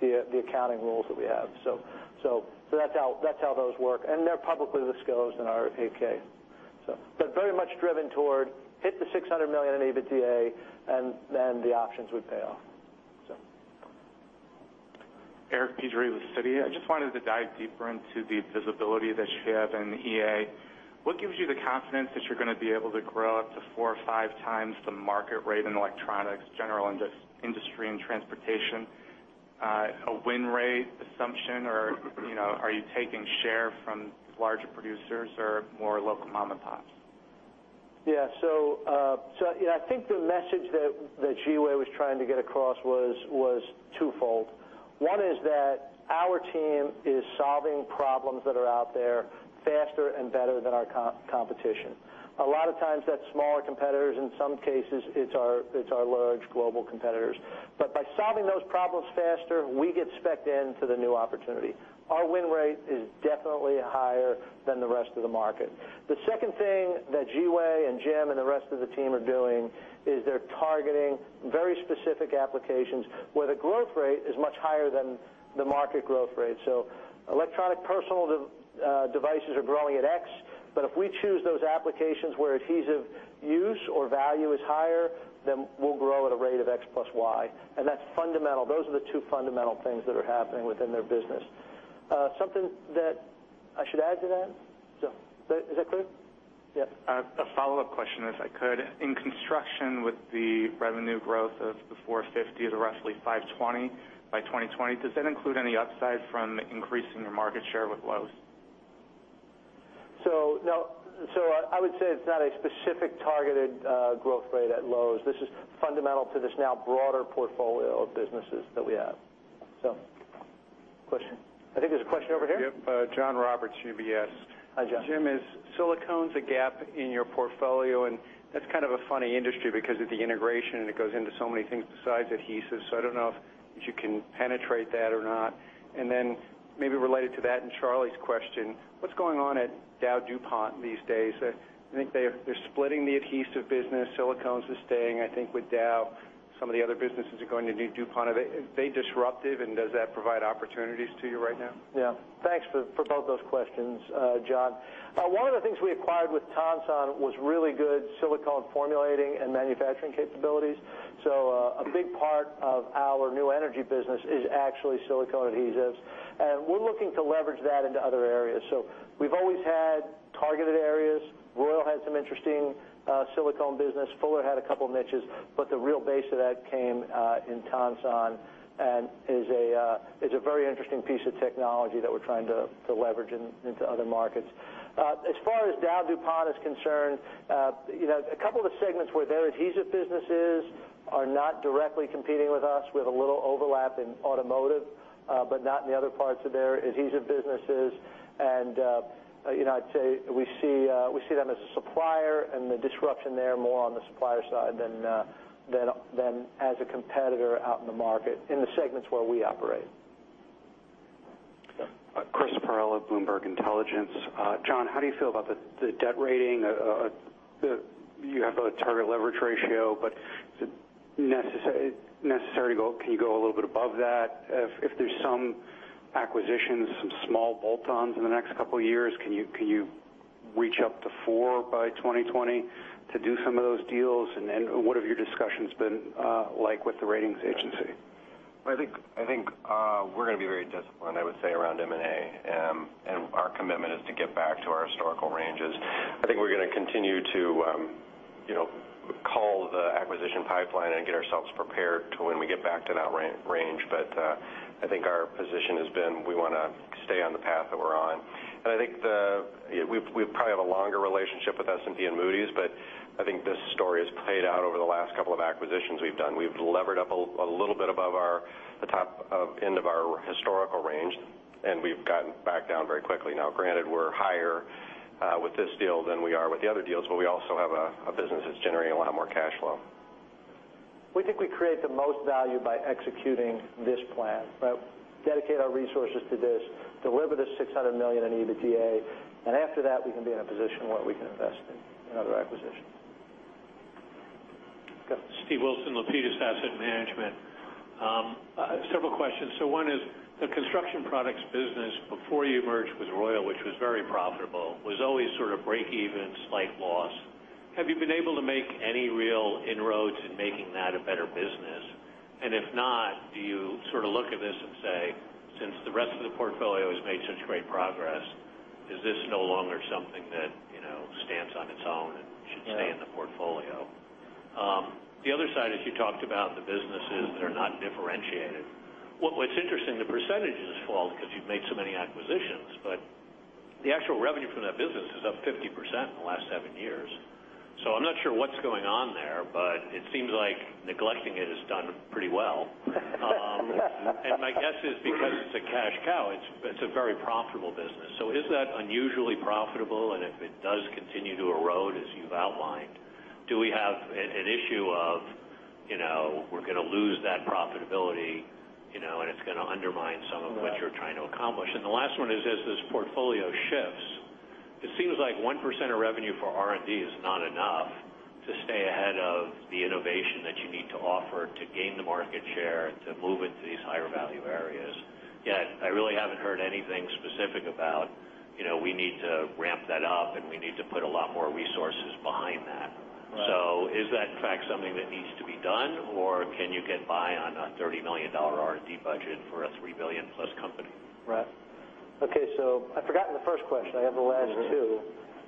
the accounting rules that we have. That's how those work, and they're publicly disclosed in our 8-K. Very much driven toward hit the $600 million in EBITDA, and the options would pay off. Eric Petrie with Citi. I just wanted to dive deeper into the visibility that you have in EA. What gives you the confidence that you're going to be able to grow up to four or five times the market rate in Electronics, General Industry, and Transportation? A win rate assumption, or are you taking share from larger producers or more local mom and pops? I think the message that Zhiwei was trying to get across was twofold. One is that our team is solving problems that are out there faster and better than our competition. A lot of times, that's smaller competitors. In some cases, it's our large global competitors. By solving those problems faster, we get specced in to the new opportunity. Our win rate is definitely higher than the rest of the market. The second thing that Zhiwei and Jim and the rest of the team are doing is they're targeting very specific applications where the growth rate is much higher than the market growth rate. Electronic personal devices are growing at X, but if we choose those applications where adhesive use or value is higher, then we'll grow at a rate of X plus Y. That's fundamental. Those are the two fundamental things that are happening within their business. Something that I should add to that? No. Is that clear? Yeah. A follow-up question, if I could. In construction, with the revenue growth of the $450 to roughly $520 by 2020, does that include any upside from increasing your market share with Lowe's? No. I would say it's not a specific targeted growth rate at Lowe's. This is fundamental to this now broader portfolio of businesses that we have. Question. I think there's a question over here. Yep. John Roberts, UBS. Hi, John. Jim, is silicone a gap in your portfolio? That's kind of a funny industry because of the integration, and it goes into so many things besides adhesives. I don't know if you can penetrate that or not. Then maybe related to that and Charlie's question, what's going on at DowDuPont these days? I think they're splitting the adhesive business. Silicones are staying, I think, with Dow. Some of the other businesses are going to DuPont. Are they disruptive, and does that provide opportunities to you right now? Yeah. Thanks for both those questions, John. One of the things we acquired with Tonsan was really good silicone formulating and manufacturing capabilities. A big part of our new energy business is actually silicone adhesives, and we're looking to leverage that into other areas. We've always had targeted areas. Royal had some interesting silicone business. Fuller had a couple niches, but the real base of that came in Tonsan and is a very interesting piece of technology that we're trying to leverage into other markets. As far as DowDuPont is concerned, a couple of the segments where their adhesive businesses are not directly competing with us. We have a little overlap in automotive, but not in the other parts of their adhesive businesses. I'd say we see them as a supplier and the disruption there more on the supplier side than as a competitor out in the market in the segments where we operate. Chris Perrella of Bloomberg Intelligence. John, how do you feel about the debt rating? You have a target leverage ratio, can you go a little bit above that? If there's some acquisitions, some small bolt-ons in the next couple of years, can you reach up to 4 by 2020 to do some of those deals? What have your discussions been like with the ratings agency? I think we're going to be very disciplined, I would say, around M&A. Our commitment is to get back to our historical ranges. I think we're going to continue to cull the acquisition pipeline and get ourselves prepared to when we get back to that range. I think our position has been we want to stay on the path that we're on. I think we probably have a longer relationship with S&P and Moody's, I think this story has played out over the last couple of acquisitions we've done. We've levered up a little bit above the top end of our historical range, and we've gotten back down very quickly. We're higher with this deal than we are with the other deals, but we also have a business that's generating a lot more cash flow. We think we create the most value by executing this plan, dedicate our resources to this, deliver the $600 million in EBITDA. After that, we can be in a position where we can invest in other acquisitions. Steve Wilson, Lapides Asset Management. Several questions. One is, the construction products business before you merged with Royal, which was very profitable, was always sort of break even, slight loss. Have you been able to make any real inroads in making that a better business? If not, do you sort of look at this and say, "Since the rest of the portfolio has made such great progress, is this no longer something that stands on its own and should stay in the portfolio?" The other side is you talked about the businesses that are not differentiated. The percentages fall because you've made so many acquisitions, but the actual revenue from that business is up 50% in the last seven years. I'm not sure what's going on there, but it seems like neglecting it has done pretty well. Yeah. My guess is because it's a cash cow, it's a very profitable business. Is that unusually profitable? If it does continue to erode as you've outlined, do we have an issue of, we're going to lose that profitability, and it's going to undermine some of what you're trying to accomplish. The last one is as this portfolio shifts, it seems like 1% of revenue for R&D is not enough to stay ahead of the innovation that you need to offer to gain the market share and to move into these higher value areas. Yet, I really haven't heard anything specific about, we need to ramp that up, and we need to put a lot more resources behind that. Right. Is that, in fact, something that needs to be done, or can you get by on a $30 million R&D budget for a $3 billion-plus company? Right. Okay, I've forgotten the first question. I have the last two.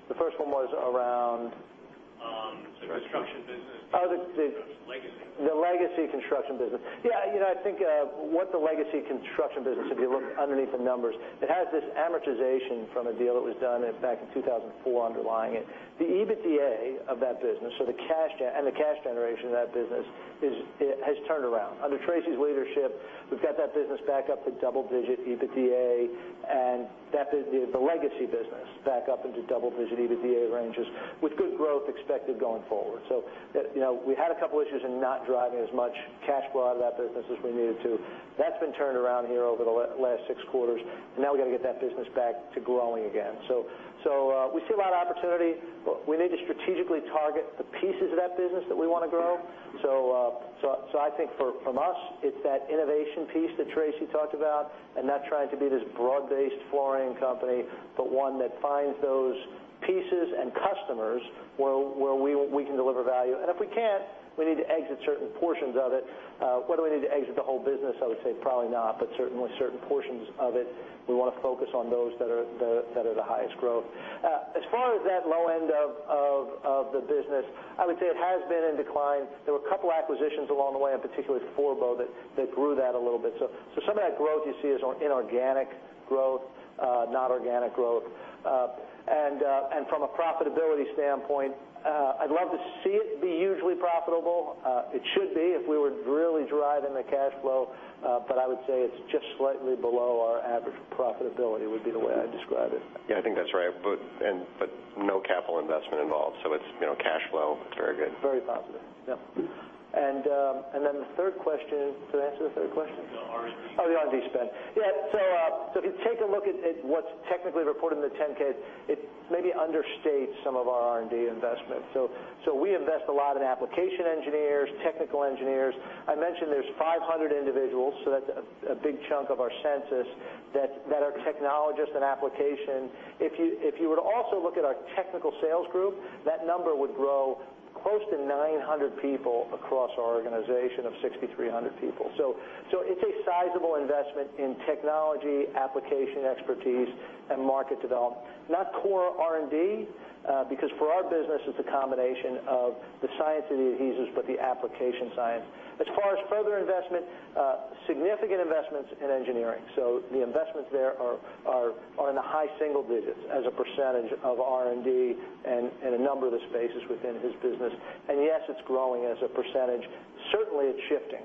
The first one was around The construction business. Oh. The legacy. The legacy construction business. Yeah, I think, the legacy construction business, if you look underneath the numbers, it has this amortization from a deal that was done back in 2004 underlying it. The EBITDA of that business, and the cash generation of that business, has turned around. Under Traci's leadership, we've got that business back up to double-digit EBITDA, and the legacy business back up into double-digit EBITDA ranges with good growth expected going forward. We had a couple issues in not driving as much cash flow out of that business as we needed to. That's been turned around here over the last six quarters, and now we've got to get that business back to growing again. We see a lot of opportunity. We need to strategically target the pieces of that business that we want to grow. I think from us, it's that innovation piece that Traci talked about, not trying to be this broad-based flooring company, but one that finds those pieces and customers where we can deliver value. If we can't, we need to exit certain portions of it. Whether we need to exit the whole business, I would say probably not, but certainly certain portions of it, we want to focus on those that are the highest growth. As far as that low end of the business, I would say it has been in decline. There were a couple acquisitions along the way, particularly Forbo, that grew that a little bit. Some of that growth you see is inorganic growth, not organic growth. From a profitability standpoint, I'd love to see it be usually profitable. It should be, if we were really driving the cash flow. I would say it's just slightly below our average profitability, would be the way I'd describe it. Yeah, I think that's right. No capital investment involved, it's cash flow. It's very good. Very positive. Yeah. The third question, did I answer the third question? The R&D. The R&D spend. If you take a look at what's technically reported in the 10-K, it maybe understates some of our R&D investments. We invest a lot in application engineers, technical engineers. I mentioned there's 500 individuals, that's a big chunk of our census, that are technologists in application. If you were to also look at our technical sales group, that number would grow close to 900 people across our organization of 6,300 people. It's a sizable investment in technology, application expertise, and market development. Not core R&D, because for our business, it's a combination of the science of the adhesives, but the application science. As far as further investment, significant investments in engineering. The investments there are in the high single digits as a percentage of R&D and a number of the spaces within his business. Yes, it's growing as a percentage. Certainly, it's shifting.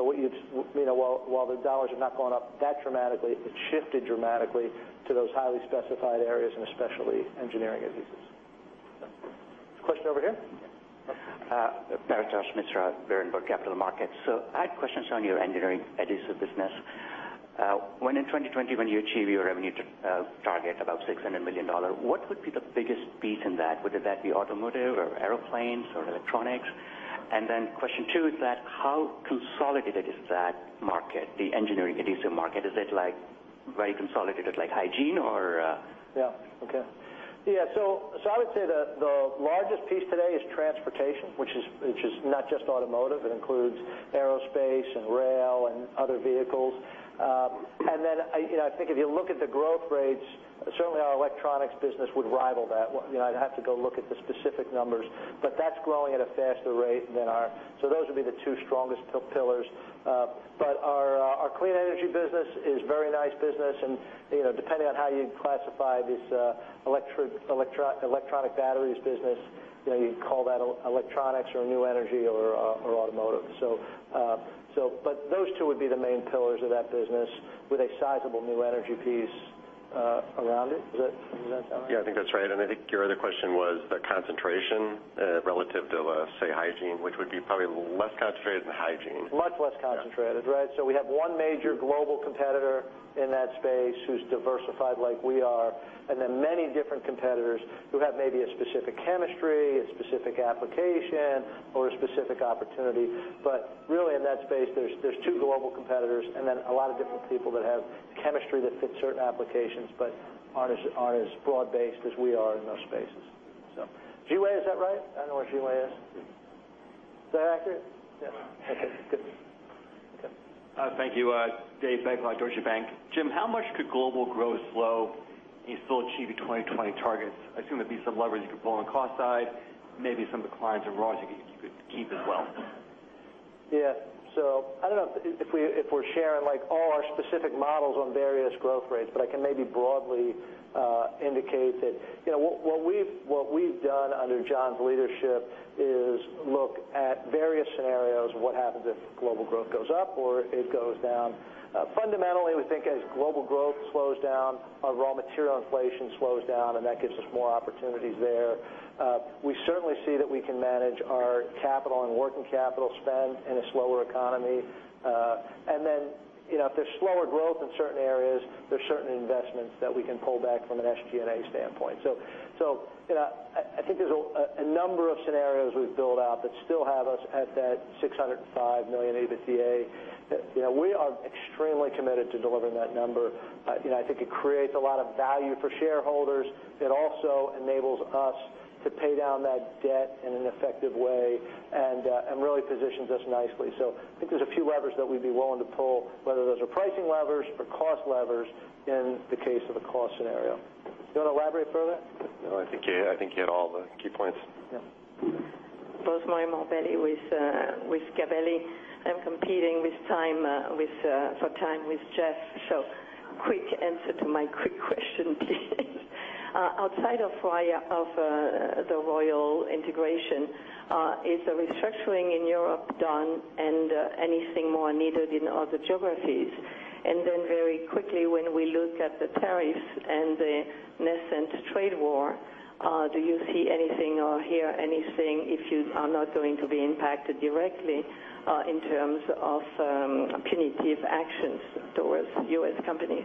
While the dollars have not gone up that dramatically, it's shifted dramatically to those highly specified areas, and especially engineering adhesives. Question over here. Paritosh Mitra, Berenberg Capital Markets. I had questions on your engineering adhesive business. When in 2020, when you achieve your revenue target, about $600 million, what would be the biggest piece in that? Would that be automotive or airplanes or electronics? Question two is that how consolidated is that market, the engineering adhesive market? Is it very consolidated, like hygiene or Okay. I would say the largest piece today is Transportation, which is not just automotive. It includes aerospace and rail and other vehicles. I think if you look at the growth rates, certainly our Electronics business would rival that. I'd have to go look at the specific numbers, but that's growing at a faster rate than our. Those would be the two strongest pillars. Our Clean Energy business is a very nice business, and depending on how you classify this electronic batteries business, you'd call that Electronics or new energy or automotive. Those two would be the main pillars of that business with a sizable new energy piece around it. Does that sound right? I think that's right. I think your other question was the concentration relative to, say, hygiene, which would be probably less concentrated than hygiene. Much less concentrated, right? We have one major global competitor in that space who's diversified like we are, and then many different competitors who have maybe a specific chemistry, a specific application, or a specific opportunity. Really in that space, there's two global competitors, and then a lot of different people that have chemistry that fits certain applications, but aren't as broad-based as we are in those spaces. Q&A, is that right? I know where Q&A is. Is that accurate? Yeah. Okay, good. Okay. Thank you. Dave Deutsche Bank. Jim, how much could global growth slow and you still achieve your 2020 targets? I assume there'd be some leverage you could pull on the cost side, maybe some of the clients and raw you could keep as well. Yeah. I don't know if we're sharing like all our specific models on various growth rates, but I can maybe broadly indicate that what we've done under John's leadership is look at various scenarios of what happens if global growth goes up or it goes down. Fundamentally, we think as global growth slows down, our raw material inflation slows down, and that gives us more opportunities there. We certainly see that we can manage our capital and working capital spend in a slower economy. Then, if there's slower growth in certain areas, there's certain investments that we can pull back from an SG&A standpoint. I think there's a number of scenarios we've built out that still have us at that $605 million EBITDA. We are extremely committed to delivering that number. I think it creates a lot of value for shareholders. It also enables us to pay down that debt in an effective way and really positions us nicely. I think there's a few levers that we'd be willing to pull, whether those are pricing levers or cost levers in the case of a cost scenario. Do you want to elaborate further? No, I think you hit all the key points. Yeah. Rosemarie Morbelli with Gabelli. I'm competing for time with Jeff Zekauskas, quick answer to my quick question, please. Outside of the Royal integration, is the restructuring in Europe done and anything more needed in other geographies? When we look at the tariffs and the nascent trade war, do you see anything or hear anything if you are not going to be impacted directly in terms of punitive actions towards U.S. companies?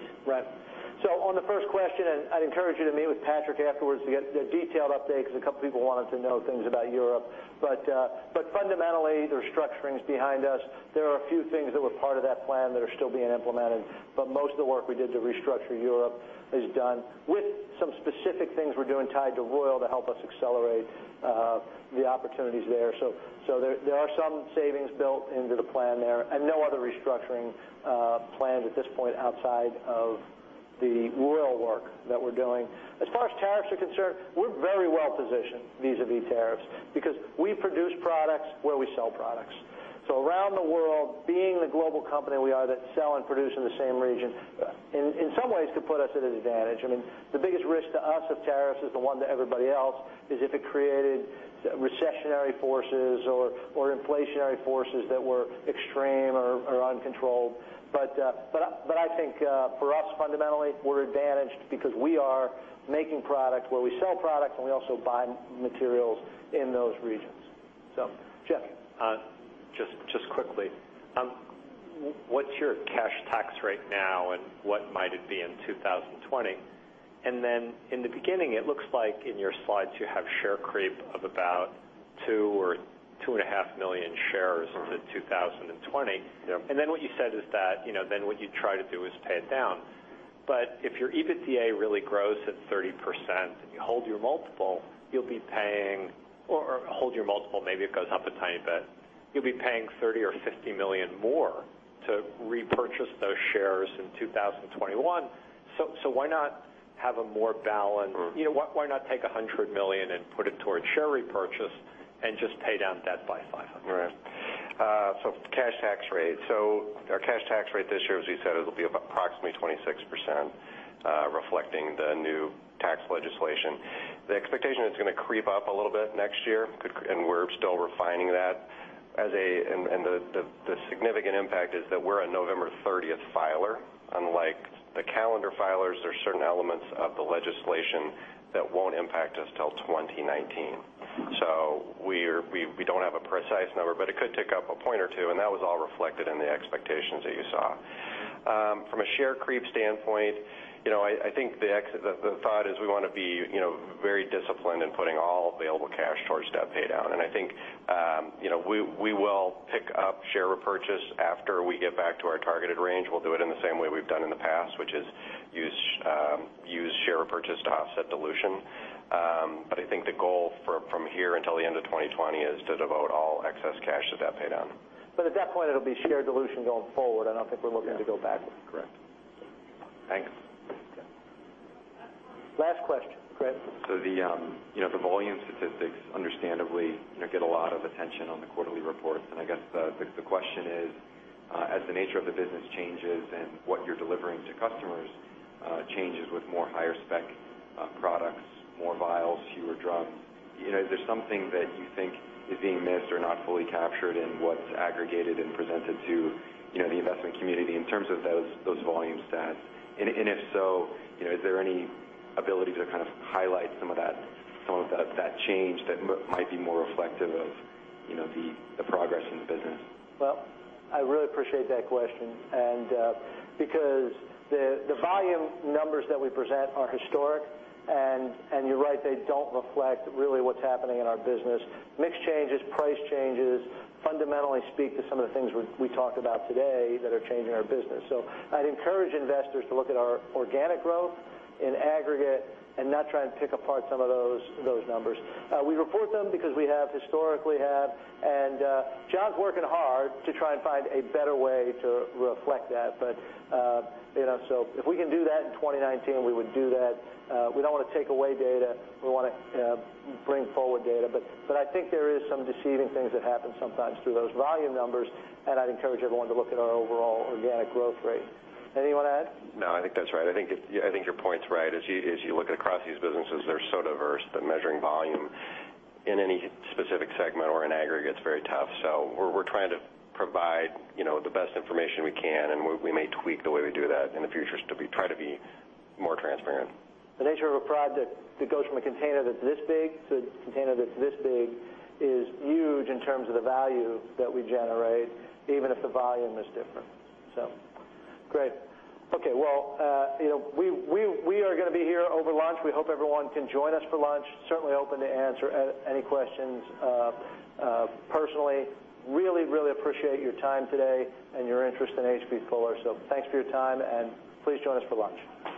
Right. On the first question, I'd encourage you to meet with Patrick Kivits afterwards to get the detailed update because a couple of people wanted to know things about Europe. Fundamentally, the restructuring's behind us. There are a few things that were part of that plan that are still being implemented, but most of the work we did to restructure Europe is done with some specific things we're doing tied to Royal to help us accelerate the opportunities there. There are some savings built into the plan there and no other restructuring plans at this point outside of the Royal work that we're doing. As far as tariffs are concerned, we're very well positioned vis-à-vis tariffs because we produce products where we sell products. Around the world, being the global company we are that sell and produce in the same region, in some ways could put us at an advantage. The biggest risk to us of tariffs is the one to everybody else, is if it created recessionary forces or inflationary forces that were extreme or uncontrolled. I think, for us, fundamentally, we're advantaged because we are making products where we sell products, and we also buy materials in those regions. Jeff Zekauskas. Just quickly, what's your cash tax rate now, and what might it be in 2020? In the beginning, it looks like in your slides you have share creep of about two or two and a half million shares to 2020. Yep. What you said is that then what you'd try to do is pay it down. If your EBITDA really grows at 30% and you hold your multiple, or hold your multiple, maybe it goes up a tiny bit. You'll be paying $30 million or $50 million more to repurchase those shares in 2021. Why not have a more balanced- Why not take $100 million and put it towards share repurchase and just pay down debt by $500 million? Right. Cash tax rate. Our cash tax rate this year, as we said, it'll be approximately 26%, reflecting the new tax legislation. The expectation is it's going to creep up a little bit next year, and we're still refining that. The significant impact is that we're a November 30th filer. Unlike the calendar filers, there's certain elements of the legislation that won't impact us till 2019. We don't have a precise number, but it could tick up a point or two, and that was all reflected in the expectations that you saw. From a share creep standpoint, I think the thought is we want to be very disciplined in putting all available cash towards debt paydown. I think we will pick up share repurchase after we get back to our targeted range. We'll do it in the same way we've done in the past, which is use share repurchase to offset dilution. I think the goal from here until the end of 2020 is to devote all excess cash to debt paydown. At that point, it'll be share dilution going forward. I don't think we're looking to go backwards. Correct. Thanks. Okay. Last question. Chris. The volume statistics understandably get a lot of attention on the quarterly reports. I guess the question is, as the nature of the business changes and what you're delivering to customers changes with more higher spec products, more vials, fewer drums, is there something that you think is being missed or not fully captured in what's aggregated and presented to the investment community in terms of those volume stats? If so, is there any ability to kind of highlight some of that change that might be more reflective of the progress in the business? Well, I really appreciate that question, and because the volume numbers that we present are historic, and you're right, they don't reflect really what's happening in our business. Mix changes, price changes fundamentally speak to some of the things we talked about today that are changing our business. I'd encourage investors to look at our organic growth in aggregate and not try and pick apart some of those numbers. We report them because we historically have, and John's working hard to try and find a better way to reflect that, but so if we can do that in 2019, we would do that. We don't want to take away data. We want to bring forward data. I think there is some deceiving things that happen sometimes through those volume numbers, and I'd encourage everyone to look at our overall organic growth rate. Anything you want to add? No, I think that's right. I think your point's right. As you look across these businesses, they're so diverse that measuring volume in any specific segment or in aggregate's very tough. We're trying to provide the best information we can, and we may tweak the way we do that in the future to try to be more transparent. The nature of a product that goes from a container that's this big to a container that's this big is huge in terms of the value that we generate, even if the volume is different. Great. Okay, well we are going to be here over lunch. We hope everyone can join us for lunch. Certainly open to answer any questions personally. Really appreciate your time today and your interest in H.B. Fuller. Thanks for your time, and please join us for lunch.